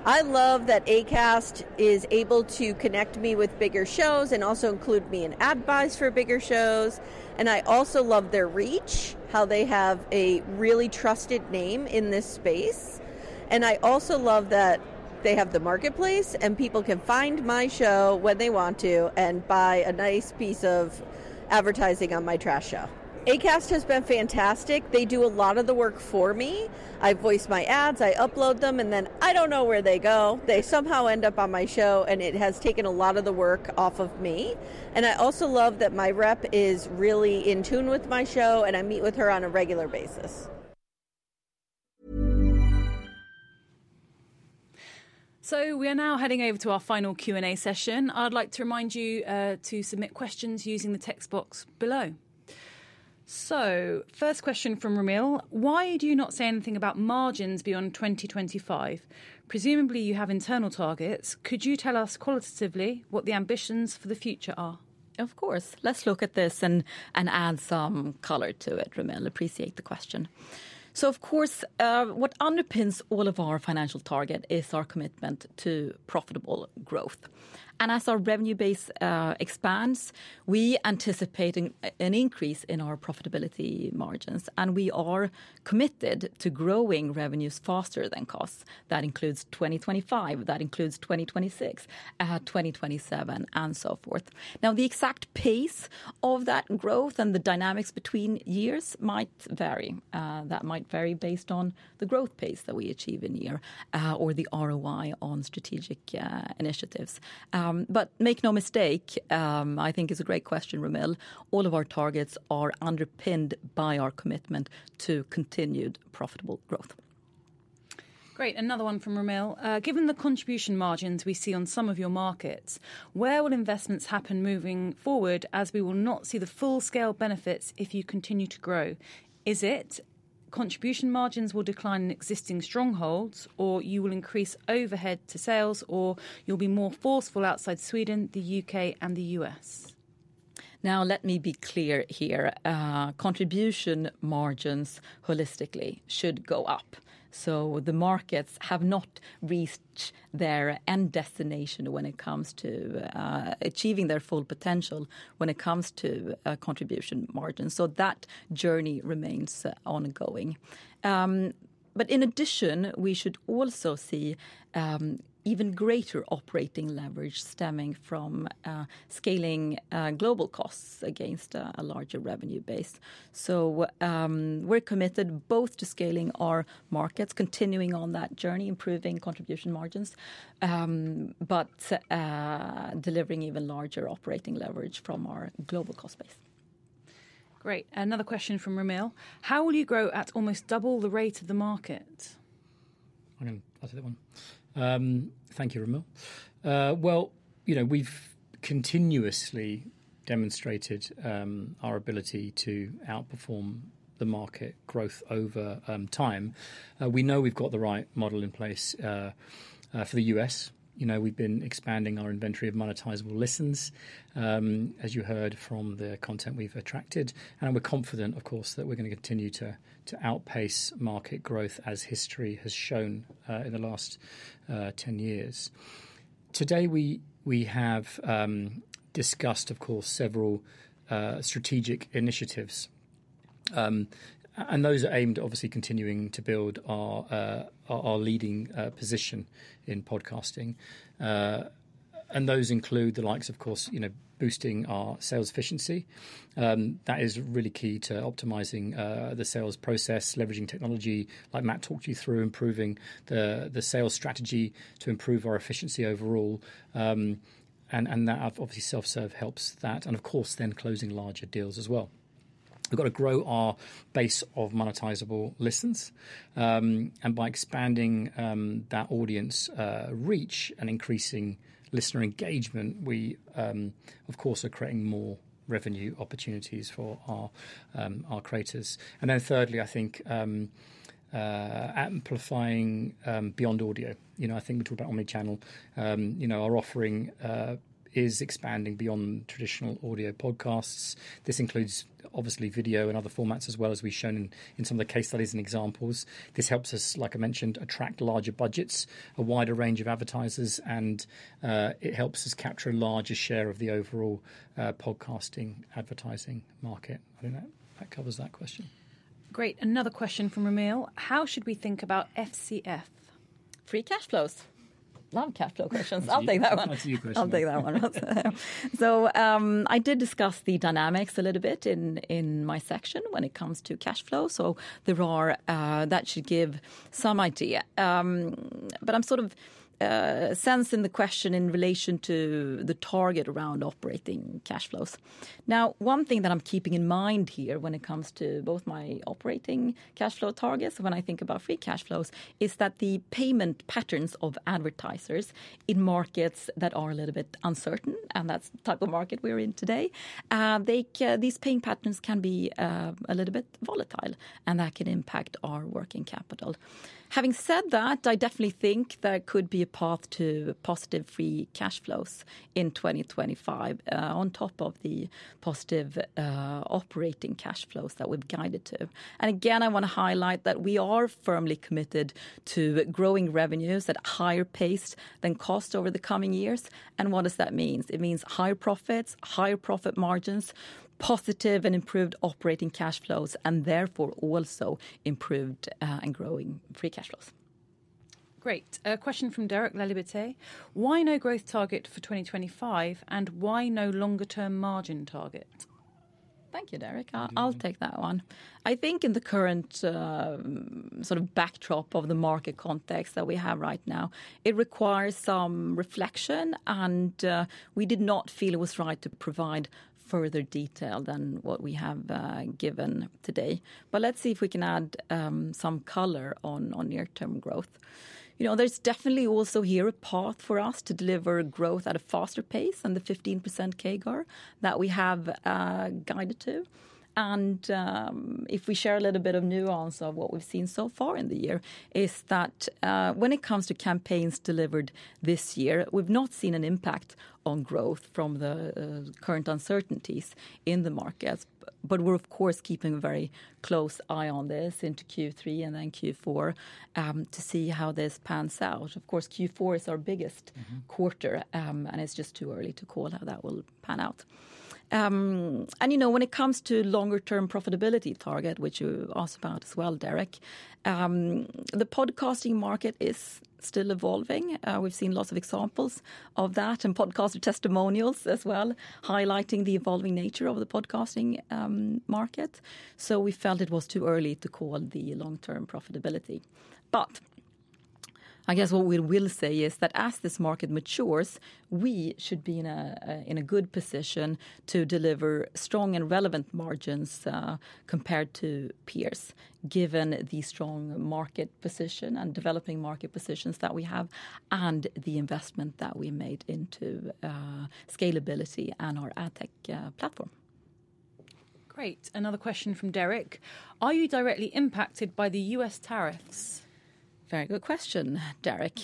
I love that Acast is able to connect me with bigger shows and also include me in ad buys for bigger shows. I also love their reach, how they have a really trusted name in this space. I also love that they have the marketplace and people can find my show when they want to and buy a nice piece of advertising on my trash show. Acast has been fantastic. They do a lot of the work for me. I voice my ads, I upload them, and then I don't know where they go. They somehow end up on my show, and it has taken a lot of the work off of me. I also love that my rep is really in tune with my show, and I meet with her on a regular basis. We are now heading over to our final Q&A session. I'd like to remind you to submit questions using the text box below. First question from Romil. Why do you not say anything about margins beyond 2025? Presumably, you have internal targets. Could you tell us qualitatively what the ambitions for the future are? Of course. Let's look at this and add some color to it, Romil. Appreciate the question. Of course, what underpins all of our financial target is our commitment to profitable growth. As our revenue base expands, we anticipate an increase in our profitability margins, and we are committed to growing revenues faster than costs. That includes 2025, that includes 2026, 2027, and so forth. The exact pace of that growth and the dynamics between years might vary. That might vary based on the growth pace that we achieve in year or the ROI on strategic initiatives. Make no mistake, I think it's a great question, Romil. All of our targets are underpinned by our commitment to continued profitable growth. Great. Another one from Romil. Given the contribution margins we see on some of your markets, where will investments happen moving forward as we will not see the full-scale benefits if you continue to grow? Is it contribution margins will decline in existing strongholds, or you will increase overhead to sales, or you'll be more forceful outside Sweden, the U.K., and the U.S.? Now, let me be clear here. Contribution margins holistically should go up. The markets have not reached their end destination when it comes to achieving their full potential when it comes to contribution margins. That journey remains ongoing. In addition, we should also see even greater operating leverage stemming from scaling global costs against a larger revenue base. We're committed both to scaling our markets, continuing on that journey, improving contribution margins, but delivering even larger operating leverage from our global cost base. Great. Another question from Romil. How will you grow at almost double the rate of the market? I'll take that one. Thank you, Romil. You know, we've continuously demonstrated our ability to outperform the market growth over time. We know we've got the right model in place for the U.S.. You know, we've been expanding our inventory of monetizable listens, as you heard from the content we've attracted. We're confident, of course, that we're going to continue to outpace market growth as history has shown in the last 10 years. Today, we have discussed, of course, several strategic initiatives. Those are aimed at obviously continuing to build our leading position in podcasting. Those include the likes of, of course, you know, boosting our sales efficiency. That is really key to optimizing the sales process, leveraging technology like Matt talked you through, improving the sales strategy to improve our efficiency overall. That obviously self-serve helps that. Of course, then closing larger deals as well. We've got to grow our base of monetizable listens. By expanding that audience reach and increasing listener engagement, we, of course, are creating more revenue opportunities for our creators. Thirdly, I think amplifying beyond audio. You know, I think we talk about omnichannel. You know, our offering is expanding beyond traditional audio podcasts. This includes, obviously, video and other formats as well, as we've shown in some of the case studies and examples. This helps us, like I mentioned, attract larger budgets, a wider range of advertisers, and it helps us capture a larger share of the overall podcasting advertising market. I think that covers that question. Great. Another question from Romil. How should we think about FCF? Free cash flows. Love cash flow questions. I'll take that one. That's a new question. I'll take that one, right? I did discuss the dynamics a little bit in my section when it comes to cash flow. There are that should give some idea. I'm sort of sensing the question in relation to the target around operating cash flows. One thing that I'm keeping in mind here when it comes to both my operating cash flow targets when I think about free cash flows is that the payment patterns of advertisers in markets that are a little bit uncertain, and that's the type of market we're in today, these paying patterns can be a little bit volatile, and that can impact our working capital. Having said that, I definitely think there could be a path to positive free cash flows in 2025 on top of the positive operating cash flows that we've guided to. I want to highlight that we are firmly committed to growing revenues at a higher pace than cost over the coming years. What does that mean? It means higher profits, higher profit margins, positive and improved operating cash flows, and therefore also improved and growing free cash flows. Great. A question from Derek Laliberte. Why no growth target for 2025, and why no longer-term margin target? Thank you, Derek. I'll take that one. I think in the current sort of backdrop of the market context that we have right now, it requires some reflection, and we did not feel it was right to provide further detail than what we have given today. Let's see if we can add some color on near-term growth. You know, there's definitely also here a path for us to deliver growth at a faster pace than the 15% CAGR that we have guided to. If we share a little bit of nuance of what we've seen so far in the year, it's that when it comes to campaigns delivered this year, we've not seen an impact on growth from the current uncertainties in the markets. We're, of course, keeping a very close eye on this into Q3 and then Q4 to see how this pans out. Q4 is our biggest quarter, and it's just too early to call how that will pan out. You know, when it comes to longer-term profitability target, which you asked about as well, Derek, the podcasting market is still evolving. We've seen lots of examples of that and podcast testimonials as well, highlighting the evolving nature of the podcasting market. We felt it was too early to call the long-term profitability. I guess what we will say is that as this market matures, we should be in a good position to deliver strong and relevant margins compared to peers, given the strong market position and developing market positions that we have and the investment that we made into scalability and our ad tech platform. Great. Another question from Derek. Are you directly impacted by the U.S. tariffs? Very good question, Derek.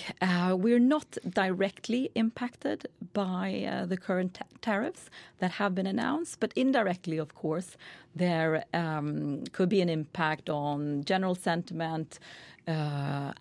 We are not directly impacted by the current tariffs that have been announced, but indirectly, of course, there could be an impact on general sentiment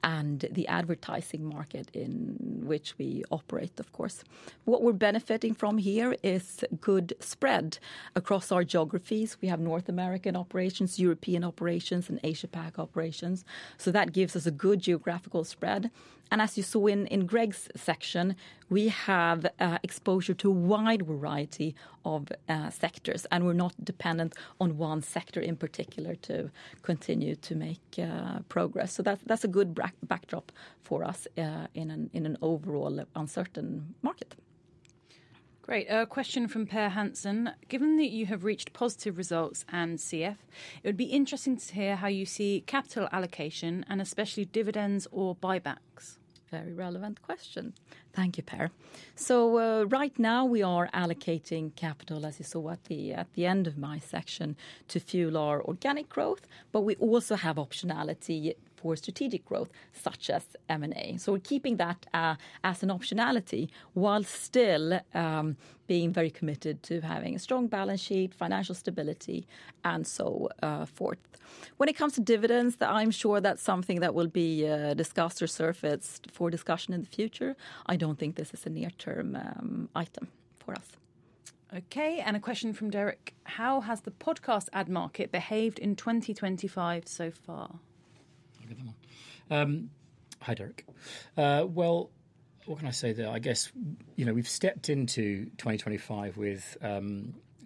and the advertising market in which we operate, of course. What we're benefiting from here is good spread across our geographies. We have North American operations, European operations, and Asia-Pac operations. That gives us a good geographical spread. As you saw in Greg's section, we have exposure to a wide variety of sectors, and we're not dependent on one sector in particular to continue to make progress. That is a good backdrop for us in an overall uncertain market. Great. A question from Pear Hanson. Given that you have reached positive results and CF, it would be interesting to hear how you see capital allocation and especially dividends or buybacks. Very relevant question. Thank you, Pear. Right now, we are allocating capital, as you saw at the end of my section, to fuel our organic growth, but we also have optionality for strategic growth, such as M&A. We're keeping that as an optionality while still being very committed to having a strong balance sheet, financial stability, and so forth. When it comes to dividends, I'm sure that's something that will be discussed or surfaced for discussion in the future. I don't think this is a near-term item for us. Okay. A question from Derek. How has the podcast ad market behaved in 2025 so far? I'll give them up. Hi, Derek. What can I say there? I guess, you know, we've stepped into 2025 with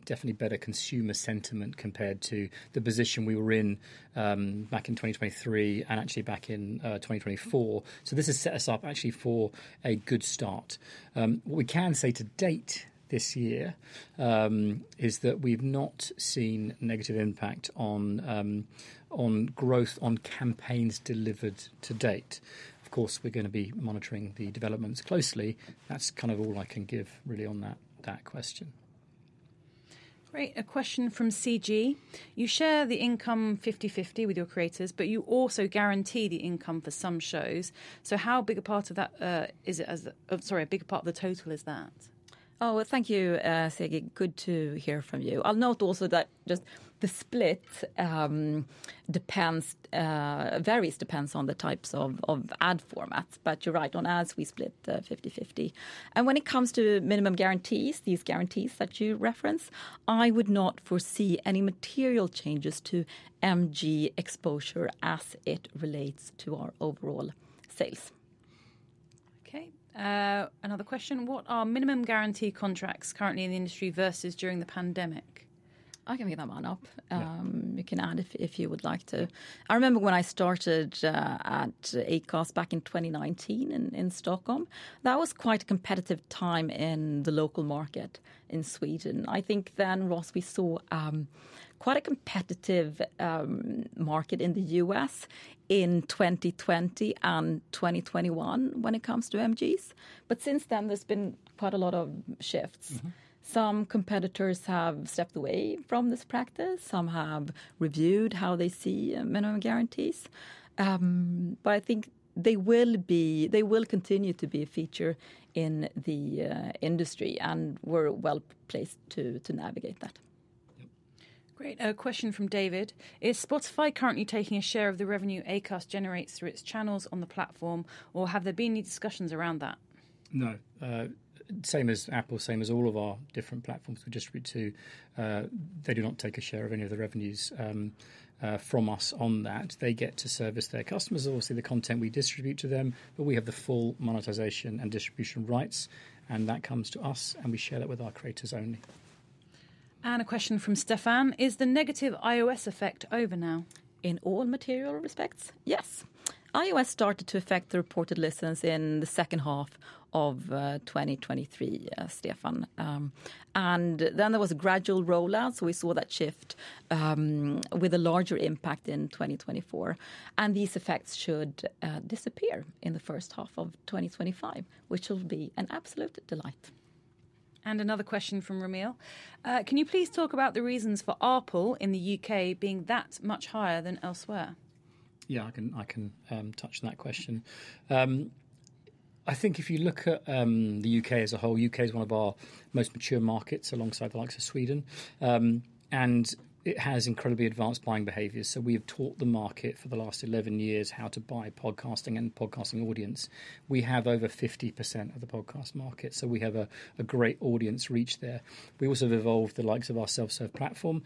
definitely better consumer sentiment compared to the position we were in back in 2023 and actually back in 2024. This has set us up actually for a good start. What we can say to date this year is that we've not seen negative impact on growth on campaigns delivered to date. Of course, we're going to be monitoring the developments closely. That's kind of all I can give really on that question. Great. A question from Siggy. You share the income 50-50 with your creators, but you also guarantee the income for some shows. So, how big a part of that is it? Sorry, a bigger part of the total is that? Oh, thank you, Siggy. Good to hear from you. I'll note also that just the split varies, depends on the types of ad formats. You're right, on ads, we split 50-50. When it comes to minimum guarantees, these guarantees that you reference, I would not foresee any material changes to MG exposure as it relates to our overall sales. Okay. Another question. What are minimum guarantee contracts currently in the industry versus during the pandemic? I can pick that one up. You can add if you would like to. I remember when I started at Acast back in 2019 in Stockholm, that was quite a competitive time in the local market in Sweden. I think then, Ross, we saw quite a competitive market in the U.S. in 2020 and 2021 when it comes to MGs. Since then, there's been quite a lot of shifts. Some competitors have stepped away from this practice. Some have reviewed how they see minimum guarantees. I think they will continue to be a feature in the industry, and we're well placed to navigate that. Great. A question from David. Is Spotify currently taking a share of the revenue Acast generates through its channels on the platform, or have there been any discussions around that? No. Same as Apple, same as all of our different platforms we distribute to, they do not take a share of any of the revenues from us on that. They get to service their customers, obviously the content we distribute to them, but we have the full monetization and distribution rights, and that comes to us, and we share that with our creators only. A question from Stefan. Is the negative iOS effect over now? In all material respects, yes. iOS started to affect the reported listens in the second half of 2023, Stefan. There was a gradual rollout, so we saw that shift with a larger impact in 2024. These effects should disappear in the first half of 2025, which will be an absolute delight. Another question from Romil. Can you please talk about the reasons for Apple in the U.K. being that much higher than elsewhere? Yeah, I can touch that question. I think if you look at the U.K. as a whole, U.K. is one of our most mature markets alongside the likes of Sweden, and it has incredibly advanced buying behavior. We have taught the market for the last 11 years how to buy podcasting and the podcasting audience. We have over 50% of the podcast market, so we have a great audience reach there. We also have evolved the likes of our Self-Serve Platform,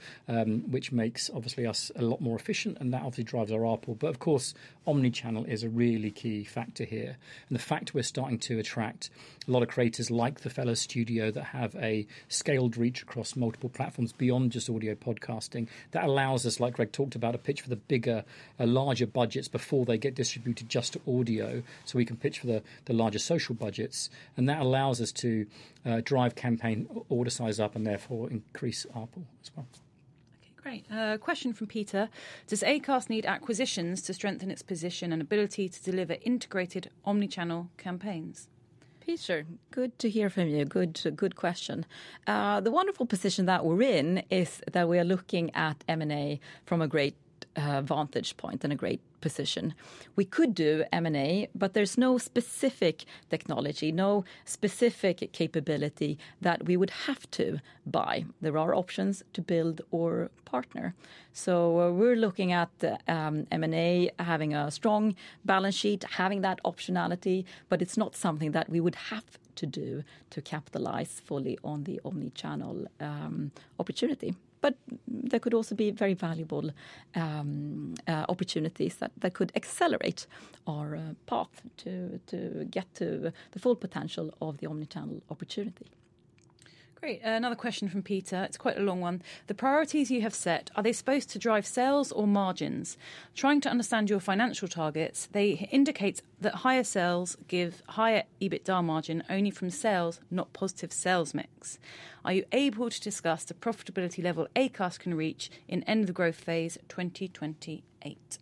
which makes obviously us a lot more efficient, and that obviously drives our ARPL. Of course, omnichannel is a really key factor here. The fact we're starting to attract a lot of creators like the Fellows Studio that have a scaled reach across multiple platforms beyond just audio podcasting, that allows us, like Greg talked about, to pitch for the bigger, larger budgets before they get distributed just to audio, so we can pitch for the larger social budgets. That allows us to drive campaign order size up and therefore increase Apple as well. Okay, great. A question from Peter. Does Acast need acquisitions to strengthen its position and ability to deliver integrated omnichannel campaigns? Peter, good to hear from you. Good question. The wonderful position that we're in is that we are looking at M&A from a great vantage point and a great position. We could do M&A, but there's no specific technology, no specific capability that we would have to buy. There are options to build or partner. We're looking at M&A, having a strong balance sheet, having that optionality, but it's not something that we would have to do to capitalize fully on the omnichannel opportunity. There could also be very valuable opportunities that could accelerate our path to get to the full potential of the omnichannel opportunity. Great. Another question from Peter. It's quite a long one. The priorities you have set, are they supposed to drive sales or margins? Trying to understand your financial targets, they indicate that higher sales give higher EBITDA margin only from sales, not positive sales mix. Are you able to discuss the profitability level Acast can reach in end-of-growth phase 2028?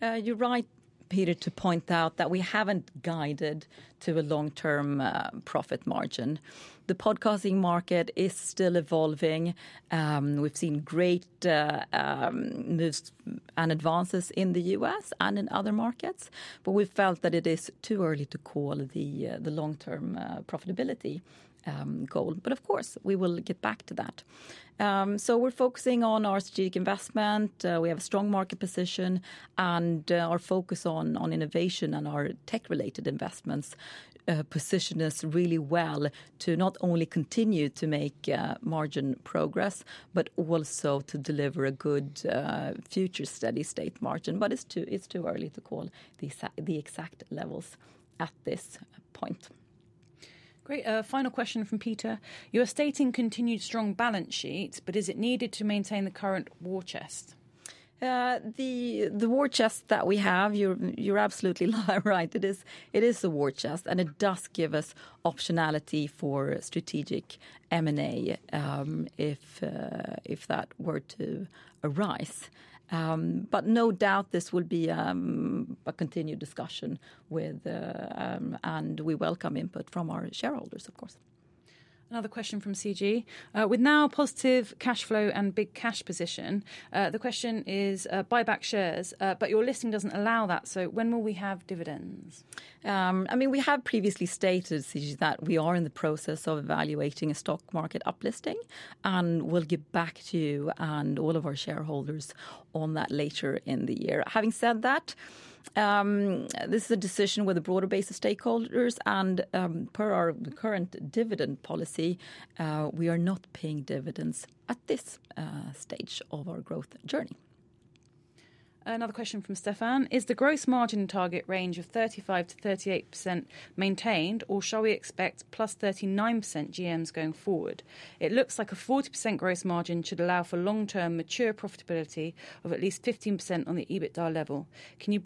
You're right, Peter, to point out that we haven't guided to a long-term profit margin. The podcasting market is still evolving. We've seen great moves and advances in the U.S. and in other markets, but we've felt that it is too early to call the long-term profitability goal. Of course, we will get back to that. We are focusing on our strategic investment. We have a strong market position, and our focus on innovation and our tech-related investments position us really well to not only continue to make margin progress, but also to deliver a good future steady-state margin. It is too early to call the exact levels at this point. Great. Final question from Peter. You are stating continued strong balance sheets, but is it needed to maintain the current war chest? The war chest that we have, you're absolutely right. It is a war chest, and it does give us optionality for strategic M&A if that were to arise. No doubt this will be a continued discussion, and we welcome input from our shareholders, of course. Another question from Siggy. With now a positive cash flow and big cash position, the question is buyback shares, but your listing does not allow that, so when will we have dividends? I mean, we have previously stated that we are in the process of evaluating a stock market uplisting, and we will give back to you and all of our shareholders on that later in the year. Having said that, this is a decision with a broader base of stakeholders, and per our current dividend policy, we are not paying dividends at this stage of our growth journey. Another question from Stefan. Is the gross margin target range of 35%-38% maintained, or shall we expect plus 39% GMs going forward? It looks like a 40% gross margin should allow for long-term mature profitability of at least 15% on the EBITDA level. Can you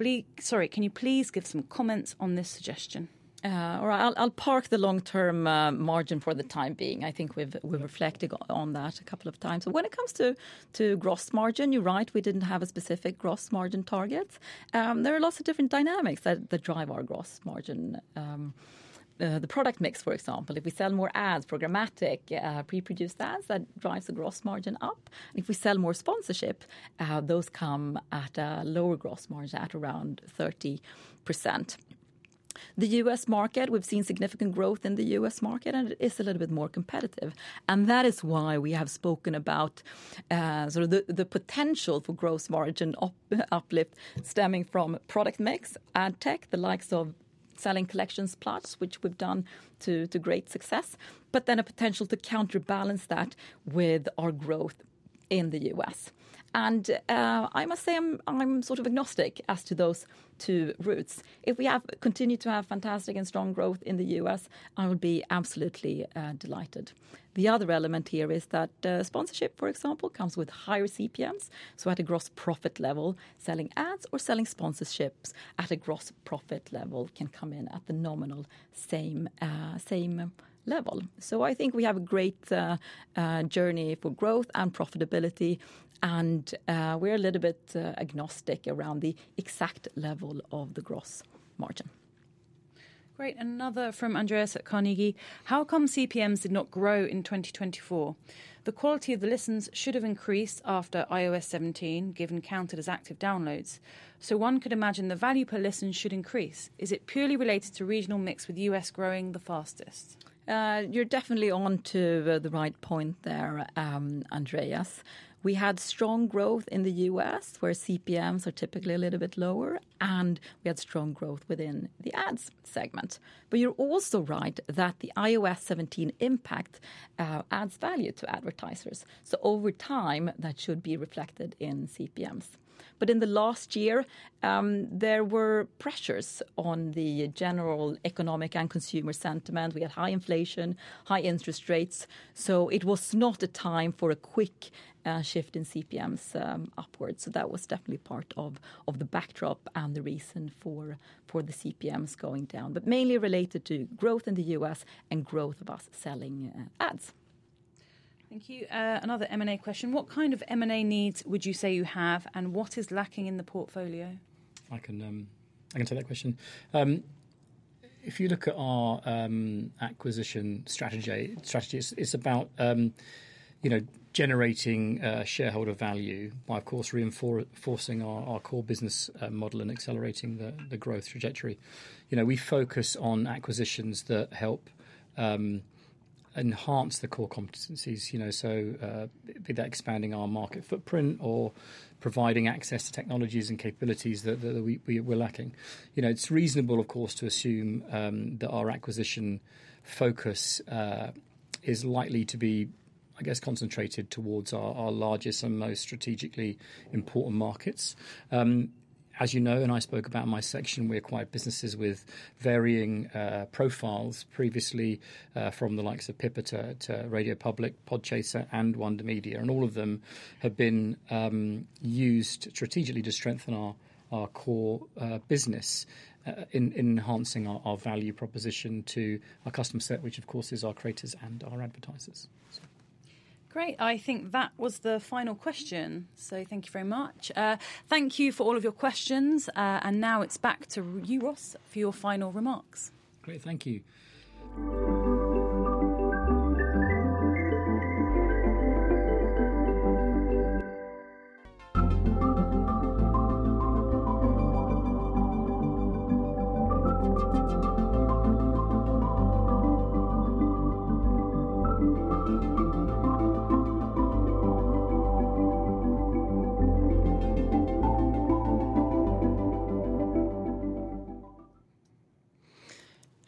please give some comments on this suggestion? All right, I'll park the long-term margin for the time being. I think we've reflected on that a couple of times. When it comes to gross margin, you're right, we didn't have a specific gross margin target. There are lots of different dynamics that drive our gross margin. The product mix, for example, if we sell more ads, programmatic, pre-produced ads, that drives the gross margin up. If we sell more sponsorship, those come at a lower gross margin, at around 30%. The U.S. market, we've seen significant growth in the U.S. market, and it is a little bit more competitive. That is why we have spoken about the potential for gross margin uplift stemming from product mix and tech, the likes of selling Collections Plus which we've done to great success, but then a potential to counterbalance that with our growth in the U.S.. I must say I'm sort of agnostic as to those two routes. If we continue to have fantastic and strong growth in the U.S., I will be absolutely delighted. The other element here is that sponsorship, for example, comes with higher CPMs. At a gross profit level, selling ads or selling sponsorships at a gross profit level can come in at the nominal same level. I think we have a great journey for growth and profitability, and we're a little bit agnostic around the exact level of the gross margin. Great. Another from Andreas at Carnegie. How come CPMs did not grow in 2024? The quality of the listens should have increased after iOS 17, given counted as active downloads. So, one could imagine the value per listen should increase. Is it purely related to regional mix with U.S. growing the fastest? You're definitely on to the right point there, Andreas. We had strong growth in the U.S., where CPMs are typically a little bit lower, and we had strong growth within the ads segment. But you're also right that the iOS 17 impact adds value to advertisers. Over time, that should be reflected in CPMs. In the last year, there were pressures on the general economic and consumer sentiment. We had high inflation, high interest rates. It was not a time for a quick shift in CPMs upwards. That was definitely part of the backdrop and the reason for the CPMs going down, but mainly related to growth in the U.S. and growth of us selling ads. Thank you. Another M&A question. What kind of M&A needs would you say you have, and what is lacking in the portfolio? I can take that question. If you look at our acquisition strategy, it's about generating shareholder value by, of course, reinforcing our core business model and accelerating the growth trajectory. We focus on acquisitions that help enhance the core competencies, be that expanding our market footprint or providing access to technologies and capabilities that we're lacking. It's reasonable, of course, to assume that our acquisition focus is likely to be, I guess, concentrated towards our largest and most strategically important markets. As you know, and I spoke about in my section, we acquired businesses with varying profiles previously from the likes of Pippa to Radio Public, Podchaser, and Wonder Media Network. All of them have been used strategically to strengthen our core business, enhancing our value proposition to our customer set, which, of course, is our creators and our advertisers. Great. I think that was the final question, so thank you very much. Thank you for all of your questions. Now it's back to you, Ross, for your final remarks. Great, thank you.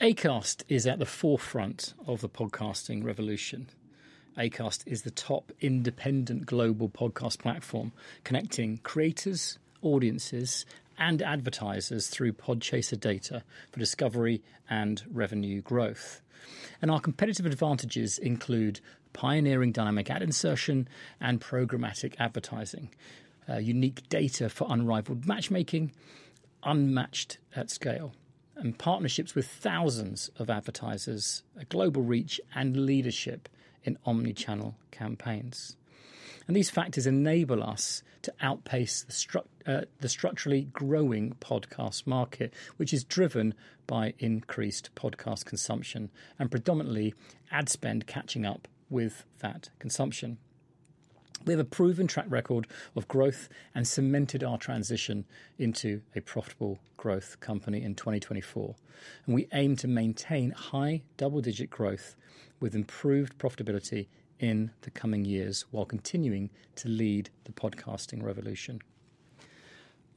Acast is at the forefront of the podcasting revolution. Acast is the top independent global podcast platform connecting creators, audiences, and advertisers through Podchaser data for discovery and revenue growth. Our competitive advantages include pioneering dynamic ad insertion and programmatic advertising, unique data for unrivaled matchmaking, unmatched at scale, and partnerships with thousands of advertisers, a global reach, and leadership in omnichannel campaigns. These factors enable us to outpace the structurally growing podcast market, which is driven by increased podcast consumption and predominantly ad spend catching up with that consumption. We have a proven track record of growth and cemented our transition into a profitable growth company in 2024. We aim to maintain high double-digit growth with improved profitability in the coming years while continuing to lead the podcasting revolution.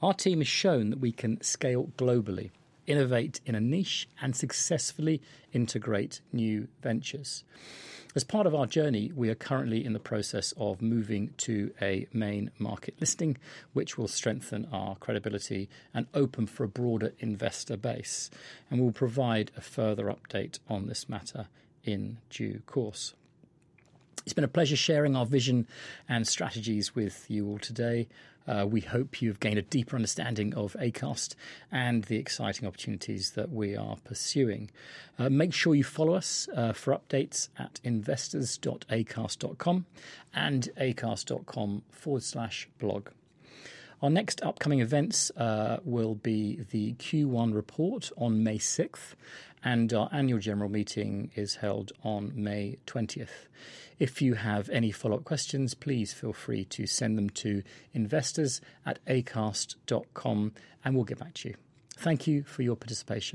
Our team has shown that we can scale globally, innovate in a niche, and successfully integrate new ventures. As part of our journey, we are currently in the process of moving to a main market listing, which will strengthen our credibility and open for a broader investor base. We will provide a further update on this matter in due course. It's been a pleasure sharing our vision and strategies with you all today. We hope you've gained a deeper understanding of Acast and the exciting opportunities that we are pursuing. Make sure you follow us for updates at investors.acast.com and acast.com/blog. Our next upcoming events will be the Q1 report on May 6th, and our annual general meeting is held on May 20th. If you have any follow-up questions, please feel free to send them to investors@acast.com, and we'll get back to you. Thank you for your participation.